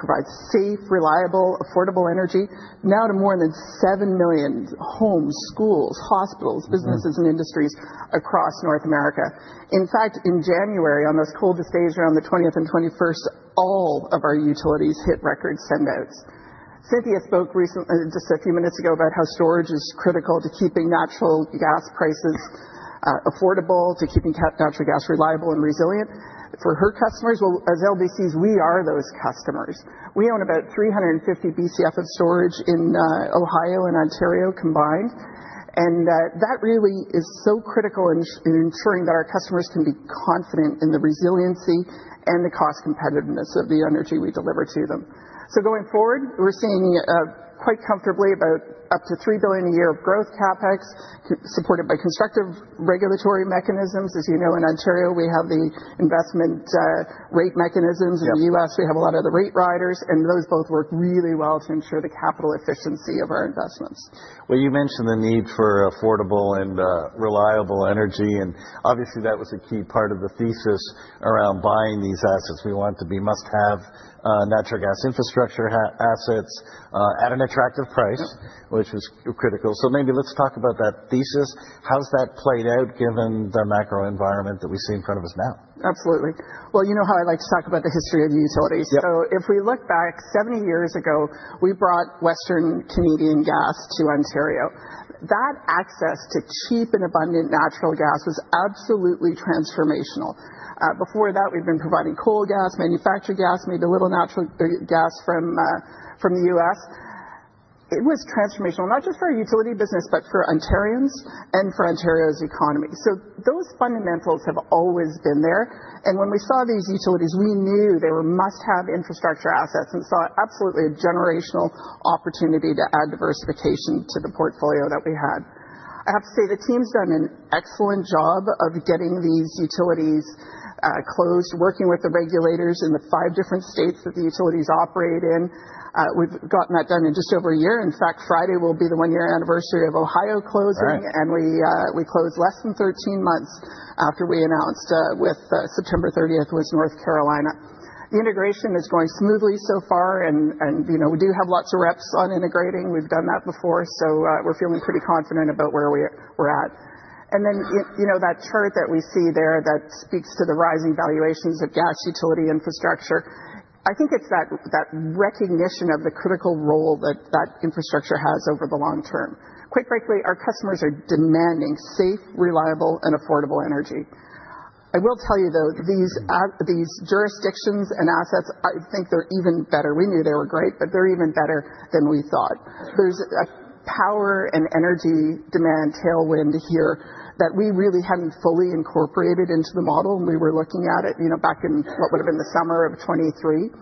provide safe, reliable, affordable energy now to more than seven million homes, schools, hospitals, businesses, and industries across North America. In fact, in January, on those coldest days around the 20th and 21st, all of our utilities hit record send-outs. Cynthia spoke recently, just a few minutes ago, about how storage is critical to keeping natural gas prices affordable, to keeping natural gas reliable and resilient for her customers. Well, as LDCs, we are those customers. We own about 350 BCF of storage in Ohio and Ontario combined. That really is so critical in ensuring that our customers can be confident in the resiliency and the cost competitiveness of the energy we deliver to them. Going forward, we're seeing quite comfortably about up to 3 billion a year of growth CapEx, supported by constructive regulatory mechanisms. As you know, in Ontario, we have the investment rate mechanisms. In the U.S., we have a lot of the rate riders. Those both work really well to ensure the capital efficiency of our investments. Well, you mentioned the need for affordable and reliable energy. Obviously, that was a key part of the thesis around buying these assets. We want to be must-have natural gas infrastructure assets at an attractive price, which was critical. Maybe let's talk about that thesis. How's that played out given the macro environment that we see in front of us now? Absolutely.Well, you know how I like to talk about the history of the utilities. So if we look back 70 years ago, we brought Western Canadian gas to Ontario. That access to cheap and abundant natural gas was absolutely transformational. Before that, we've been providing coal gas, manufactured gas, maybe a little natural gas from the U.S. It was transformational, not just for our utility business, but for Ontarians and for Ontario's economy. So those fundamentals have always been there. And when we saw these utilities, we knew they were must-have infrastructure assets and saw absolutely a generational opportunity to add diversification to the portfolio that we had. I have to say the team's done an excellent job of getting these utilities closed, working with the regulators in the five different states that the utilities operate in. We've gotten that done in just over a year. In fact, Friday will be the one-year anniversary of Ohio closing. And we closed less than 13 months after we announced with September 30th was North Carolina. The integration is going smoothly so far. And we do have lots of reps on integrating. We've done that before. So we're feeling pretty confident about where we're at. And then that chart that we see there that speaks to the rising valuations of gas utility infrastructure. I think it's that recognition of the critical role that that infrastructure has over the long term. Quite frankly, our customers are demanding safe, reliable, and affordable energy. I will tell you, though, these jurisdictions and assets, I think they're even better. We knew they were great, but they're even better than we thought. There's a power and energy demand tailwind here that we really hadn't fully incorporated into the model. And we were looking at it back in what would have been the summer of 2023.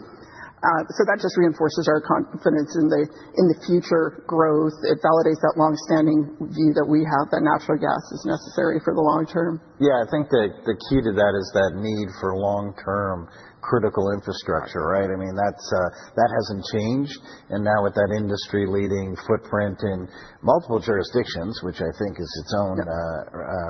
So that just reinforces our confidence in the future growth. It validates that long-standing view that we have that natural gas is necessary for the long term. Yeah, I think the key to that is that need for long-term critical infrastructure, right? I mean, that hasn't changed. And now with that industry-leading footprint in multiple jurisdictions, which I think is its own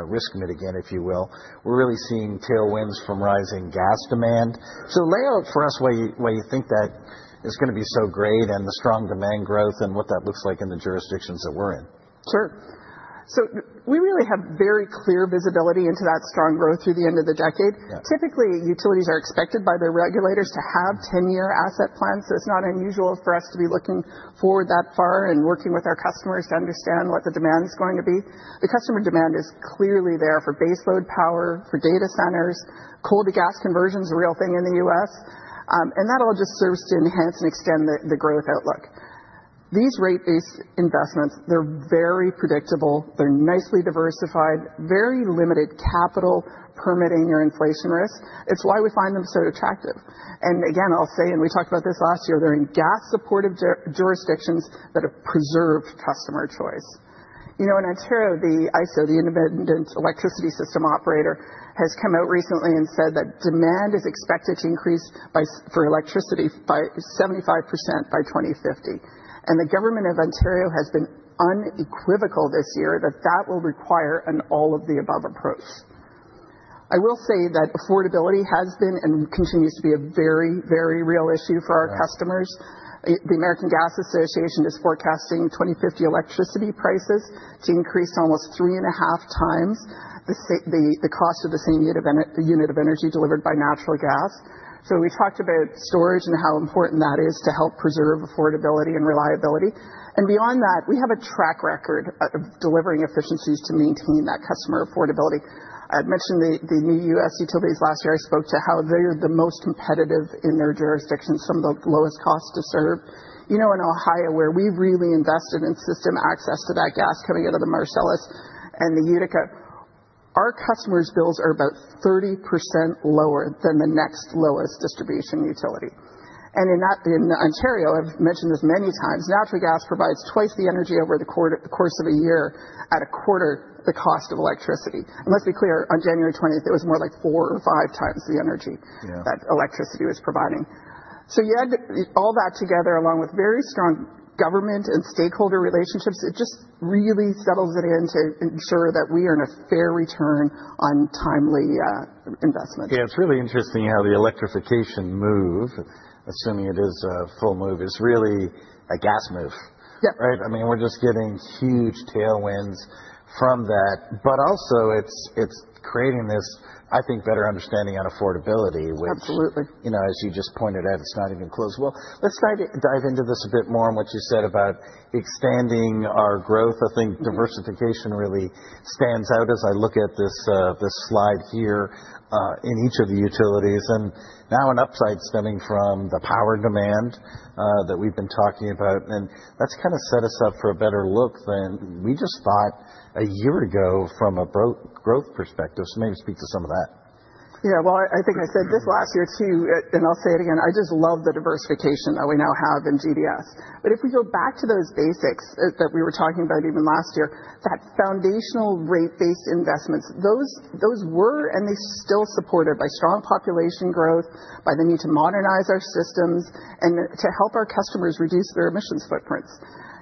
risk mitigant, if you will, we're really seeing tailwinds from rising gas demand. So lay out for us why you think that is going to be so great and the strong demand growth and what that looks like in the jurisdictions that we're in. Sure. So we really have very clear visibility into that strong growth through the end of the decade. Typically, utilities are expected by their regulators to have 10-year asset plans. So it's not unusual for us to be looking forward that far and working with our customers to understand what the demand is going to be. The customer demand is clearly there for baseload power, for data centers. Coal-to-gas conversion is a real thing in the U.S. And that all just serves to enhance and extend the growth outlook. These rate-based investments, they're very predictable. They're nicely diversified, very limited capital permitting or inflation risk. It's why we find them so attractive. And again, I'll say, and we talked about this last year, they're in gas-supportive jurisdictions that have preserved customer choice. In Ontario, the IESO, the Independent Electricity System Operator, has come out recently and said that demand is expected to increase for electricity by 75% by 2050. The government of Ontario has been unequivocal this year that that will require an all-of-the-above approach. I will say that affordability has been and continues to be a very, very real issue for our customers. The American Gas Association is forecasting 2050 electricity prices to increase almost three and a half times the cost of the same unit of energy delivered by natural gas. So we talked about storage and how important that is to help preserve affordability and reliability. And beyond that, we have a track record of delivering efficiencies to maintain that customer affordability. I'd mentioned the new U.S. utilities last year. I spoke to how they're the most competitive in their jurisdiction, some of the lowest cost to serve. In Ohio, where we really invested in system access to that gas coming out of the Marcellus and the Utica, our customers' bills are about 30% lower than the next lowest distribution utility, and in Ontario, I've mentioned this many times, natural gas provides twice the energy over the course of a year at a quarter the cost of electricity, and let's be clear, on January 20th, it was more like four or five times the energy that electricity was providing, so you add all that together, along with very strong government and stakeholder relationships, it just really settles it in to ensure that we are in a fair return on timely investments. Yeah, it's really interesting how the electrification move, assuming it is a full move, is really a gas move, right? I mean, we're just getting huge tailwinds from that. But also, it's creating this, I think, better understanding on affordability, which, as you just pointed out, it's not even close. Let's dive into this a bit more on what you said about expanding our growth. I think diversification really stands out as I look at this slide here in each of the utilities. And now an upside stemming from the power demand that we've been talking about. And that's kind of set us up for a better look than we just thought a year ago from a growth perspective. So maybe speak to some of that. Yeah. I think I said this last year too, and I'll say it again. I just love the diversification that we now have in GDS.But if we go back to those basics that we were talking about even last year, that foundational rate-based investments, those were and they still supported by strong population growth, by the need to modernize our systems and to help our customers reduce their emissions footprints.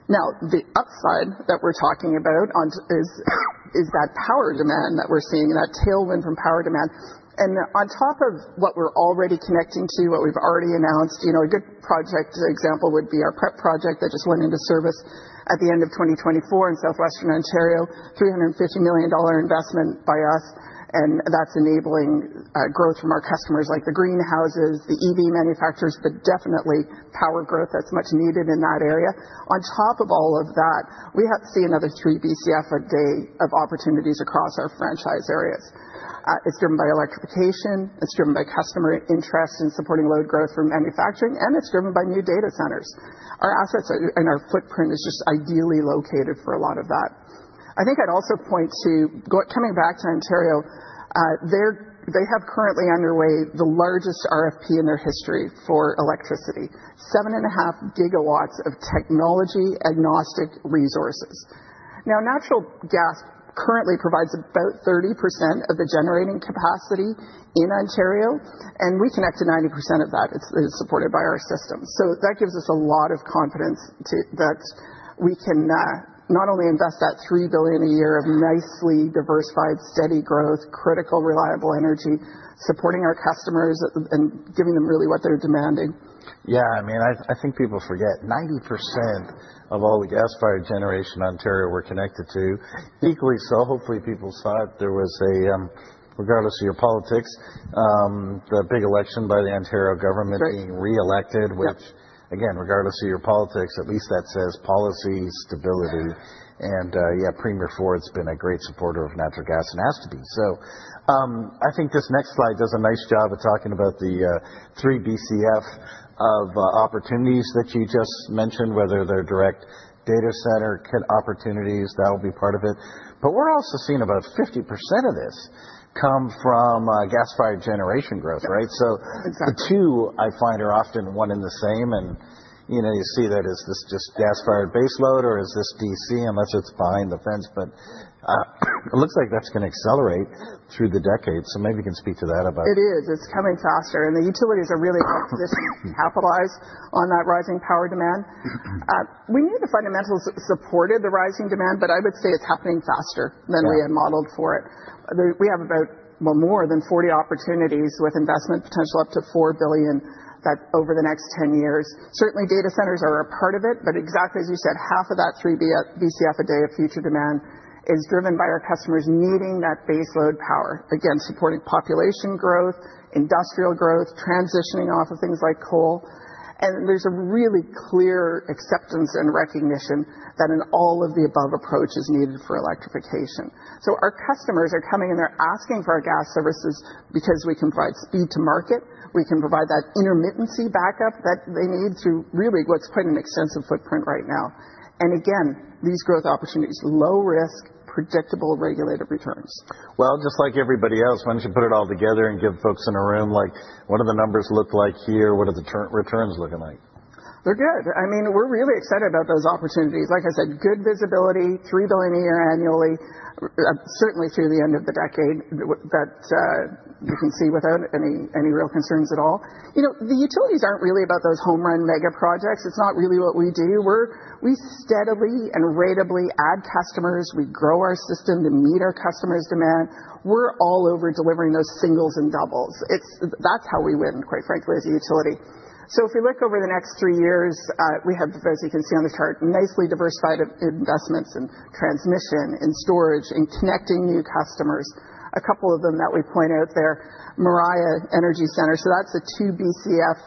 Now, the upside that we're talking about is that power demand that we're seeing and that tailwind from power demand. And on top of what we're already connecting to, what we've already announced, a good project example would be our PREP project that just went into service at the end of 2024 in southwestern Ontario, 350 million dollar investment by us. And that's enabling growth from our customers like the greenhouses, the EV manufacturers, but definitely power growth that's much needed in that area. On top of all of that, we see another 3 BCF a day of opportunities across our franchise areas. It's driven by electrification. It's driven by customer interest in supporting load growth for manufacturing. And it's driven by new data centers. Our assets and our footprint is just ideally located for a lot of that. I think I'd also point to coming back to Ontario. They have currently underway the largest RFP in their history for electricity, 7.5 gigawatts of technology-agnostic resources. Now, natural gas currently provides about 30% of the generating capacity in Ontario. And we connect to 90% of that. It's supported by our system. So that gives us a lot of confidence that we can not only invest that 3 billion a year of nicely diversified, steady growth, critical, reliable energy, supporting our customers and giving them really what they're demanding. Yeah, I mean, I think people forget 90% of all the gas fired generation Ontario were connected to. Equally so, hopefully, people saw it. There was, regardless of your politics, the big election by the Ontario government being reelected, which, again, regardless of your politics, at least that says policy stability. And yeah, Premier Ford's been a great supporter of natural gas and has to be. So I think this next slide does a nice job of talking about the 3 BCF of opportunities that you just mentioned, whether they're direct data center opportunities, that will be part of it. But we're also seeing about 50% of this come from gas fired generation growth, right? So the two, I find, are often one and the same. And you see that as this just gas fired baseload or is this DC, unless it's behind the fence. But it looks like that's going to accelerate through the decade. So maybe you can speak to that about it. It is. It's coming faster. The utilities are really well positioned to capitalize on that rising power demand. We knew the fundamentals supported the rising demand, but I would say it's happening faster than we had modeled for it. We have about more than 40 opportunities with investment potential up to 4 billion over the next 10 years. Certainly, data centers are a part of it. But exactly as you said, half of that 3 BCF a day of future demand is driven by our customers needing that baseload power, again, supporting population growth, industrial growth, transitioning off of things like coal. There's a really clear acceptance and recognition that an all-of-the-above approach is needed for electrification. Our customers are coming in. They're asking for our gas services because we can provide speed to market. We can provide that intermittency backup that they need through really what's quite an extensive footprint right now. And again, these growth opportunities, low risk, predictable regulated returns. Well, just like everybody else, why don't you put it all together and give folks in a room like what do the numbers look like here? What are the returns looking like? They're good. I mean, we're really excited about those opportunities. Like I said, good visibility, 3 billion a year annually, certainly through the end of the decade that you can see without any real concerns at all. The utilities aren't really about those home run mega projects. It's not really what we do. We steadily and ratably add customers. We grow our system to meet our customers' demand. We're all over delivering those singles and doubles. That's how we win, quite frankly, as a utility. So if we look over the next three years, we have, as you can see on the chart, nicely diversified investments in transmission and storage and connecting new customers. A couple of them that we point out there, Moriah Energy Center. So that's a 2 BCF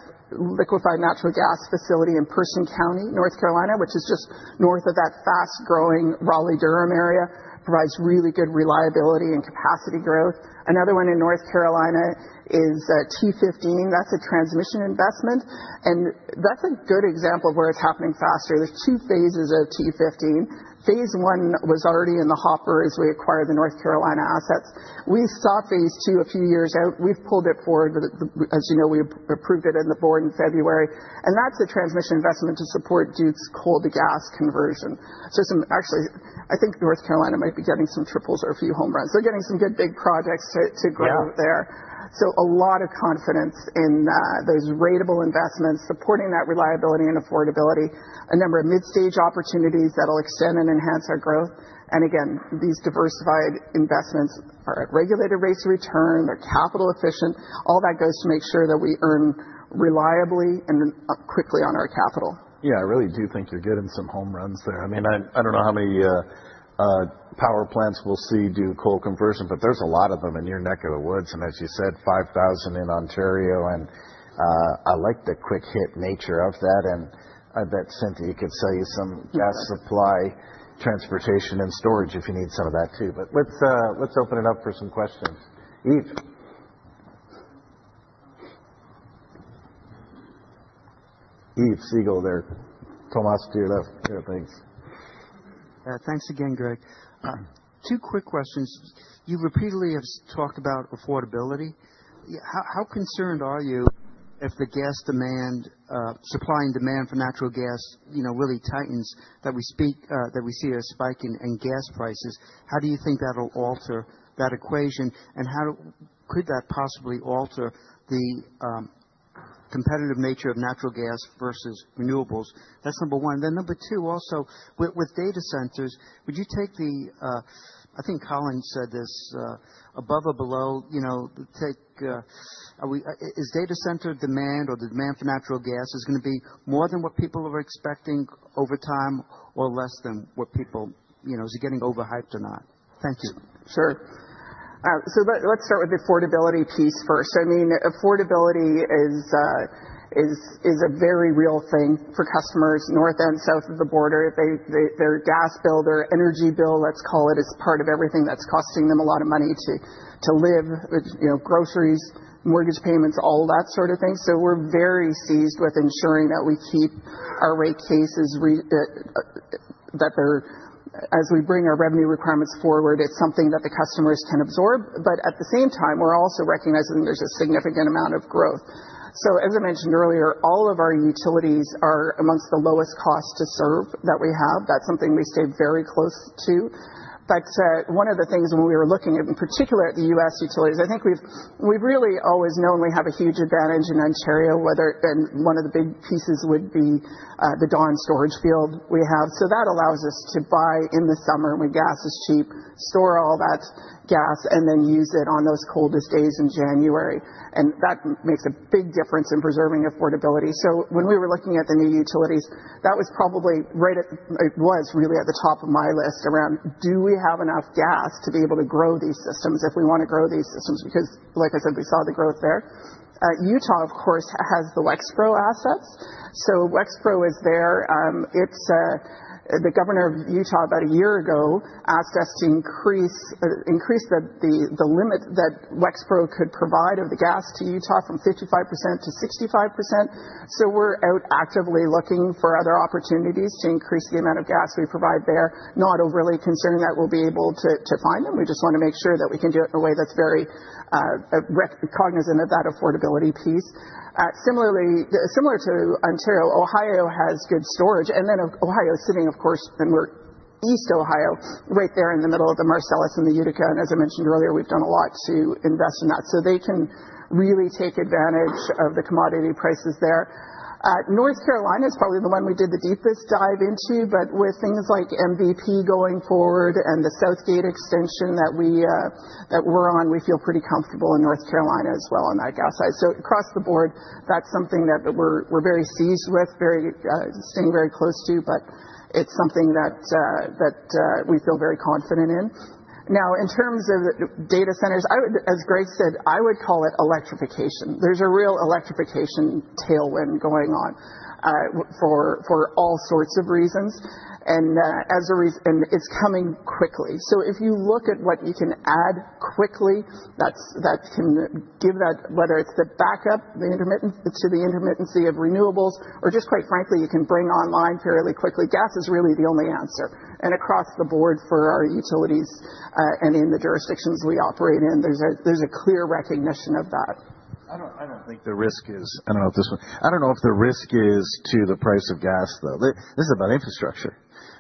liquefied natural gas facility in Person County, North Carolina, which is just north of that fast-growing Raleigh-Durham area, provides really good reliability and capacity growth. Another one in North Carolina is T15. That's a transmission investment. And that's a good example of where it's happening faster. There's two phases of T15. Phase one was already in the hopper as we acquired the North Carolina assets. We saw phase two a few years out. We've pulled it forward. As you know, we approved it in the board in February. And that's a transmission investment to support Duke's coal-to-gas conversion. Actually, I think North Carolina might be getting some triples or a few home runs. They're getting some good big projects to grow there. So a lot of confidence in those ratable investments, supporting that reliability and affordability, a number of mid-stage opportunities that will extend and enhance our growth. And again, these diversified investments are at regulated rates of return. They're capital efficient. All that goes to make sure that we earn reliably and quickly on our capital. Yeah, I really do think you're getting some home runs there. I mean, I don't know how many power plants we'll see do coal conversion, but there's a lot of them in your neck of the woods. And as you said, 5,000 in Ontario. And I like the quick hit nature of that. And I bet Cynthia could sell you some gas supply, transportation, and storage if you need some of that too. But let's open it up for some questions. Yves. Yves, second row there. Thomas to your left. Yeah, thanks. Thanks again, Greg. Two quick questions. You repeatedly have talked about affordability. How concerned are you if the gas supply and demand for natural gas really tightens that we see a spike in gas prices? How do you think that'll alter that equation? And how could that possibly alter the competitive nature of natural gas versus renewables? That's number one. Then number two, also with data centers, would you take the, I think Colin said this, above or below, is data center demand or the demand for natural gas is going to be more than what people are expecting over time or less than what people, is it getting overhyped or not? Thank you. Sure. So let's start with the affordability piece first. I mean, affordability is a very real thing for customers north and south of the border. Their gas bill, their energy bill, let's call it, is part of everything that's costing them a lot of money to live, groceries, mortgage payments, all that sort of thing. So we're very seized with ensuring that we keep our rate cases that as we bring our revenue requirements forward, it's something that the customers can absorb. But at the same time, we're also recognizing there's a significant amount of growth. So as I mentioned earlier, all of our utilities are amongst the lowest cost to serve that we have. That's something we stay very close to. But one of the things when we were looking at, in particular at the U.S. Utilities, I think we've really always known we have a huge advantage in Ontario, and one of the big pieces would be the Dawn storage field we have. So that allows us to buy in the summer when gas is cheap, store all that gas, and then use it on those coldest days in January. That makes a big difference in preserving affordability, so when we were looking at the new utilities, that was probably right at, it was really at the top of my list around, do we have enough gas to be able to grow these systems if we want to grow these systems? Because, like I said, we saw the growth there. Utah, of course, has the Wexpro assets. Wexpro is there. The governor of Utah about a year ago asked us to increase the limit that Wexpro could provide of the gas to Utah from 55% to 65%, so we're out actively looking for other opportunities to increase the amount of gas we provide there, not overly concerned that we'll be able to find them. We just want to make sure that we can do it in a way that's very cognizant of that affordability piece. Similar to Ontario, Ohio has good storage, and then Ohio is sitting, of course, and we're east Ohio, right there in the middle of the Marcellus and the Utica, and as I mentioned earlier, we've done a lot to invest in that, so they can really take advantage of the commodity prices there. North Carolina is probably the one we did the deepest dive into. But with things like MVP going forward and the Southgate extension that we're on, we feel pretty comfortable in North Carolina as well on that gas side. So across the board, that's something that we're very seized with, staying very close to. But it's something that we feel very confident in. Now, in terms of data centers, as Greg said, I would call it electrification. There's a real electrification tailwind going on for all sorts of reasons. And it's coming quickly. So if you look at what you can add quickly, that can give that, whether it's the backup to the intermittency of renewables or just, quite frankly, you can bring online fairly quickly. Gas is really the only answer. And across the board for our utilities and in the jurisdictions we operate in, there's a clear recognition of that. I don't think the risk is to the price of gas, though. This is about infrastructure.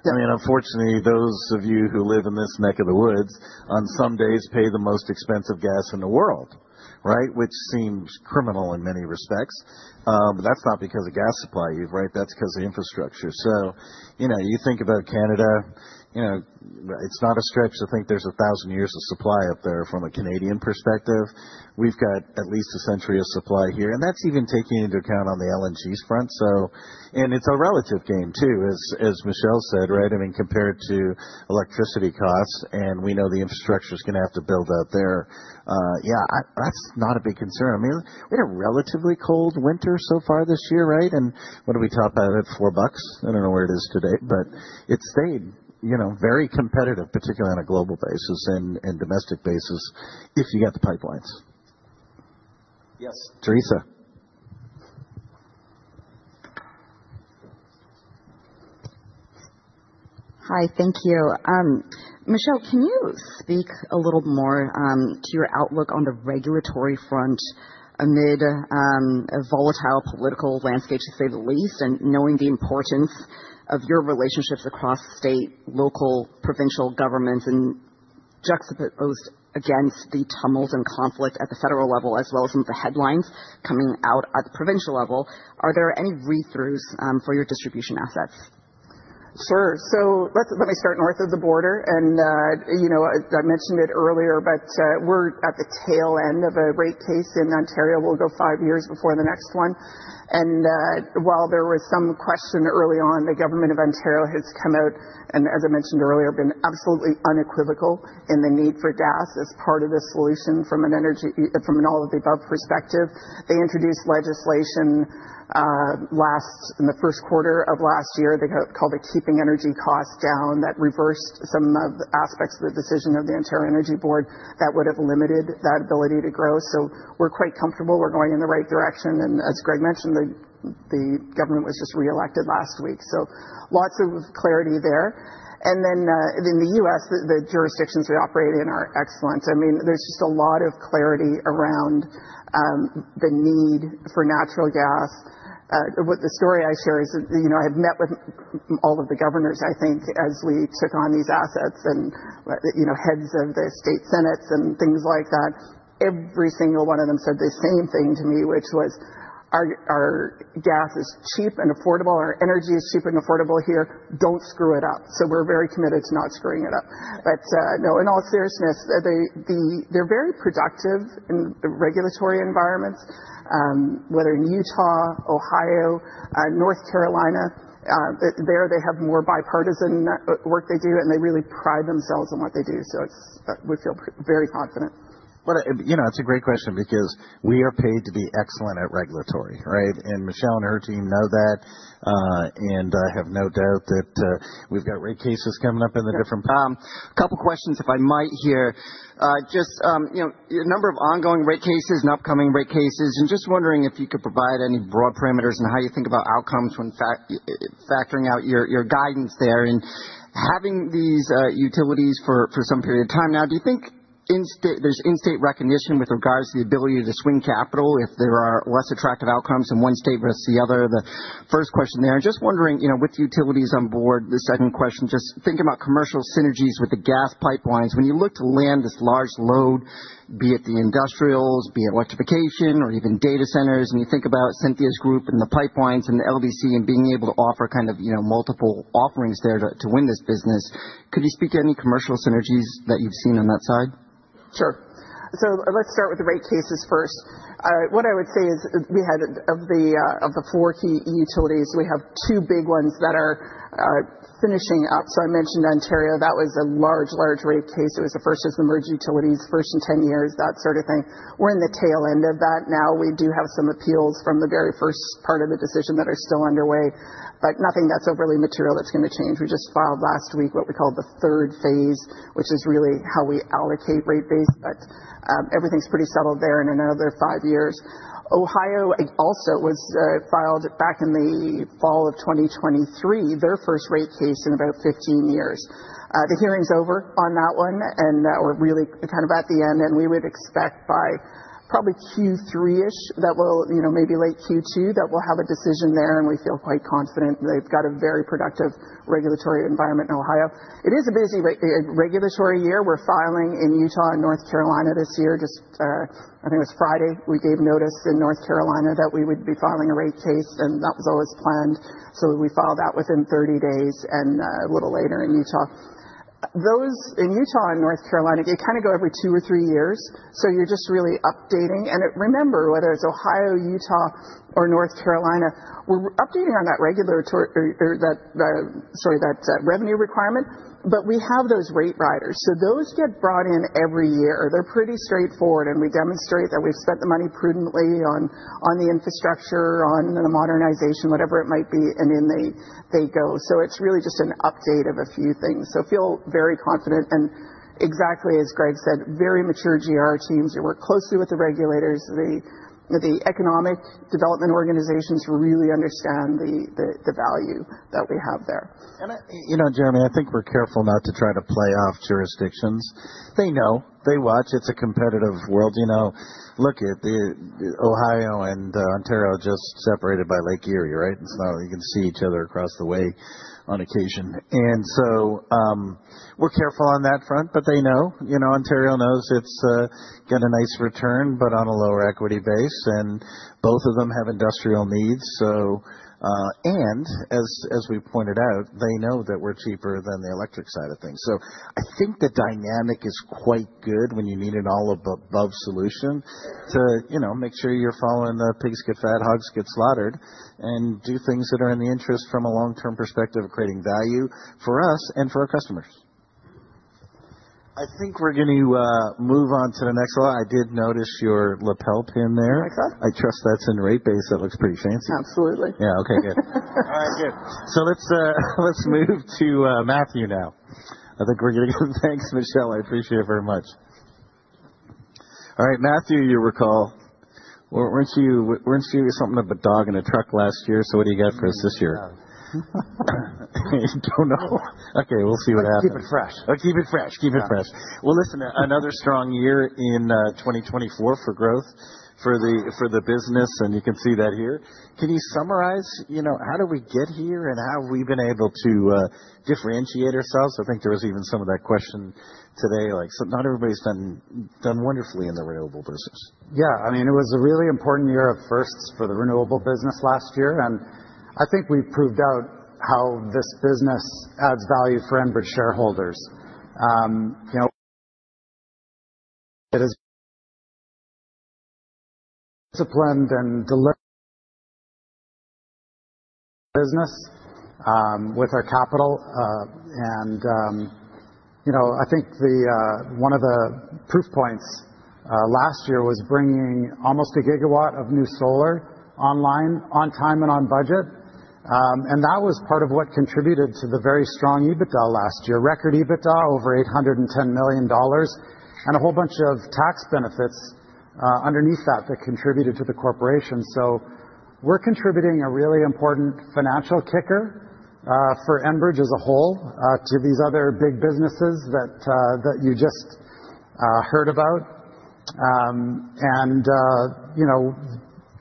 I mean, unfortunately, those of you who live in this neck of the woods on some days pay the most expensive gas in the world, right? Which seems criminal in many respects. But that's not because of gas supply, Yves, right? That's because of infrastructure. You think about Canada. It's not a stretch to think there's a thousand years of supply up there from a Canadian perspective. We've got at least a century of supply here. That's even taking into account on the LNG front. It's a relative game too, as Michele said, right? I mean, compared to electricity costs. We know the infrastructure is going to have to build up there. Yeah, that's not a big concern. I mean, we had a relatively cold winter so far this year, right? And what did we top out at $4? I don't know where it is today. But it stayed very competitive, particularly on a global basis and domestic basis if you got the pipelines. Yes. Theresa. Hi, thank you. Michele, can you speak a little more to your outlook on the regulatory front amid a volatile political landscape, to say the least, and knowing the importance of your relationships across state, local, provincial governments and juxtaposed against the tumult and conflict at the federal level, as well as some of the headlines coming out at the provincial level? Are there any reroutes for your distribution assets? Sure. So let me start north of the border.I mentioned it earlier, but we're at the tail end of a rate case in Ontario. We'll go five years before the next one. While there was some question early on, the government of Ontario has come out, and as I mentioned earlier, been absolutely unequivocal in the need for gas as part of the solution from an all-of-the-above perspective. They introduced legislation in the first quarter of last year they called it Keeping Energy Costs Down. That reversed some of the aspects of the decision of the Ontario Energy Board that would have limited that ability to grow. We're quite comfortable. We're going in the right direction. As Greg mentioned, the government was just re-elected last week. Lots of clarity there. Then in the U.S., the jurisdictions we operate in are excellent. I mean, there's just a lot of clarity around the need for natural gas. The story I share is I have met with all of the governors, I think, as we took on these assets and heads of the state senates and things like that. Every single one of them said the same thing to me, which was, "Our gas is cheap and affordable. Our energy is cheap and affordable here. Don't screw it up," so we're very committed to not screwing it up, but no, in all seriousness, they're very productive in the regulatory environments, whether in Utah, Ohio, North Carolina. There, they have more bipartisan work they do, and they really pride themselves on what they do, so we feel very confident. It's a great question because we are paid to be excellent at regulatory, right? And Michele and her team know that. And I have no doubt that we've got rate cases coming up in the different. A couple of questions, if I might here. Just a number of ongoing rate cases and upcoming rate cases. And just wondering if you could provide any broad parameters on how you think about outcomes when factoring out your guidance there and having these utilities for some period of time. Now, do you think there's in-state recognition with regards to the ability to swing capital if there are less attractive outcomes in one state versus the other? The first question there. And just wondering, with utilities on board, the second question, just thinking about commercial synergies with the gas pipelines. When you look to land this large load, be it the industrials, be it electrification, or even data centers, and you think about Cynthia's group and the pipelines and the LDC and being able to offer kind of multiple offerings there to win this business, could you speak to any commercial synergies that you've seen on that side? Sure. So let's start with the rate cases first. What I would say is we had of the four key utilities, we have two big ones that are finishing up. So I mentioned Ontario. That was a large, large rate case. It was the first of the merged utilities, first in 10 years, that sort of thing. We're in the tail end of that. Now, we do have some appeals from the very first part of the decision that are still underway, but nothing that's overly material that's going to change. We just filed last week what we call the third phase, which is really how we allocate rate base, but everything's pretty settled there in another five years. Ohio also was filed back in the fall of 2023, their first rate case in about 15 years. The hearing's over on that one, and we're really kind of at the end. We would expect by probably Q3-ish, maybe late Q2, that we'll have a decision there. We feel quite confident they've got a very productive regulatory environment in Ohio. It is a busy regulatory year. We're filing in Utah and North Carolina this year. Just I think it was Friday we gave notice in North Carolina that we would be filing a rate case, and that was always planned. We filed that within 30 days and a little later in Utah. In Utah and North Carolina, it kind of goes every two or three years. So you're just really updating. And remember, whether it's Ohio, Utah, or North Carolina, we're updating on that regulatory, sorry, that revenue requirement. But we have those rate riders. So those get brought in every year. They're pretty straightforward. And we demonstrate that we've spent the money prudently on the infrastructure, on the modernization, whatever it might be, and in they go. So it's really just an update of a few things. So feel very confident. And exactly as Greg said, very mature GR teams. We work closely with the regulators. The economic development organizations really understand the value that we have there. And Jeremy, I think we're careful not to try to play off jurisdictions. They know. They watch. It's a competitive world. Look at Ohio and Ontario just separated by Lake Erie, right? You can see each other across the way on occasion, and so we're careful on that front, but they know. Ontario knows it's got a nice return, but on a lower equity base. Both of them have industrial needs, and as we pointed out, they know that we're cheaper than the electric side of things. I think the dynamic is quite good when you need an all-above solution to make sure you're following the pigs get fed, hogs get slaughtered, and do things that are in the interest from a long-term perspective of creating value for us and for our customers. I think we're going to move on to the next slide. I did notice your lapel pin there. I trust that's in rate base. That looks pretty fancy. Absolutely. Yeah. Okay. Good. All right. Good. Let's move to Matthew now. I think we're going to go. Thanks, Michele. I appreciate it very much. All right. Matthew, you recall. Weren't you something of a dog in a truck last year? So what do you got for us this year? I don't know. Okay. We'll see what happens. Keep it fresh. Keep it fresh. Keep it fresh. Listen, another strong year in 2024 for growth for the business. You can see that here. Can you summarize how did we get here and how have we been able to differentiate ourselves? I think there was even some of that question today. Not everybody's done wonderfully in the renewable business. Yeah. I mean, it was a really important year at first for the renewable business last year. I think we've proved out how this business adds value for Enbridge shareholders. It is disciplined and delivering business with our capital. I think one of the proof points last year was bringing almost a gigawatt of new solar online, on time, and on budget. That was part of what contributed to the very strong EBITDA last year, record EBITDA over $810 million, and a whole bunch of tax benefits underneath that that contributed to the corporation. We're contributing a really important financial kicker for Enbridge as a whole to these other big businesses that you just heard about.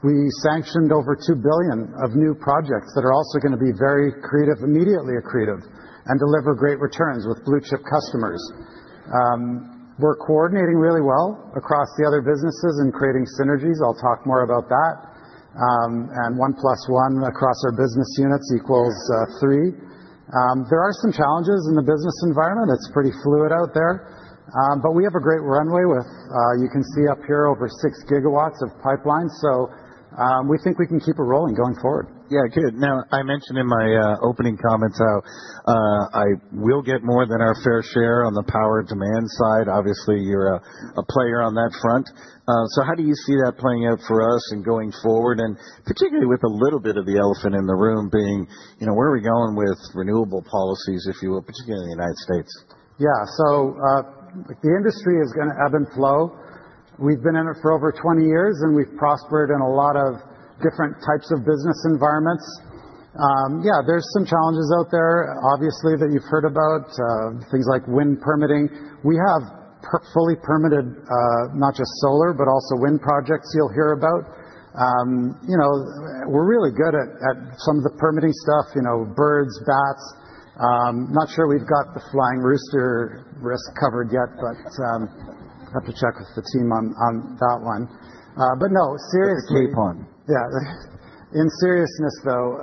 We sanctioned over two billion of new projects that are also going to be very creative, immediately accretive, and deliver great returns with blue chip customers. We're coordinating really well across the other businesses and creating synergies. I'll talk more about that. One plus one across our business units equals three. There are some challenges in the business environment. It's pretty fluid out there. But we have a great runway with, you can see up here, over six gigawatts of pipelines. So we think we can keep it rolling going forward. Yeah. Good. Now, I mentioned in my opening comments how I will get more than our fair share on the power demand side. Obviously, you're a player on that front. So how do you see that playing out for us and going forward, and particularly with a little bit of the elephant in the room being, where are we going with renewable policies, if you will, particularly in the United States? Yeah. So the industry is going to ebb and flow. We've been in it for over 20 years, and we've prospered in a lot of different types of business environments. Yeah. There's some challenges out there, obviously, that you've heard about, things like wind permitting. We have fully permitted not just solar, but also wind projects you'll hear about. We're really good at some of the permitting stuff, birds, bats. Not sure we've got the flying rooster risk covered yet, but I have to check with the team on that one. But no, seriously. That's a key point. Yeah. In seriousness, though,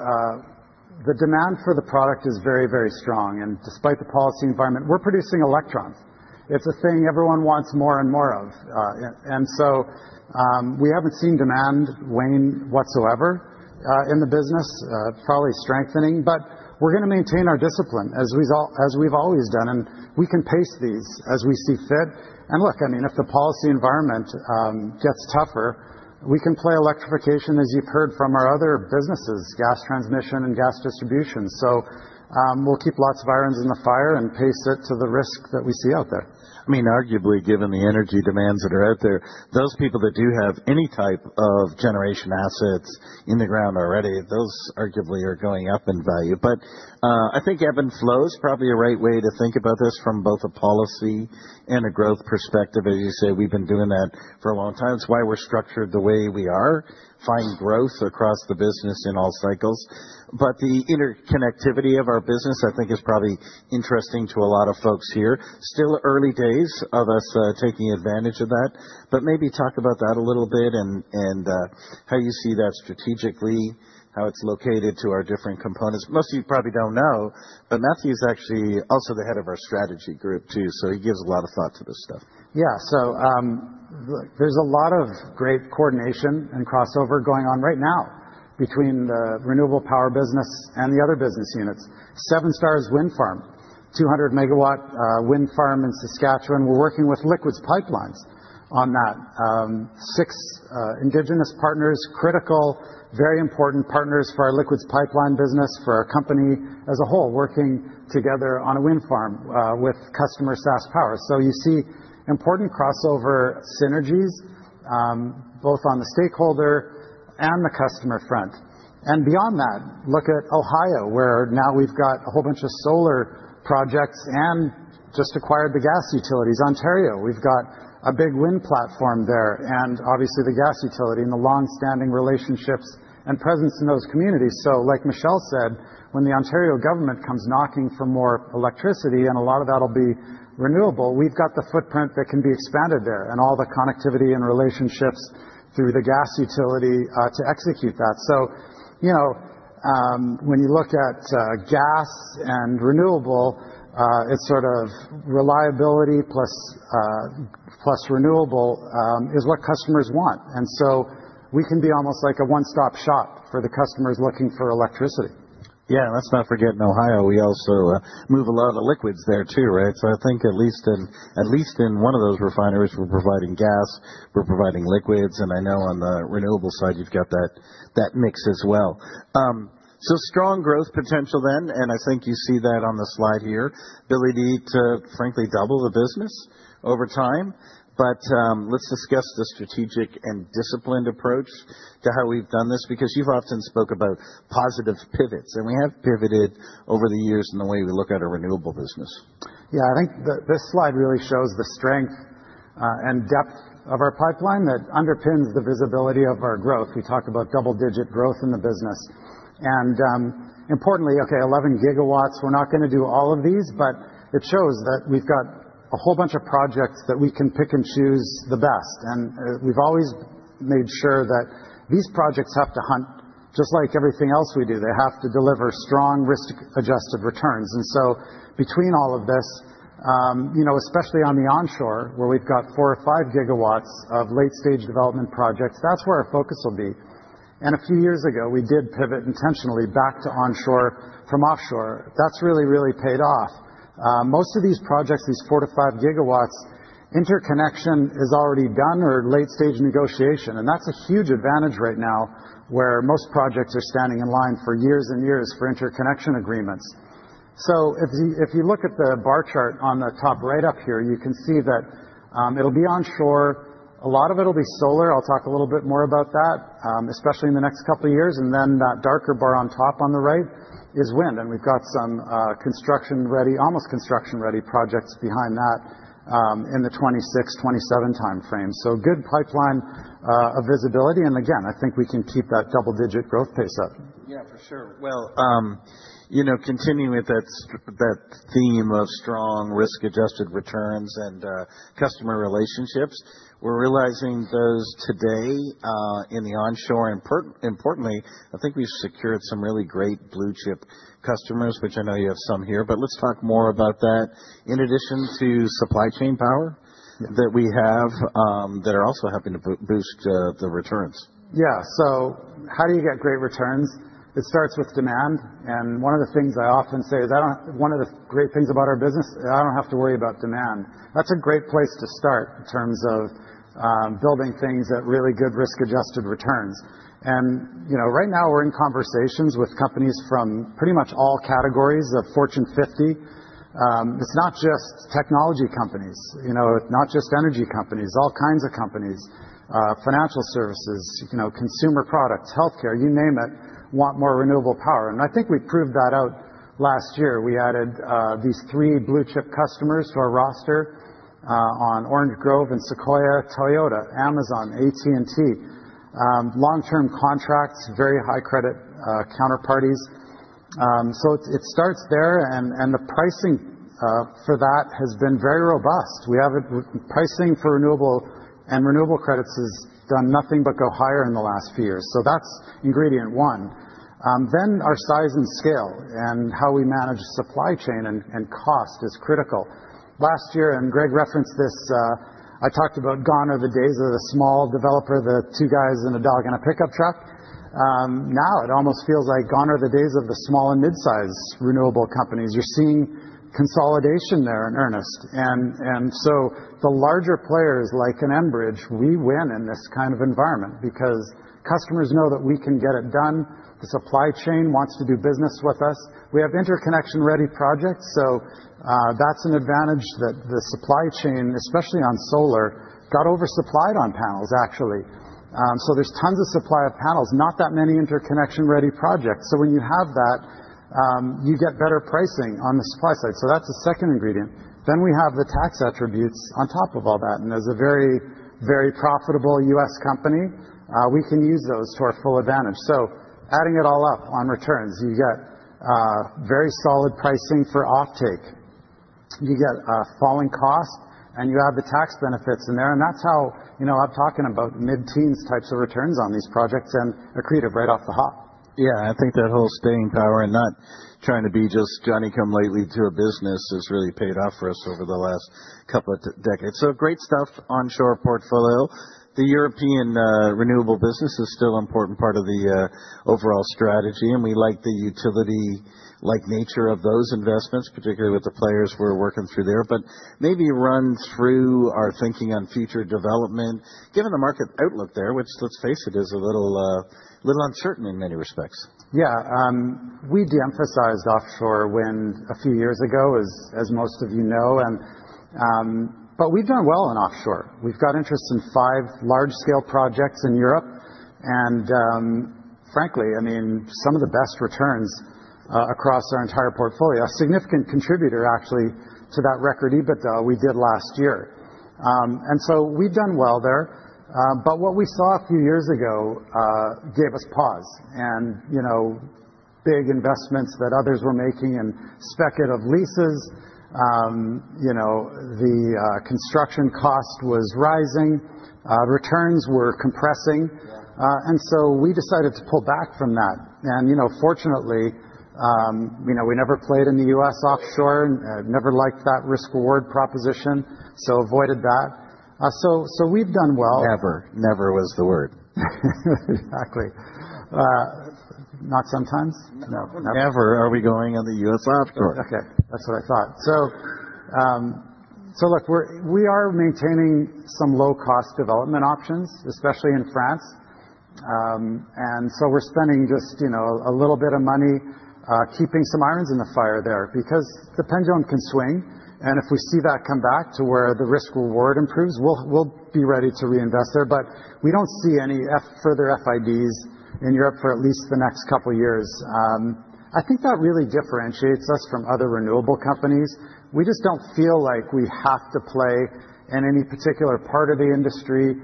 the demand for the product is very, very strong. And despite the policy environment, we're producing electrons. It's a thing everyone wants more and more of. And so we haven't seen demand wane whatsoever in the business, probably strengthening. But we're going to maintain our discipline as we've always done. And we can pace these as we see fit. And look, I mean, if the policy environment gets tougher, we can play electrification, as you've heard from our other businesses, gas transmission and gas distribution. So we'll keep lots of irons in the fire and pace it to the risk that we see out there. I mean, arguably, given the energy demands that are out there, those people that do have any type of generation assets in the ground already, those arguably are going up in value. But I think ebb and flow is probably a right way to think about this from both a policy and a growth perspective. As you say, we've been doing that for a long time. It's why we're structured the way we are, find growth across the business in all cycles. But the interconnectivity of our business, I think, is probably interesting to a lot of folks here. Still early days of us taking advantage of that. But maybe talk about that a little bit and how you see that strategically, how it's located to our different components. Most of you probably don't know, but Matthew's actually also the head of our strategy group too. So he gives a lot of thought to this stuff. Yeah. So there's a lot of great coordination and crossover going on right now between the renewable power business and the other business units. Seven Stars Wind Farm, 200-megawatt wind farm in Saskatchewan. We're working with Liquids Pipelines on that. Six Indigenous partners, critical, very important partners for our Liquids Pipeline business, for our company as a whole, working together on a wind farm with customer SaskPower. So you see important crossover synergies both on the stakeholder and the customer front, and beyond that, look at Ohio, where now we've got a whole bunch of solar projects and just acquired the gas utilities. Ontario, we've got a big wind platform there. Obviously, the gas utility and the long-standing relationships and presence in those communities. So like Michele said, when the Ontario government comes knocking for more electricity and a lot of that will be renewable, we've got the footprint that can be expanded there and all the connectivity and relationships through the gas utility to execute that. So when you look at gas and renewable, it's sort of reliability plus renewable is what customers want. And so we can be almost like a one-stop shop for the customers looking for electricity. Yeah. Let's not forget, in Ohio, we also move a lot of the liquids there too, right? So I think at least in one of those refineries, we're providing gas, we're providing liquids. And I know on the renewable side, you've got that mix as well. So strong growth potential then. I think you see that on the slide here, ability to, frankly, double the business over time. But let's discuss the strategic and disciplined approach to how we've done this because you've often spoke about positive pivots. And we have pivoted over the years in the way we look at our renewable business. Yeah. I think this slide really shows the strength and depth of our pipeline that underpins the visibility of our growth. We talk about double-digit growth in the business. And importantly, okay, 11 gigawatts, we're not going to do all of these, but it shows that we've got a whole bunch of projects that we can pick and choose the best. And we've always made sure that these projects have to hunt just like everything else we do. They have to deliver strong risk-adjusted returns. And so between all of this, especially on the onshore where we've got four or five gigawatts of late-stage development projects, that's where our focus will be. And a few years ago, we did pivot intentionally back to onshore from offshore. That's really, really paid off. Most of these projects, these four to five gigawatts, interconnection is already done or late-stage negotiation. And that's a huge advantage right now where most projects are standing in line for years and years for interconnection agreements. So if you look at the bar chart on the top right up here, you can see that it'll be onshore. A lot of it will be solar. I'll talk a little bit more about that, especially in the next couple of years. And then that darker bar on top on the right is wind. And we've got some construction-ready, almost construction-ready projects behind that in the 2026, 2027 timeframe. So good pipeline of visibility. And again, I think we can keep that double-digit growth pace up. Yeah. For sure. Well, continuing with that theme of strong risk-adjusted returns and customer relationships, we're realizing those today in the onshore. And importantly, I think we've secured some really great blue chip customers, which I know you have some here. But let's talk more about that in addition to supply chain power that we have that are also helping to boost the returns. Yeah. So how do you get great returns? It starts with demand. And one of the things I often say is one of the great things about our business, I don't have to worry about demand. That's a great place to start in terms of building things at really good risk-adjusted returns. And right now, we're in conversations with companies from pretty much all categories of Fortune 50. It's not just technology companies. It's not just energy companies. All kinds of companies, financial services, consumer products, healthcare, you name it, want more renewable power. And I think we proved that out last year. We added these three blue chip customers to our roster on Orange Grove and Sequoia, Toyota, Amazon, AT&T, long-term contracts, very high credit counterparties. So it starts there. And the pricing for that has been very robust. Pricing for renewable and renewable credits has done nothing but go higher in the last few years. So that's ingredient one. Then our size and scale and how we manage supply chain and cost is critical. Last year, and Greg referenced this, I talked about Gone Are the Days of the Small Developer, the two guys and a dog in a pickup truck. Now it almost feels like Gone Are the Days of the Small and Mid-size renewable companies. You're seeing consolidation there in earnest. And so the larger players like Enbridge, we win in this kind of environment because customers know that we can get it done. The supply chain wants to do business with us. We have interconnection-ready projects. So that's an advantage that the supply chain, especially on solar, got oversupplied on panels, actually. So there's tons of supply of panels, not that many interconnection-ready projects. So when you have that, you get better pricing on the supply side. So that's a second ingredient. Then we have the tax attributes on top of all that. And as a very, very profitable U.S. company, we can use those to our full advantage. So adding it all up on returns, you get very solid pricing for offtake. You get falling costs, and you have the tax benefits in there. And that's how I'm talking about mid-teens types of returns on these projects and accretive right off the hop. Yeah. I think that whole staying power and not trying to be just Johnny-come-lately to a business has really paid off for us over the last couple of decades. So great stuff onshore portfolio. The European renewable business is still an important part of the overall strategy. And we like the utility-like nature of those investments, particularly with the players we're working through there. But maybe run through our thinking on future development, given the market outlook there, which let's face it, is a little uncertain in many respects. Yeah. We de-emphasized offshore wind a few years ago, as most of you know, but we've done well on offshore. We've got interest in five large-scale projects in Europe, and frankly, I mean, some of the best returns across our entire portfolio, a significant contributor actually to that record EBITDA we did last year, and so we've done well there, but what we saw a few years ago gave us pause, and big investments that others were making and speculative leases. The construction cost was rising. Returns were compressing, and so we decided to pull back from that, and fortunately, we never played in the U.S. offshore. Never liked that risk-reward proposition, so avoided that, so we've done well. Never. Never was the word. Exactly. Not sometimes? No. Never are we going on the U.S. offshore. Okay. That's what I thought. So look, we are maintaining some low-cost development options, especially in France. And so we're spending just a little bit of money keeping some irons in the fire there because the pendulum can swing. And if we see that come back to where the risk-reward improves, we'll be ready to reinvest there. But we don't see any further FIDs in Europe for at least the next couple of years. I think that really differentiates us from other renewable companies. We just don't feel like we have to play in any particular part of the industry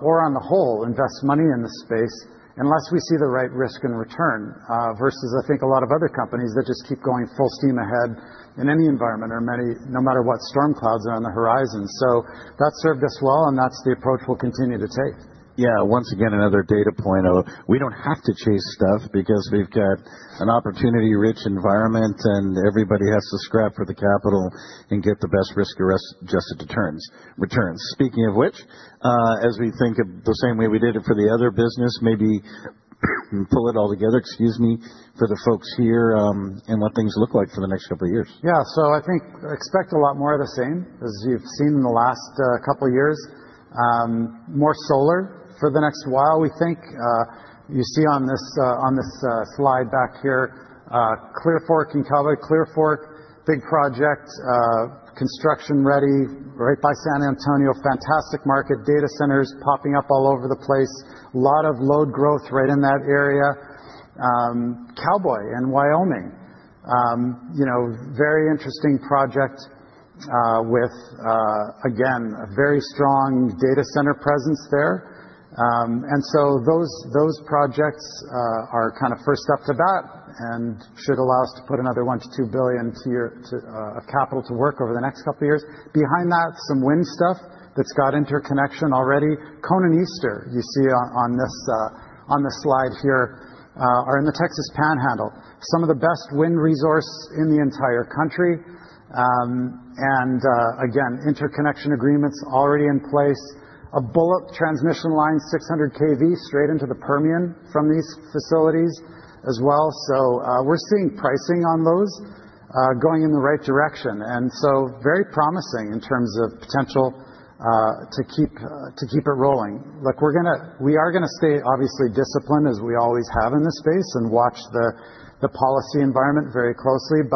or on the whole invest money in the space unless we see the right risk and return versus I think a lot of other companies that just keep going full steam ahead in any environment or no matter what storm clouds are on the horizon. So that served us well, and that's the approach we'll continue to take. Yeah. Once again, another data point. We don't have to chase stuff because we've got an opportunity-rich environment, and everybody has to scrap for the capital and get the best risk-adjusted returns. Speaking of which, as we think of the same way we did it for the other business, maybe pull it all together, excuse me, for the folks here and what things look like for the next couple of years. Yeah. So I think expect a lot more of the same as you've seen in the last couple of years. More solar for the next while, we think. You see on this slide back here, Clear Fork and Cowboy. Clear Fork, big project, construction-ready right by San Antonio, fantastic market, data centers popping up all over the place. A lot of load growth right in that area. Cowboy and Wyoming, very interesting project with, again, a very strong data center presence there. Those projects are kind of first up to bat and should allow us to put another $1-2 billion of capital to work over the next couple of years. Behind that, some wind stuff that's got interconnection already. Canyon and Easter, you see on this slide here, are in the Texas Panhandle, some of the best wind resource in the entire country. Interconnection agreements already in place. A bullet transmission line, 600 kV, straight into the Permian from these facilities as well. We're seeing pricing on those going in the right direction. Very promising in terms of potential to keep it rolling. We are going to stay obviously disciplined as we always have in this space and watch the policy environment very closely.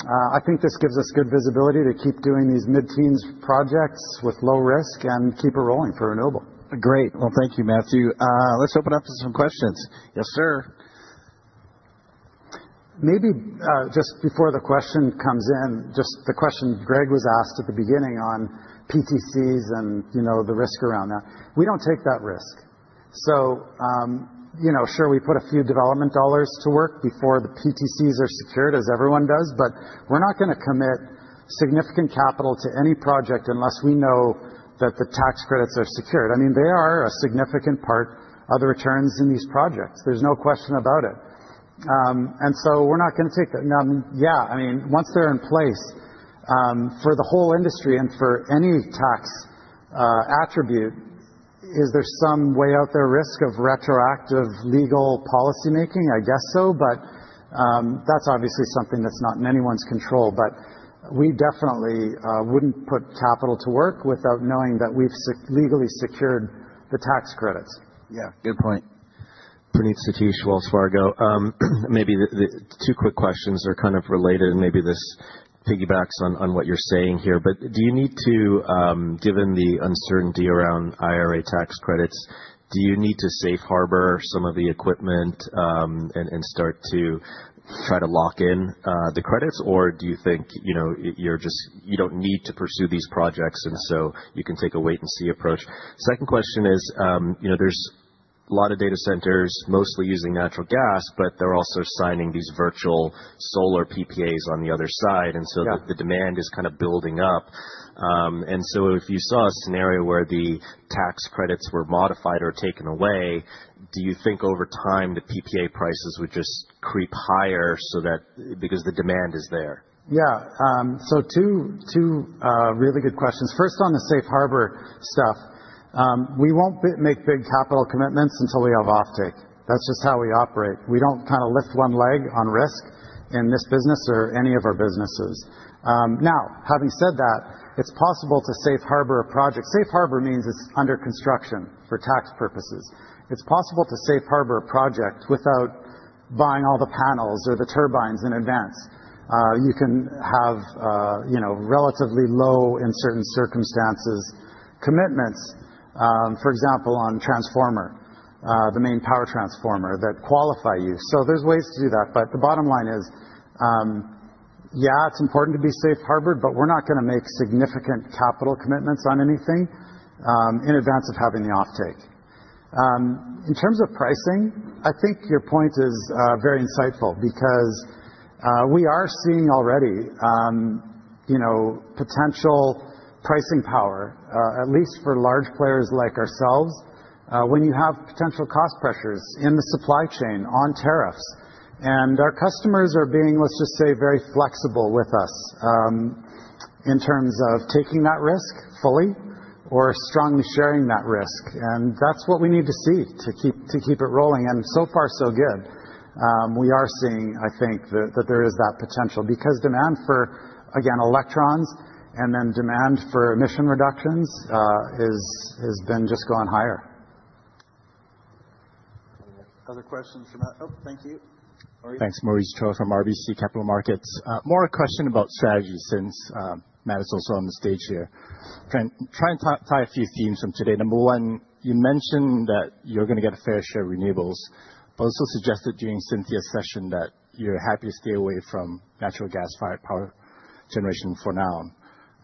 But I think this gives us good visibility to keep doing these mid-teens projects with low risk and keep it rolling for renewable. Great. Well, thank you, Matthew. Let's open up to some questions. Yes, sir. Maybe just before the question comes in, just the question Greg was asked at the beginning on PTCs and the risk around that. We don't take that risk. So sure, we put a few development dollars to work before the PTCs are secured, as everyone does. But we're not going to commit significant capital to any project unless we know that the tax credits are secured. I mean, they are a significant part of the returns in these projects. There's no question about it. And so we're not going to take that. Now, yeah, I mean, once they're in place for the whole industry and for any tax attribute, is there some way out there risk of retroactive legal policy making? I guess so. But that's obviously something that's not in anyone's control. But we definitely wouldn't put capital to work without knowing that we've legally secured the tax credits. Yeah. Good point. Praneeth Satish, Wells Fargo. Maybe the two quick questions are kind of related, and maybe this piggybacks on what you're saying here. But do you need to, given the uncertainty around IRA tax credits, do you need to safe harbor some of the equipment and start to try to lock in the credits? Or do you think you don't need to pursue these projects and so you can take a wait-and-see approach? Second question is there's a lot of data centers mostly using natural gas, but they're also signing these virtual solar PPAs on the other side, and so the demand is kind of building up, and so if you saw a scenario where the tax credits were modified or taken away, do you think over time the PPA prices would just creep higher because the demand is there? Yeah, so two really good questions. First, on the safe harbor stuff, we won't make big capital commitments until we have offtake. That's just how we operate. We don't kind of lift one leg on risk in this business or any of our businesses. Now, having said that, it's possible to safe harbor a project. Safe harbor means it's under construction for tax purposes. It's possible to safe harbor a project without buying all the panels or the turbines in advance. You can have relatively low, in certain circumstances, commitments, for example, on transformer, the main power transformer that qualify you. So there's ways to do that. But the bottom line is, yeah, it's important to be safe-harbored, but we're not going to make significant capital commitments on anything in advance of having the offtake. In terms of pricing, I think your point is very insightful because we are seeing already potential pricing power, at least for large players like ourselves, when you have potential cost pressures in the supply chain on tariffs. And our customers are being, let's just say, very flexible with us in terms of taking that risk fully or strongly sharing that risk. And that's what we need to see to keep it rolling. And so far, so good. We are seeing, I think, that there is that potential because demand for, again, electrons and then demand for emission reductions has been just going higher. Other questions from that? Oh, thank you. Thanks. Maurice Choy from RBC Capital Markets. More a question about strategy since Matt is also on the stage here. Try and tie a few themes from today. Number one, you mentioned that you're going to get a fair share of renewables. But also suggested during Cynthia's session that you're happy to stay away from natural gas power generation for now.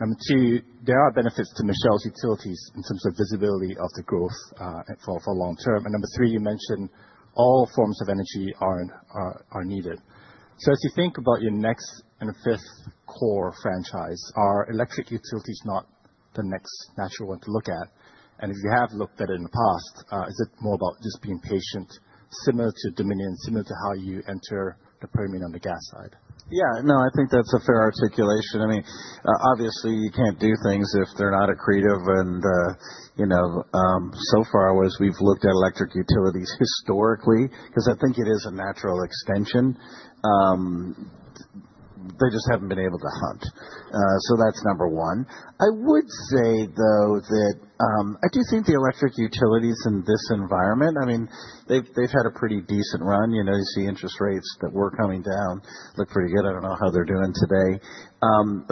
Number two, there are benefits to Michele's utilities in terms of visibility of the growth for long term. And number three, you mentioned all forms of energy are needed. So as you think about your next and fifth core franchise, are electric utilities not the next natural one to look at? And if you have looked at it in the past, is it more about just being patient, similar to Dominion, similar to how you enter the Permian on the gas side? Yeah. No, I think that's a fair articulation. I mean, obviously, you can't do things if they're not accretive. And so far, as we've looked at electric utilities historically, because I think it is a natural extension, they just haven't been able to hunt. So that's number one. I would say, though, that I do think the electric utilities in this environment. I mean, they've had a pretty decent run. You see interest rates that were coming down look pretty good. I don't know how they're doing today.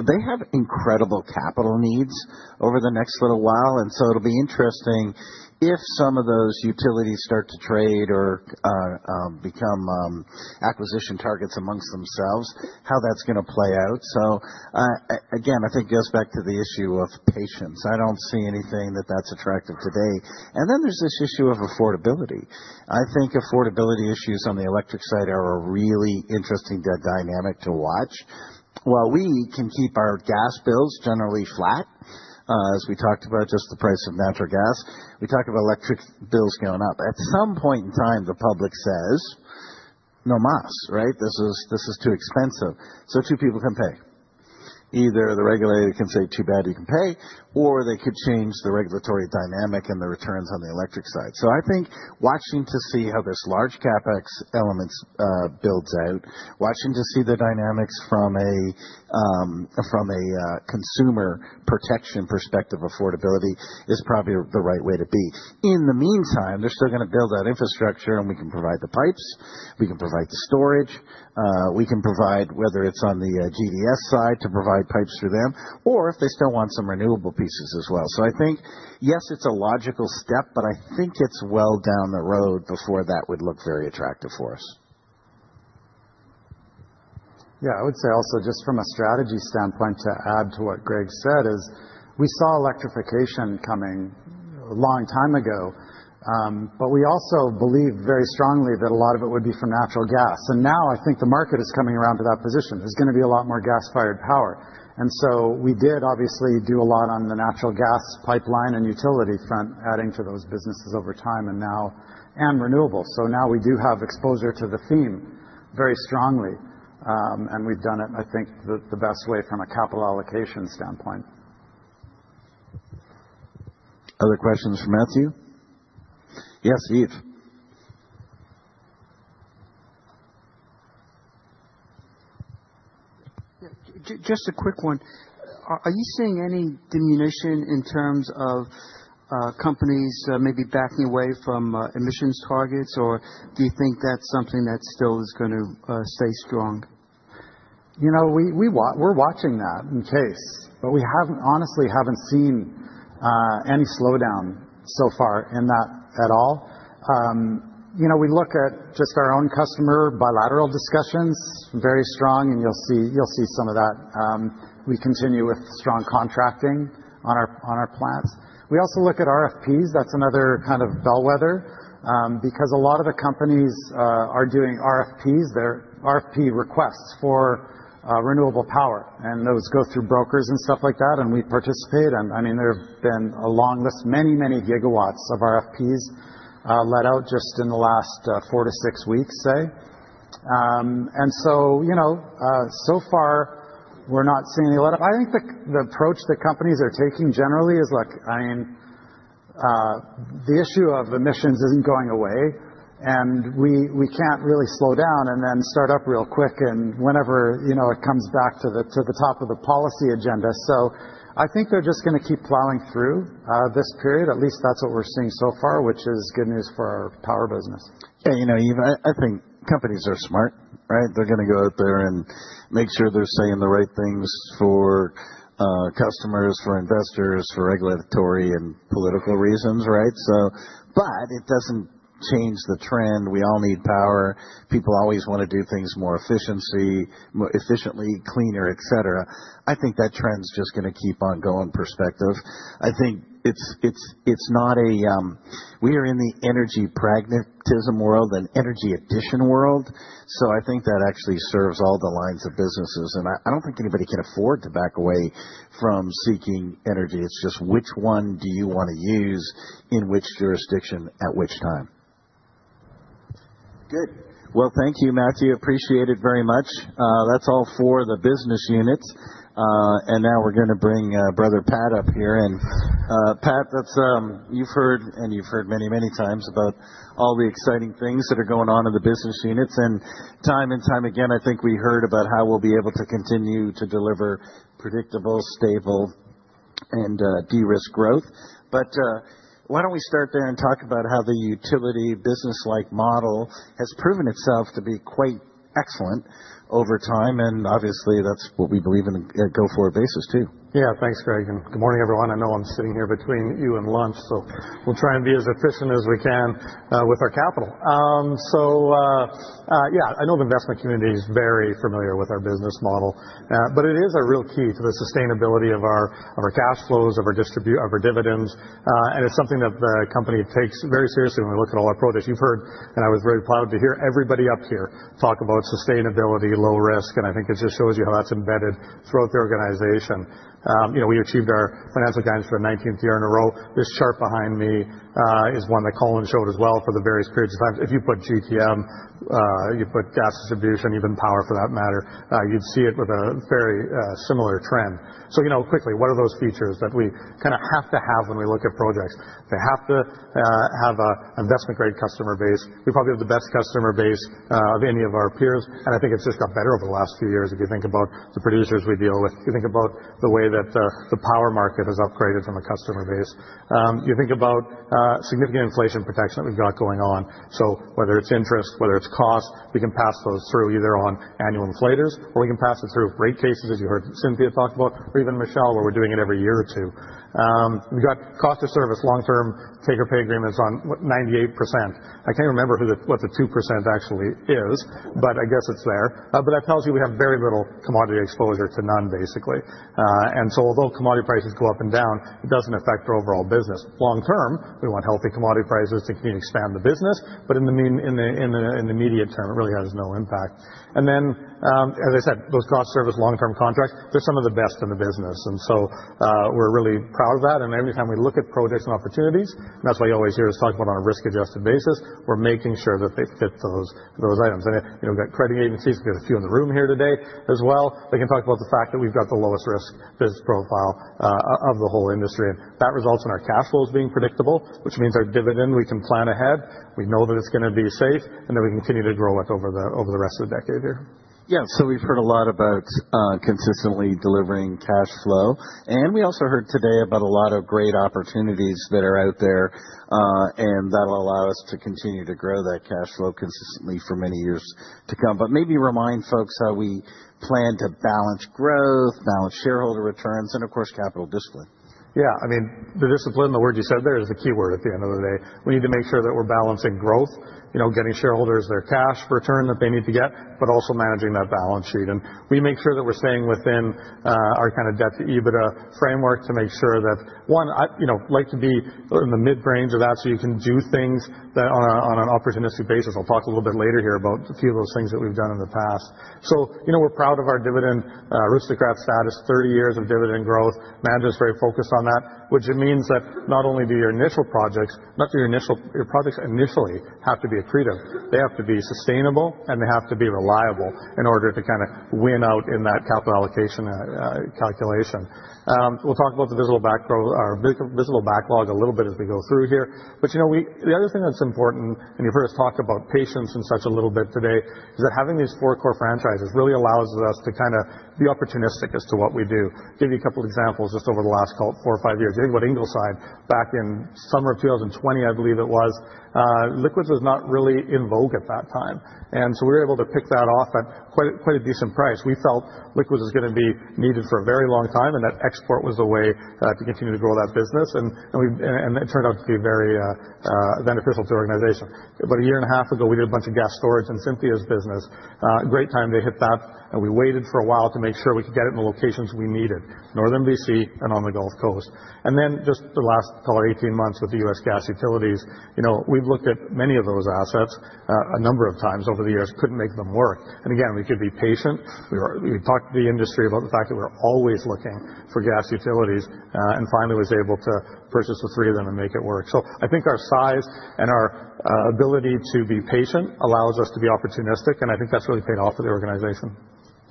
They have incredible capital needs over the next little while. And so it'll be interesting if some of those utilities start to trade or become acquisition targets amongst themselves, how that's going to play out. So again, I think it goes back to the issue of patience. I don't see anything that's attractive today. And then there's this issue of affordability. I think affordability issues on the electric side are a really interesting dynamic to watch. While we can keep our gas bills generally flat, as we talked about just the price of natural gas, we talk about electric bills going up. At some point in time, the public says, "No más," right? This is too expensive. So two people can pay. Either the regulator can say, "Too bad you can pay," or they could change the regulatory dynamic and the returns on the electric side. So I think watching to see how this large CapEx element builds out, watching to see the dynamics from a consumer protection perspective, affordability is probably the right way to be. In the meantime, they're still going to build that infrastructure, and we can provide the pipes. We can provide the storage. We can provide, whether it's on the GDS side, to provide pipes through them, or if they still want some renewable pieces as well. So I think, yes, it's a logical step, but I think it's well down the road before that would look very attractive for us. Yeah. I would say also, just from a strategy standpoint, to add to what Greg said, we saw electrification coming a long time ago. But we also believe very strongly that a lot of it would be from natural gas. And now I think the market is coming around to that position. There's going to be a lot more gas-fired power. And so we did obviously do a lot on the natural gas pipeline and utility front, adding to those businesses over time and now and renewable. So now we do have exposure to the theme very strongly. And we've done it, I think, the best way from a capital allocation standpoint. Other questions for Matthew? Yes, Yves. Just a quick one. Are you seeing any diminution in terms of companies maybe backing away from emissions targets, or do you think that's something that still is going to stay strong? We're watching that in case, but we honestly haven't seen any slowdown so far in that at all. We look at just our own customer bilateral discussions, very strong, and you'll see some of that. We continue with strong contracting on our plants. We also look at RFPs. That's another kind of bellwether because a lot of the companies are doing RFPs, their RFP requests for renewable power. Those go through brokers and stuff like that, and we participate. I mean, there have been a long list, many, many gigawatts of RFPs let out just in the last four to six weeks, say. So far, we're not seeing a lot. I think the approach that companies are taking generally is like, I mean, the issue of emissions isn't going away, and we can't really slow down and then start up real quick whenever it comes back to the top of the policy agenda. I think they're just going to keep plowing through this period. At least that's what we're seeing so far, which is good news for our power business. Yeah. You know, Yves, I think companies are smart, right? They're going to go out there and make sure they're saying the right things for customers, for investors, for regulatory and political reasons, right? But it doesn't change the trend. We all need power. People always want to do things more efficiently, cleaner, etc. I think that trend's just going to keep on going perspective. I think it's not. We are in the energy pragmatism world, an energy addition world. So I think that actually serves all the lines of businesses. And I don't think anybody can afford to back away from seeking energy. It's just which one do you want to use in which jurisdiction at which time? Good. Well, thank you, Matthew. Appreciate it very much. That's all for the business units. And now we're going to bring Brother Pat up here. Pat, you've heard, and you've heard many, many times about all the exciting things that are going on in the business units. Time and time again, I think we heard about how we'll be able to continue to deliver predictable, stable, and de-risk growth. Why don't we start there and talk about how the utility business-like model has proven itself to be quite excellent over time? Obviously, that's what we believe in a go-forward basis too. Yeah. Thanks, Greg. Good morning, everyone. I know I'm sitting here between you and lunch, so we'll try and be as efficient as we can with our capital. Yeah, I know the investment community is very familiar with our business model, but it is a real key to the sustainability of our cash flows, of our dividends. And it's something that the company takes very seriously when we look at all our products. You've heard, and I was very proud to hear everybody up here talk about sustainability, low risk. And I think it just shows you how that's embedded throughout the organization. We achieved our financial gains for the 19th year in a row. This chart behind me is one that Colin showed as well for the various periods of time. If you put GTM, you put gas distribution, even power for that matter, you'd see it with a very similar trend. So quickly, what are those features that we kind of have to have when we look at projects? They have to have an investment-grade customer base. We probably have the best customer base of any of our peers. I think it's just got better over the last few years if you think about the producers we deal with. You think about the way that the power market has upgraded from a customer base. You think about significant inflation protection that we've got going on. Whether it's interest, whether it's cost, we can pass those through either on annual inflators, or we can pass it through rate cases, as you heard Cynthia talk about, or even Michele, where we're doing it every year or two. We've got cost of service long-term take-or-pay agreements on 98%. I can't remember what the 2% actually is, but I guess it's there. That tells you we have very little commodity exposure to none, basically. So although commodity prices go up and down, it doesn't affect our overall business. Long-term, we want healthy commodity prices to continue to expand the business, but in the immediate term, it really has no impact. And then, as I said, those cost-of-service long-term contracts, they're some of the best in the business. And so we're really proud of that. And every time we look at projects and opportunities, and that's why you always hear us talk about on a risk-adjusted basis, we're making sure that they fit those items. And credit agencies, we've got a few in the room here today as well. They can talk about the fact that we've got the lowest risk business profile of the whole industry. And that results in our cash flows being predictable, which means our dividend, we can plan ahead. We know that it's going to be safe, and then we continue to grow it over the rest of the decade here. Yeah.So we've heard a lot about consistently delivering cash flow. And we also heard today about a lot of great opportunities that are out there and that'll allow us to continue to grow that cash flow consistently for many years to come. But maybe remind folks how we plan to balance growth, balance shareholder returns, and of course, capital discipline. Yeah. I mean, the discipline, the word you said there is the keyword at the end of the day. We need to make sure that we're balancing growth, getting shareholders their cash return that they need to get, but also managing that balance sheet. And we make sure that we're staying within our kind of debt-to-EBITDA framework to make sure that, one, I'd like to be in the mid-range of that so you can do things on an opportunistic basis. I'll talk a little bit later here about a few of those things that we've done in the past. So we're proud of our dividend aristocrat status, 30 years of dividend growth. Management is very focused on that, which means that not only do your initial projects initially have to be accretive. They have to be sustainable, and they have to be reliable in order to kind of win out in that capital allocation calculation. We'll talk about the visible backlog a little bit as we go through here. But the other thing that's important, and you've heard us talk about patience and such a little bit today, is that having these four core franchises really allows us to kind of be opportunistic as to what we do. Give you a couple of examples just over the last four or five years. You think about Ingleside back in summer of 2020, I believe it was. Liquids was not really in vogue at that time, and so we were able to pick that off at quite a decent price. We felt Liquids was going to be needed for a very long time, and that export was the way to continue to grow that business, and it turned out to be very beneficial to the organization, but a year and a half ago, we did a bunch of gas storage in Cynthia's business. Great time they hit that, and we waited for a while to make sure we could get it in the locations we needed, Northern BC and on the Gulf Coast. And then just the last, call it, 18 months with the U.S. gas utilities, we've looked at many of those assets a number of times over the years, couldn't make them work. And again, we could be patient. We talked to the industry about the fact that we're always looking for gas utilities. And finally, was able to purchase the three of them and make it work. So I think our size and our ability to be patient allows us to be opportunistic. And I think that's really paid off for the organization.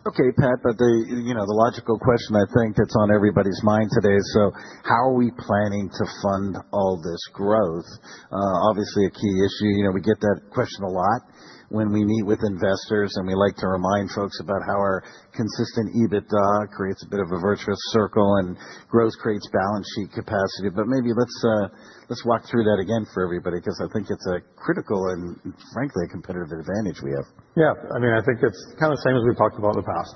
Okay, Pat, but the logical question I think that's on everybody's mind today is, so how are we planning to fund all this growth? Obviously, a key issue. We get that question a lot when we meet with investors, and we like to remind folks about how our consistent EBITDA creates a bit of a virtuous circle and growth creates balance sheet capacity, but maybe let's walk through that again for everybody because I think it's a critical and frankly a competitive advantage we have. Yeah. I mean, I think it's kind of the same as we've talked about in the past,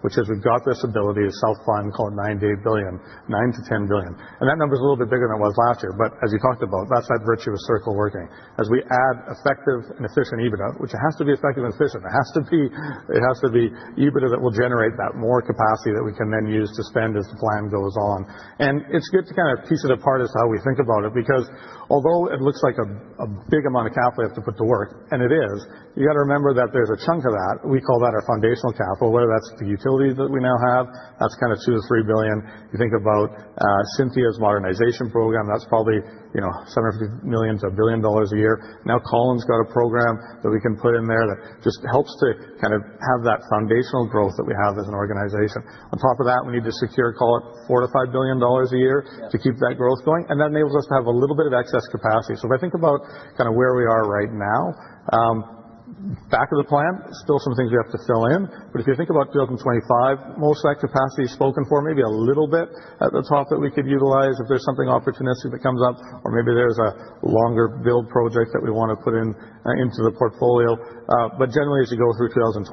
which is we've got this ability to self-fund, call it $8 billion-$9 billion, $9 billion-$10 billion, and that number is a little bit bigger than it was last year, but as you talked about, that's that virtuous circle working. As we add effective and efficient EBITDA, which it has to be effective and efficient. It has to be EBITDA that will generate that more capacity that we can then use to spend as the plan goes on, and it's good to kind of piece it apart as to how we think about it because although it looks like a big amount of capital we have to put to work, and it is, you got to remember that there's a chunk of that. We call that our foundational capital, whether that's the utilities that we now have, that's kind of C$2-C$3 billion. You think about Cynthia's modernization program, that's probably C$750 million-C$1 billion a year. Now Colin's got a program that we can put in there that just helps to kind of have that foundational growth that we have as an organization. On top of that, we need to secure, call it $4-$5 billion a year to keep that growth going, and that enables us to have a little bit of excess capacity, so if I think about kind of where we are right now, back of the plan, still some things we have to fill in, but if you think about 2025, most of that capacity is spoken for, maybe a little bit at the top that we could utilize if there's something opportunistic that comes up, or maybe there's a longer build project that we want to put into the portfolio, but generally, as you go through 2026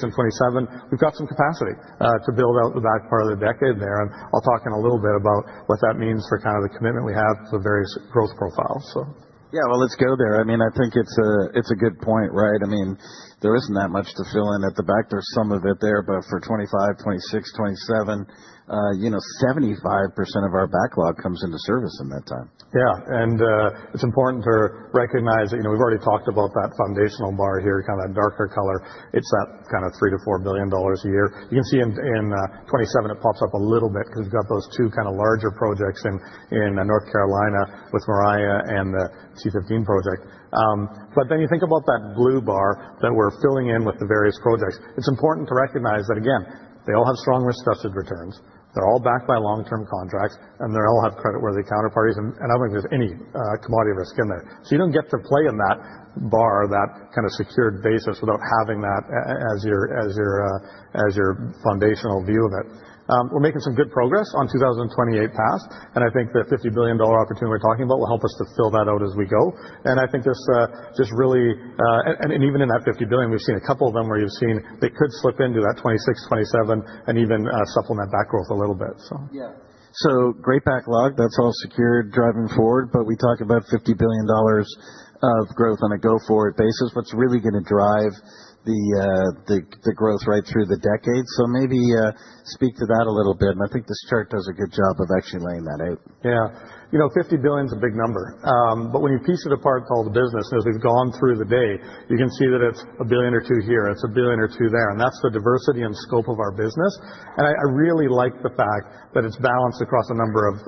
and 2027, we've got some capacity to build out the back part of the decade there. I'll talk in a little bit about what that means for kind of the commitment we have to the various growth profiles, so. Yeah. Well, let's go there. I mean, I think it's a good point, right? I mean, there isn't that much to fill in at the back. There's some of it there, but for 2025, 2026, 2027, 75% of our backlog comes into service in that time. Yeah. It's important to recognize that we've already talked about that foundational bar here, kind of that darker color. It's that kind of $3-$4 billion a year. You can see in 2027, it pops up a little bit because we've got those two kind of larger projects in North Carolina with the Moriah and the T-15 project. But then you think about that blue bar that we're filling in with the various projects. It's important to recognize that, again, they all have strong risk-adjusted returns. They're all backed by long-term contracts, and they all have credit-worthy counterparties, and I don't think there's any commodity risk in there, so you don't get to play in that bar, that kind of secured basis without having that as your foundational view of it. We're making some good progress on 2028 past, and I think the $50 billion opportunity we're talking about will help us to fill that out as we go. And I think there's just really, and even in that $50 billion, we've seen a couple of them where you've seen they could slip into that 2026, 2027, and even supplement back growth a little bit, so. Yeah, so great backlog. That's all secured, driving forward, but we talk about $50 billion of growth on a go-forward basis. What's really going to drive the growth right through the decade? So maybe speak to that a little bit. And I think this chart does a good job of actually laying that out. Yeah. You know, 50 billion is a big number. But when you piece it apart to all the business, as we've gone through the day, you can see that it's a billion or two here. It's a billion or two there. And that's the diversity and scope of our business. And I really like the fact that it's balanced across a number of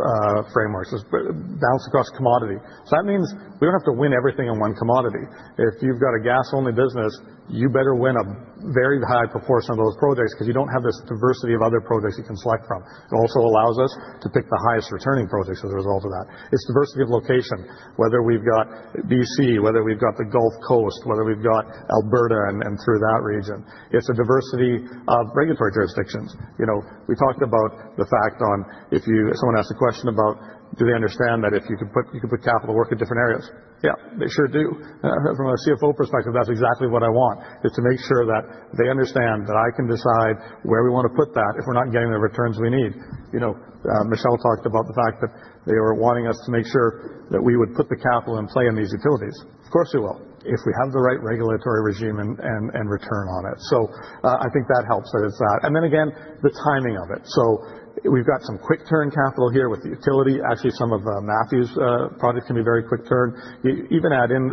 frameworks, balanced across commodity. So that means we don't have to win everything in one commodity. If you've got a gas-only business, you better win a very high proportion of those projects because you don't have this diversity of other projects you can select from. It also allows us to pick the highest returning projects as a result of that. It's diversity of location, whether we've got BC, whether we've got the Gulf Coast, whether we've got Alberta and through that region. It's a diversity of regulatory jurisdictions. We talked about the fact on if someone asked a question about, do they understand that if you could put capital work in different areas? Yeah, they sure do. From a CFO perspective, that's exactly what I want, is to make sure that they understand that I can decide where we want to put that if we're not getting the returns we need. Michele talked about the fact that they were wanting us to make sure that we would put the capital in play in these utilities. Of course we will, if we have the right regulatory regime and return on it. I think that helps that it's that. Then again, the timing of it. We've got some quick-turn capital here with the utility. Actually, some of Matthew's project can be very quick-turn. Even add in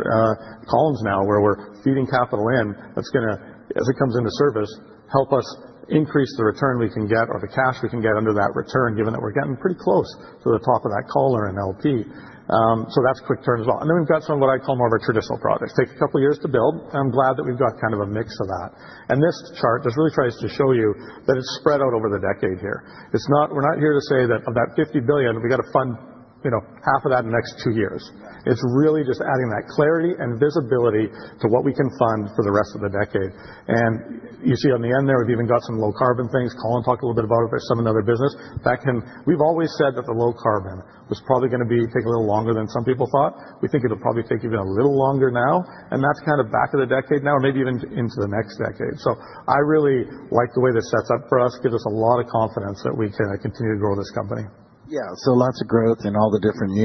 Colin's now, where we're feeding capital in that's going to, as it comes into service, help us increase the return we can get or the cash we can get under that return, given that we're getting pretty close to the top of that collar in LP. That's quick-turn as well. Then we've got some of what I call more of our traditional projects. Take a couple of years to build. I'm glad that we've got kind of a mix of that. This chart just really tries to show you that it's spread out over the decade here. We're not here to say that of that $50 billion, we got to fund half of that in the next two years. It's really just adding that clarity and visibility to what we can fund for the rest of the decade, and you see on the end there, we've even got some low-carbon things. Colin talked a little bit about it. There's some in other business. We've always said that the low-carbon was probably going to take a little longer than some people thought. We think it'll probably take even a little longer now, and that's kind of back of the decade now, or maybe even into the next decade, so I really like the way this sets up for us, gives us a lot of confidence that we can continue to grow this company. Yeah, so lots of growth in all the different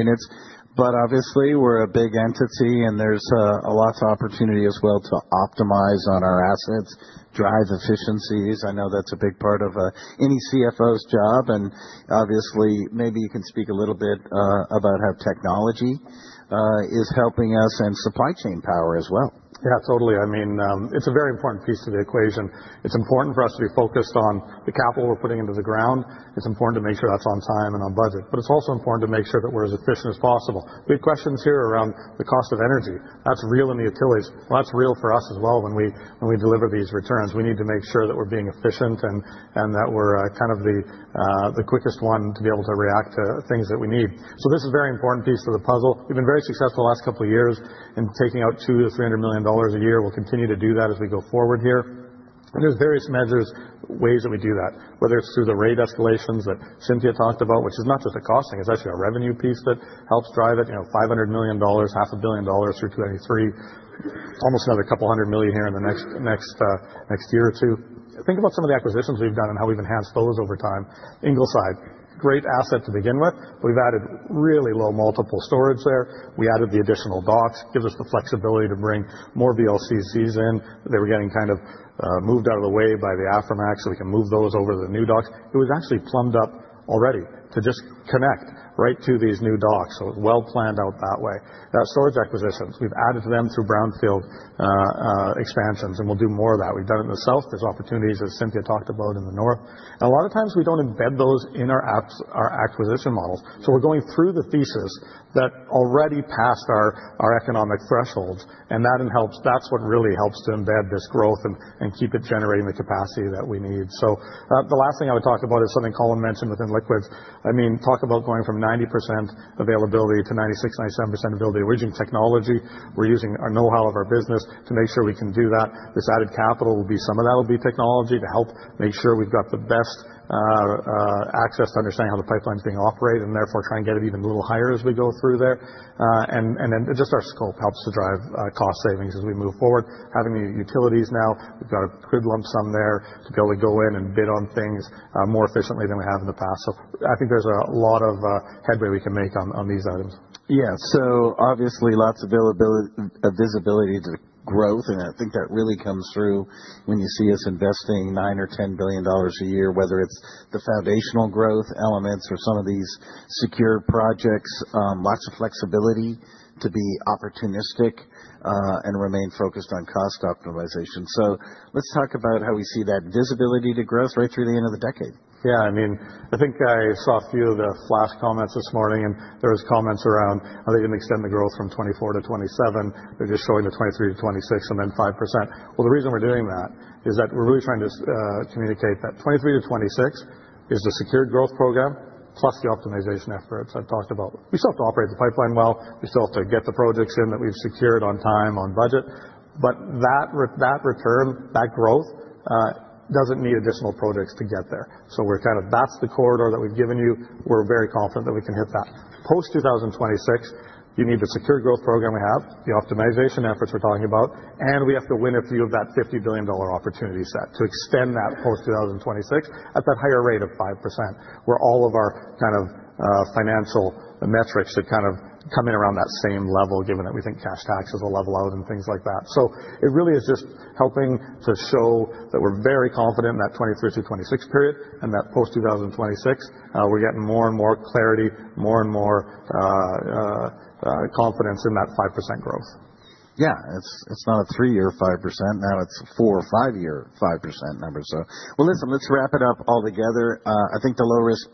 units. But obviously, we're a big entity, and there's lots of opportunity as well to optimize on our assets, drive efficiencies. I know that's a big part of any CFO's job. And obviously, maybe you can speak a little bit about how technology is helping us and supply chain power as well. Yeah, totally. I mean, it's a very important piece to the equation. It's important for us to be focused on the capital we're putting into the ground. It's important to make sure that's on time and on budget. But it's also important to make sure that we're as efficient as possible. We have questions here around the cost of energy. That's real in the utilities. Well, that's real for us as well when we deliver these returns. We need to make sure that we're being efficient and that we're kind of the quickest one to be able to react to things that we need. So this is a very important piece of the puzzle. We've been very successful the last couple of years in taking out $200-$300 million a year. We'll continue to do that as we go forward here. And there's various measures, ways that we do that, whether it's through the rate escalations that Cynthia talked about, which is not just a cost thing. It's actually a revenue piece that helps drive it, $500 million, $500 million through 2023, almost another $200 million here in the next year or two. Think about some of the acquisitions we've done and how we've enhanced those over time. Ingleside, great asset to begin with, but we've added really low multiple storage there. We added the additional docks. It gives us the flexibility to bring more VLCCs in. They were getting kind of moved out of the way by the Aframax, so we can move those over to the new docks. It was actually plumbed up already to just connect right to these new docks. So it was well planned out that way. Those storage acquisitions, we've added to them through brownfield expansions, and we'll do more of that. We've done it in the south. There's opportunities, as Cynthia talked about, in the north. And a lot of times, we don't embed those in our acquisition models. So we're going through the thesis that already passed our economic thresholds. And that helps. That's what really helps to embed this growth and keep it generating the capacity that we need. So the last thing I would talk about is something Colin mentioned within Liquids. I mean, talk about going from 90% availability to 96%-97% availability of original technology. We're using our know-how of our business to make sure we can do that. This added capital will be some of that will be technology to help make sure we've got the best access to understand how the pipeline is being operated and therefore try and get it even a little higher as we go through there. And then just our scope helps to drive cost savings as we move forward. Having the utilities now, we've got a fixed lump sum there to be able to go in and bid on things more efficiently than we have in the past. So I think there's a lot of headway we can make on these items. Yeah. So obviously, lots of visibility to growth.I think that really comes through when you see us investing $9 billion or $10 billion a year, whether it's the foundational growth elements or some of these secure projects, lots of flexibility to be opportunistic and remain focused on cost optimization. Let's talk about how we see that visibility to growth right through the end of the decade. Yeah. I mean, I think I saw a few of the flash comments this morning. There were comments around, are they going to extend the growth from 2024 to 2027? They're just showing the 2023 to 2026 and then 5%. The reason we're doing that is that we're really trying to communicate that 2023 to 2026 is the secured growth program plus the optimization efforts I talked about. We still have to operate the pipeline well. We still have to get the projects in that we've secured on time, on budget. But that return, that growth doesn't need additional projects to get there. So we're kind of, that's the corridor that we've given you. We're very confident that we can hit that. Post-2026, you need the secured growth program we have, the optimization efforts we're talking about, and we have to win a few of that $50 billion opportunity set to extend that post-2026 at that higher rate of 5%, where all of our kind of financial metrics should kind of come in around that same level, given that we think cash taxes level out and things like that. So it really is just helping to show that we're very confident in that 2023 to 2026 period and that post-2026, we're getting more and more clarity, more and more confidence in that 5% growth. Yeah. It's not a three-year 5%. Now it's a four or five-year 5% number, so, well, listen, let's wrap it up all together. I think the low-risk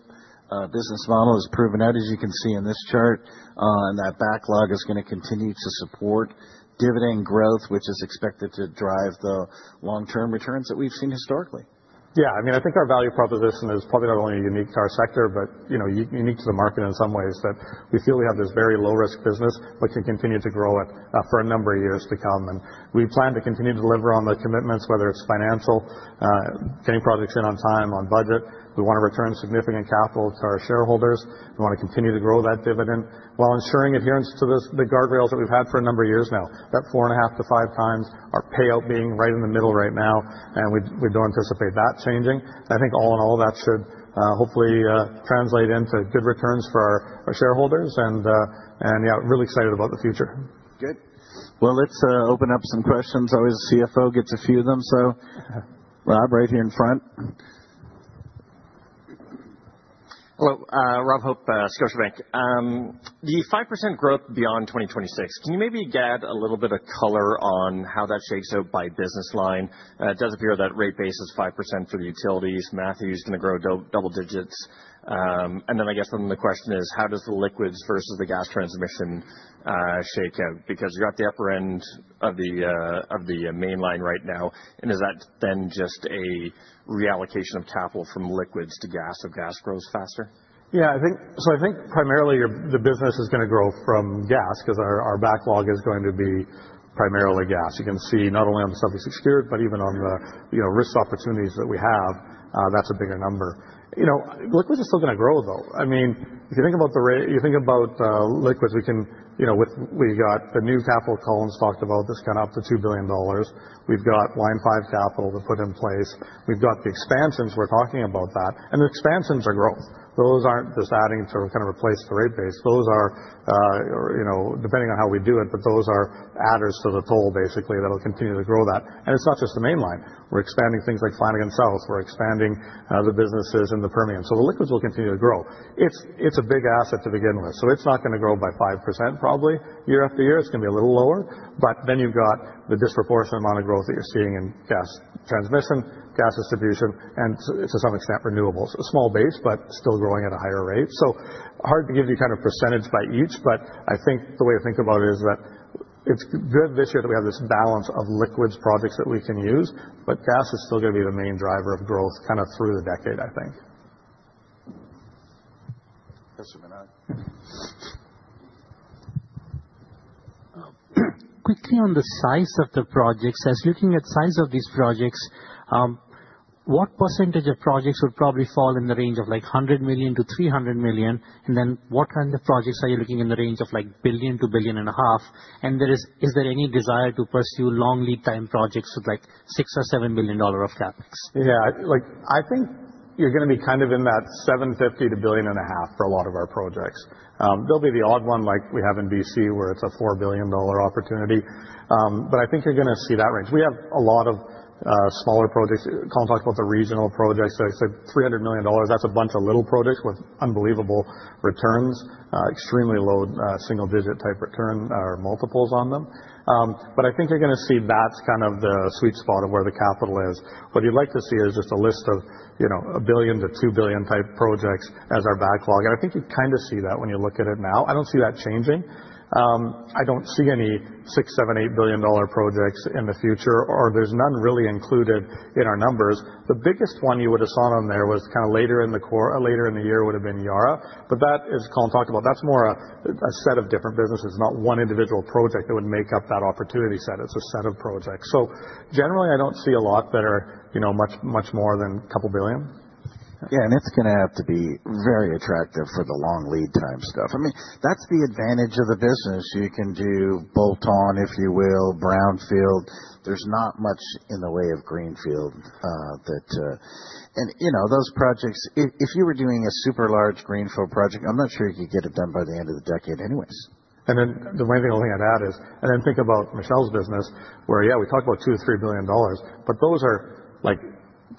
business model has proven out, as you can see in this chart, and that backlog is going to continue to support dividend growth, which is expected to drive the long-term returns that we've seen historically. Yeah. I mean, I think our value proposition is probably not only unique to our sector, but unique to the market in some ways, that we feel we have this very low-risk business, but can continue to grow it for a number of years to come, and we plan to continue to deliver on the commitments, whether it's financial, getting projects in on time, on budget. We want to return significant capital to our shareholders. We want to continue to grow that dividend while ensuring adherence to the guardrails that we've had for a number of years now, that 4.5-5 times our payout being right in the middle right now. We don't anticipate that changing. I think all in all, that should hopefully translate into good returns for our shareholders. Yeah, really excited about the future. Good. Well, let's open up some questions. Always CFO gets a few of them. So Rob right here in front. Hello. Rob Hope, Scotiabank. The 5% growth beyond 2026, can you maybe add a little bit of color on how that shakes out by business line? It does appear that rate base is 5% for the utilities. Matthew's going to grow double digits. And then I guess then the question is, how does the liquids versus the gas transmission shake out? Because you're at the upper end of the Mainline right now. And is that then just a reallocation of capital from liquids to gas if gas grows faster? Yeah. So I think primarily the business is going to grow from gas because our backlog is going to be primarily gas. You can see not only on the secured projects, but even on the risked opportunities that we have, that's a bigger number. Liquids are still going to grow, though. I mean, if you think about the rate base, you think about liquids, we got the new capital Colin's talked about, this kind of up to $2 billion. We've got Line 5 capital to put in place. We've got the expansions. We're talking about that. And the expansions are growth. Those aren't just adding to kind of replace the rate base. Those are, depending on how we do it, but those are adders to the toll basically that will continue to grow that. And it's not just the Mainline. We're expanding things like Flanagan South. We're expanding the businesses in the Permian. So the liquids will continue to grow. It's a big asset to begin with. So it's not going to grow by 5% probably year after year. It's going to be a little lower. But then you've got the disproportionate amount of growth that you're seeing in gas transmission, gas distribution, and to some extent renewables. A small base, but still growing at a higher rate. so hard to give you kind of percentage by each, but I think the way to think about it is that it's good this year that we have this balance of liquids projects that we can use, but gas is still going to be the main driver of growth kind of through the decade, I think. Yes, sir, may I? Quickly on the size of the projects. When looking at size of these projects, what percentage of projects would probably fall in the range of like $100 million-$300 million? And then what kind of projects are you looking in the range of like $1 billion to $1.5 billion? And is there any desire to pursue long lead time projects with like $6-$7 billion of CapEx? Yeah. I think you're going to be kind of in that $750 million-$1.5 billion for a lot of our projects. There'll be the odd one like we have in BC where it's a $4 billion opportunity, but I think you're going to see that range. We have a lot of smaller projects. Colin talked about the regional projects. I said $300 million. That's a bunch of little projects with unbelievable returns, extremely low single-digit type return or multiples on them, but I think you're going to see that's kind of the sweet spot of where the capital is. What you'd like to see is just a list of $1 billion-$2 billion type projects as our backlog, and I think you kind of see that when you look at it now. I don't see that changing. I don't see any $6-$8 billion projects in the future, or there's none really included in our numbers. The biggest one you would have saw on there was kind of later in the year would have been Yara. But that, as Colin talked about, that's more a set of different businesses, not one individual project that would make up that opportunity set. It's a set of projects. So generally, I don't see a lot that are much more than a couple billion. Yeah, and it's going to have to be very attractive for the long lead time stuff. I mean, that's the advantage of the business. You can do bolt-on, if you will, brownfield. There's not much in the way of greenfield. And those projects, if you were doing a super large Greenfield project, I'm not sure you could get it done by the end of the decade anyways. And then the main thing I'll think about is, and then think about Michele's business, where yeah, we talked about $2-$3 billion, but those are like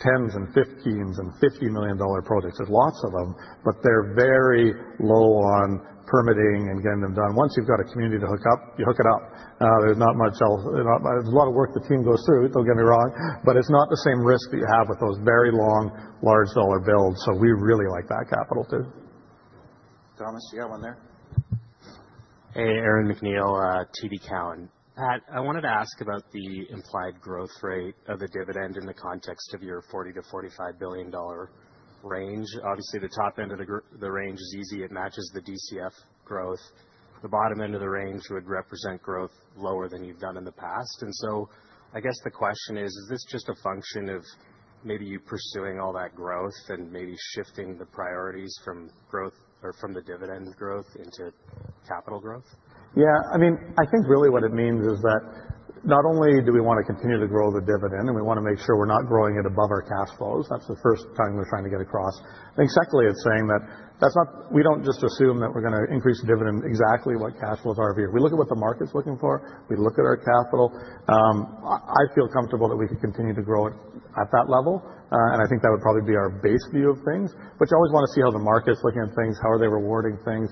tens and fifteens and $50 million projects. There's lots of them, but they're very low on permitting and getting them done. Once you've got a community to hook up, you hook it up. There's not much else. There's a lot of work the team goes through, don't get me wrong. But it's not the same risk that you have with those very long, large dollar builds. So we really like that capital too. Thomas, you got one there? Hey, Aaron McNeil, TD Cowen.Pat, I wanted to ask about the implied growth rate of the dividend in the context of your $40-$45 billion range. Obviously, the top end of the range is easy. It matches the DCF growth. The bottom end of the range would represent growth lower than you've done in the past. And so I guess the question is, is this just a function of maybe you pursuing all that growth and maybe shifting the priorities from growth or from the dividend growth into capital growth? Yeah. I mean, I think really what it means is that not only do we want to continue to grow the dividend, and we want to make sure we're not growing it above our cash flows. That's the first time we're trying to get across.I think secondly, it's saying that we don't just assume that we're going to increase the dividend exactly what cash flows are of year. We look at what the market's looking for. We look at our capital. I feel comfortable that we could continue to grow it at that level, and I think that would probably be our base view of things. You always want to see how the market's looking at things, how are they rewarding things.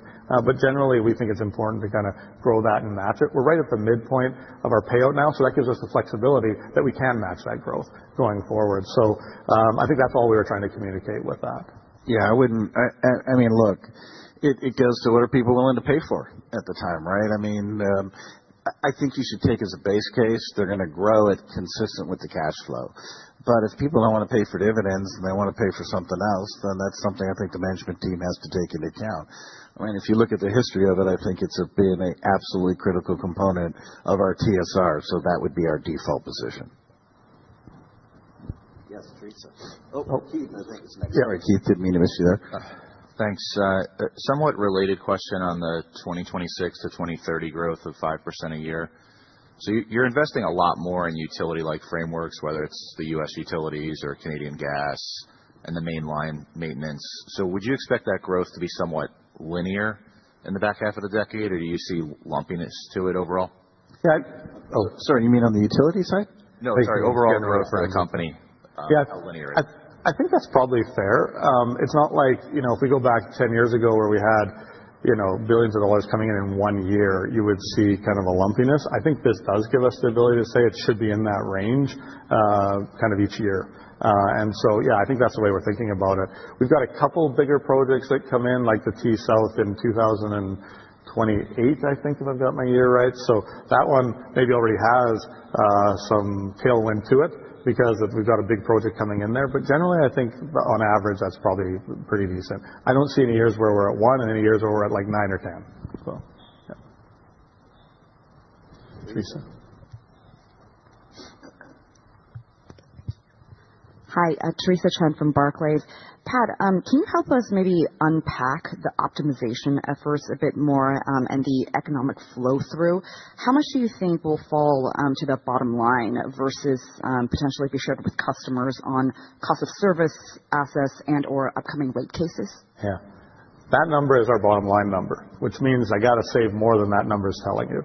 Generally, we think it's important to kind of grow that and match it. We're right at the midpoint of our payout now. That gives us the flexibility that we can match that growth going forward. I think that's all we were trying to communicate with that. Yeah. I mean, look, it goes to what are people willing to pay for at the time, right?I mean, I think you should take as a base case, they're going to grow it consistent with the cash flow. But if people don't want to pay for dividends and they want to pay for something else, then that's something I think the management team has to take into account. I mean, if you look at the history of it, I think it's being an absolutely critical component of our TSR. So that would be our default position. Yes, Theresa. Oh, Keith, I think is next. Yeah, Keith didn't mean to miss you there. Thanks. Somewhat related question on the 2026 to 2030 growth of 5% a year. So you're investing a lot more in utility-like frameworks, whether it's the U.S. utilities or Canadian gas and the Mainline maintenance. So would you expect that growth to be somewhat linear in the back half of the decade, or do you see lumpiness to it overall? Yeah. Oh, sorry, you mean on the utility side? No, sorry. Overall growth for the company, how linear is it? I think that's probably fair. It's not like if we go back 10 years ago where we had billions of dollars coming in in one year, you would see kind of a lumpiness. I think this does give us the ability to say it should be in that range kind of each year. And so yeah, I think that's the way we're thinking about it. We've got a couple bigger projects that come in, like the T-South in 2028, I think, if I've got my year right. So that one maybe already has some tailwind to it because we've got a big project coming in there. But generally, I think on average, that's probably pretty decent. I don't see any years where we're at one and any years where we're at like nine or ten, so. Hi, Theresa Chen from Barclays. Pat, can you help us maybe unpack the optimization efforts a bit more and the economic flow through? How much do you think will fall to the bottom line versus potentially be shared with customers on cost of service assets and/or upcoming rate cases? Yeah. That number is our bottom line number, which means I got to save more than that number is telling you.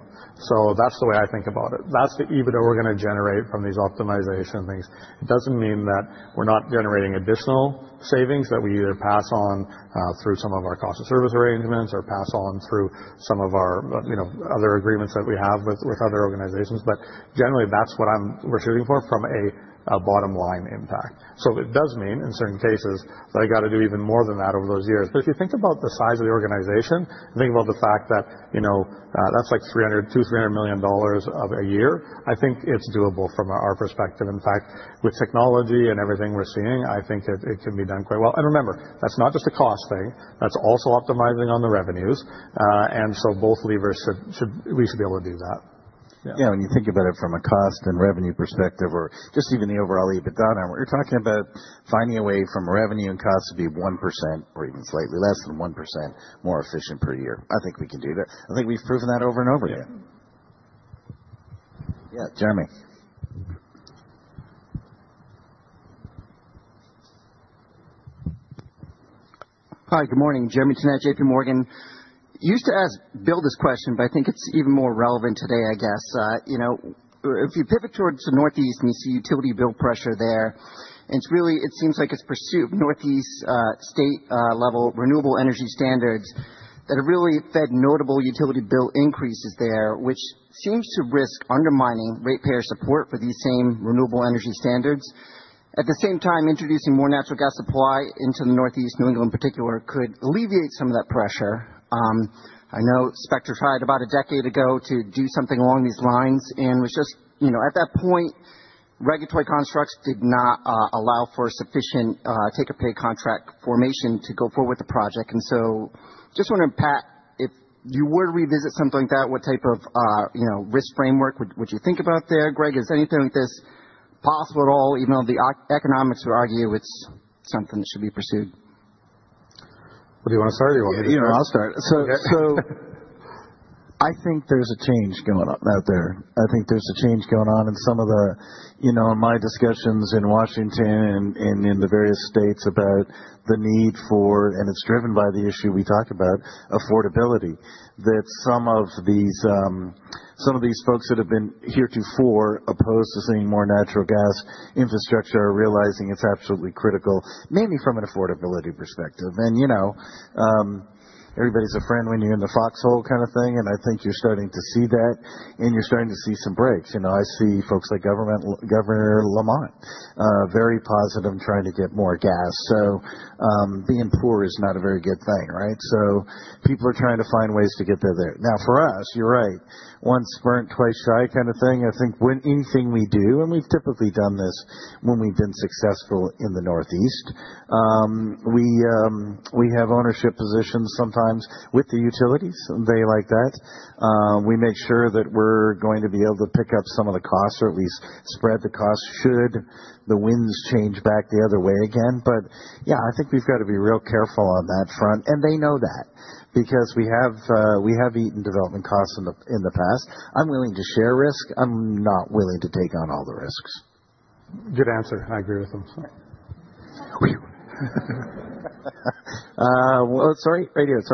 So that's the way I think about it. That's the EBITDA we're going to generate from these optimization things. It doesn't mean that we're not generating additional savings that we either pass on through some of our cost of service arrangements or pass on through some of our other agreements that we have with other organizations. But generally, that's what we're shooting for from a bottom line impact. So it does mean in certain cases that I got to do even more than that over those years. But if you think about the size of the organization and think about the fact that that's like $200 million a year, I think it's doable from our perspective. In fact, with technology and everything we're seeing, I think it can be done quite well. And remember, that's not just a cost thing. That's also optimizing on the revenues. And so both levers we should be able to do that. Yeah.When you think about it from a cost and revenue perspective or just even the overall EBITDA number, you're talking about finding a way from revenue and cost to be 1% or even slightly less than 1% more efficient per year. I think we can do that. I think we've proven that over and over again. Yeah, Jeremy. Hi, good morning. Jeremy Tonet, JPMorgan. Used to ask Bill this question, but I think it's even more relevant today, I guess. If you pivot towards the Northeast and you see utility bill pressure there, it seems like it's pursuit of Northeast state-level renewable energy standards that have really fed notable utility bill increases there, which seems to risk undermining rate payer support for these same renewable energy standards. At the same time, introducing more natural gas supply into the Northeast, New England in particular, could alleviate some of that pressure. I know Spectra tried about a decade ago to do something along these lines, and it was just at that point regulatory constructs did not allow for sufficient take-or-pay contract formation to go forward with the project. Just wondering, Pat, if you were to revisit something like that, what type of risk framework would you think about there, Greg? Is anything like this possible at all, even though the economics would argue it's something that should be pursued? Do you want to start or do you want me to? Yeah, I'll start. I think there's a change going on out there.I think there's a change going on in some of the, in my discussions in Washington and in the various states about the need for, and it's driven by the issue we talked about, affordability, that some of these folks that have been heretofore opposed to seeing more natural gas infrastructure are realizing it's absolutely critical, mainly from an affordability perspective. Everybody's a friend when you're in the foxhole kind of thing, and I think you're starting to see that and you're starting to see some breaks. I see folks like Governor Lamont very positive in trying to get more gas. Being poor is not a very good thing, right? People are trying to find ways to get there. Now, for us, you're right, once burnt, twice shy kind of thing. I think when anything we do, and we've typically done this when we've been successful in the Northeast, we have ownership positions sometimes with the utilities. They like that. We make sure that we're going to be able to pick up some of the costs or at least spread the costs should the winds change back the other way again. But yeah, I think we've got to be real careful on that front. And they know that because we have eaten development costs in the past. I'm willing to share risk. I'm not willing to take on all the risks. Good answer. I agree with them. Sorry. It's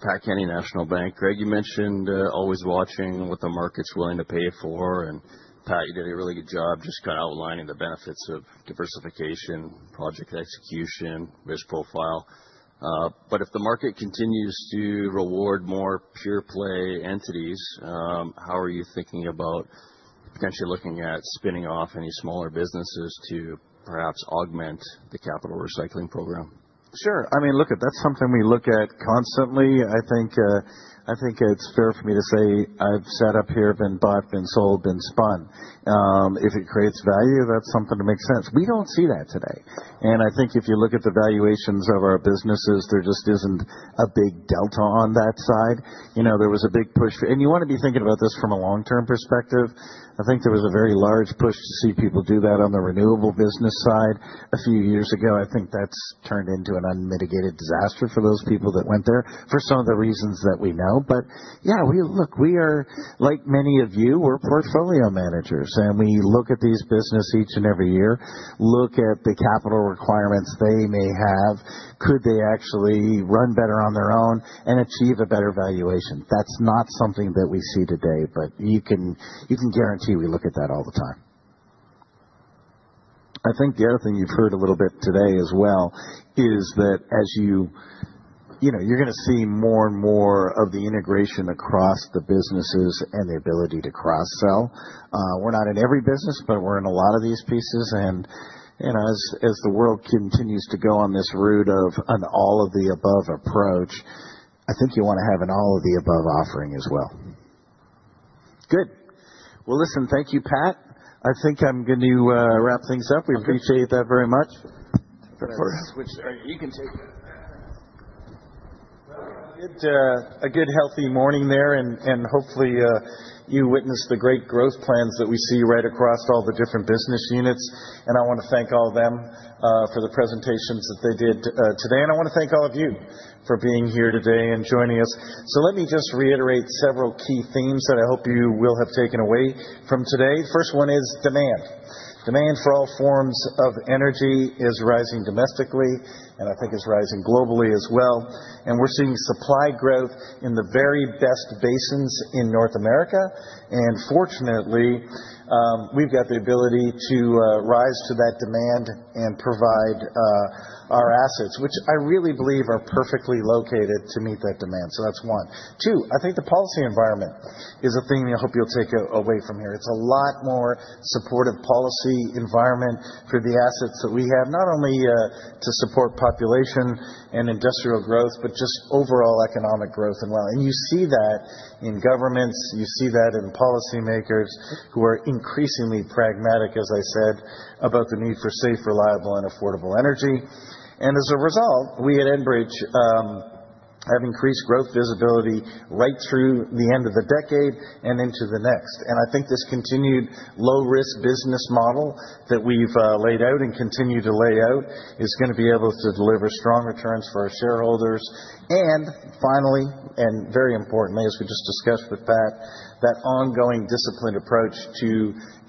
Patrick Kenny, National Bank Financial. Greg, you mentioned always watching what the market's willing to pay for. And Pat, you did a really good job just kind of outlining the benefits of diversification, project execution, risk profile. But if the market continues to reward more pure play entities, how are you thinking about potentially looking at spinning off any smaller businesses to perhaps augment the capital recycling program? Sure. I mean, look, that's something we look at constantly. I think it's fair for me to say I've sat up here, been bought, been sold, been spun. If it creates value, that's something to make sense. We don't see that today, and I think if you look at the valuations of our businesses, there just isn't a big delta on that side. There was a big push for, and you want to be thinking about this from a long-term perspective. I think there was a very large push to see people do that on the renewable business side a few years ago. I think that's turned into an unmitigated disaster for those people that went there for some of the reasons that we know. But yeah, look, like many of you, we're portfolio managers and we look at these businesses each and every year, look at the capital requirements they may have, could they actually run better on their own and achieve a better valuation. That's not something that we see today, but you can guarantee we look at that all the time. I think the other thing you've heard a little bit today as well is that as you're going to see more and more of the integration across the businesses and the ability to cross-sell. We're not in every business, but we're in a lot of these pieces. And as the world continues to go on this route of an all-of-the-above approach, I think you want to have an all-of-the-above offering as well. Good. Well, listen, thank you, Pat. I think I'm going to wrap things up. We appreciate that very much. You can take it. A good healthy morning there. And hopefully, you witnessed the great growth plans that we see right across all the different business units. And I want to thank all of them for the presentations that they did today. And I want to thank all of you for being here today and joining us. So let me just reiterate several key themes that I hope you will have taken away from today. The first one is demand. Demand for all forms of energy is rising domestically, and I think is rising globally as well. We're seeing supply growth in the very best basins in North America. Fortunately, we've got the ability to rise to that demand and provide our assets, which I really believe are perfectly located to meet that demand. That's one. Two, I think the policy environment is a thing that I hope you'll take away from here. It's a lot more supportive policy environment for the assets that we have, not only to support population and industrial growth, but just overall economic growth. You see that in governments. You see that in policymakers who are increasingly pragmatic, as I said, about the need for safe, reliable, and affordable energy. As a result, we at Enbridge have increased growth visibility right through the end of the decade and into the next. I think this continued low-risk business model that we've laid out and continue to lay out is going to be able to deliver strong returns for our shareholders. And finally, and very importantly, as we just discussed with Pat, that ongoing disciplined approach to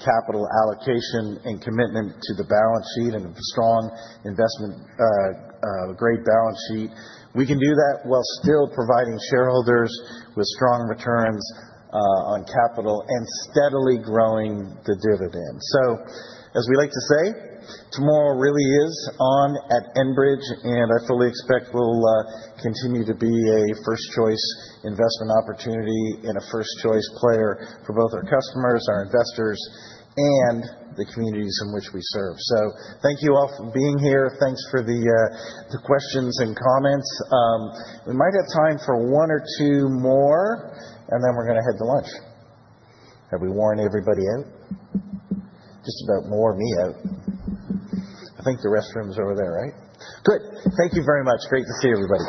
capital allocation and commitment to the balance sheet and strong investment-grade balance sheet. We can do that while still providing shareholders with strong returns on capital and steadily growing the dividend. So as we like to say, tomorrow really is on at Enbridge, and I fully expect we'll continue to be a first-choice investment opportunity and a first-choice player for both our customers, our investors, and the communities in which we serve. So thank you all for being here. Thanks for the questions and comments. We might have time for one or two more, and then we're going to head to lunch. Have we worn everybody out? Just about wore me out. I think the restroom's over there, right? Good. Thank you very much. Great to see everybody.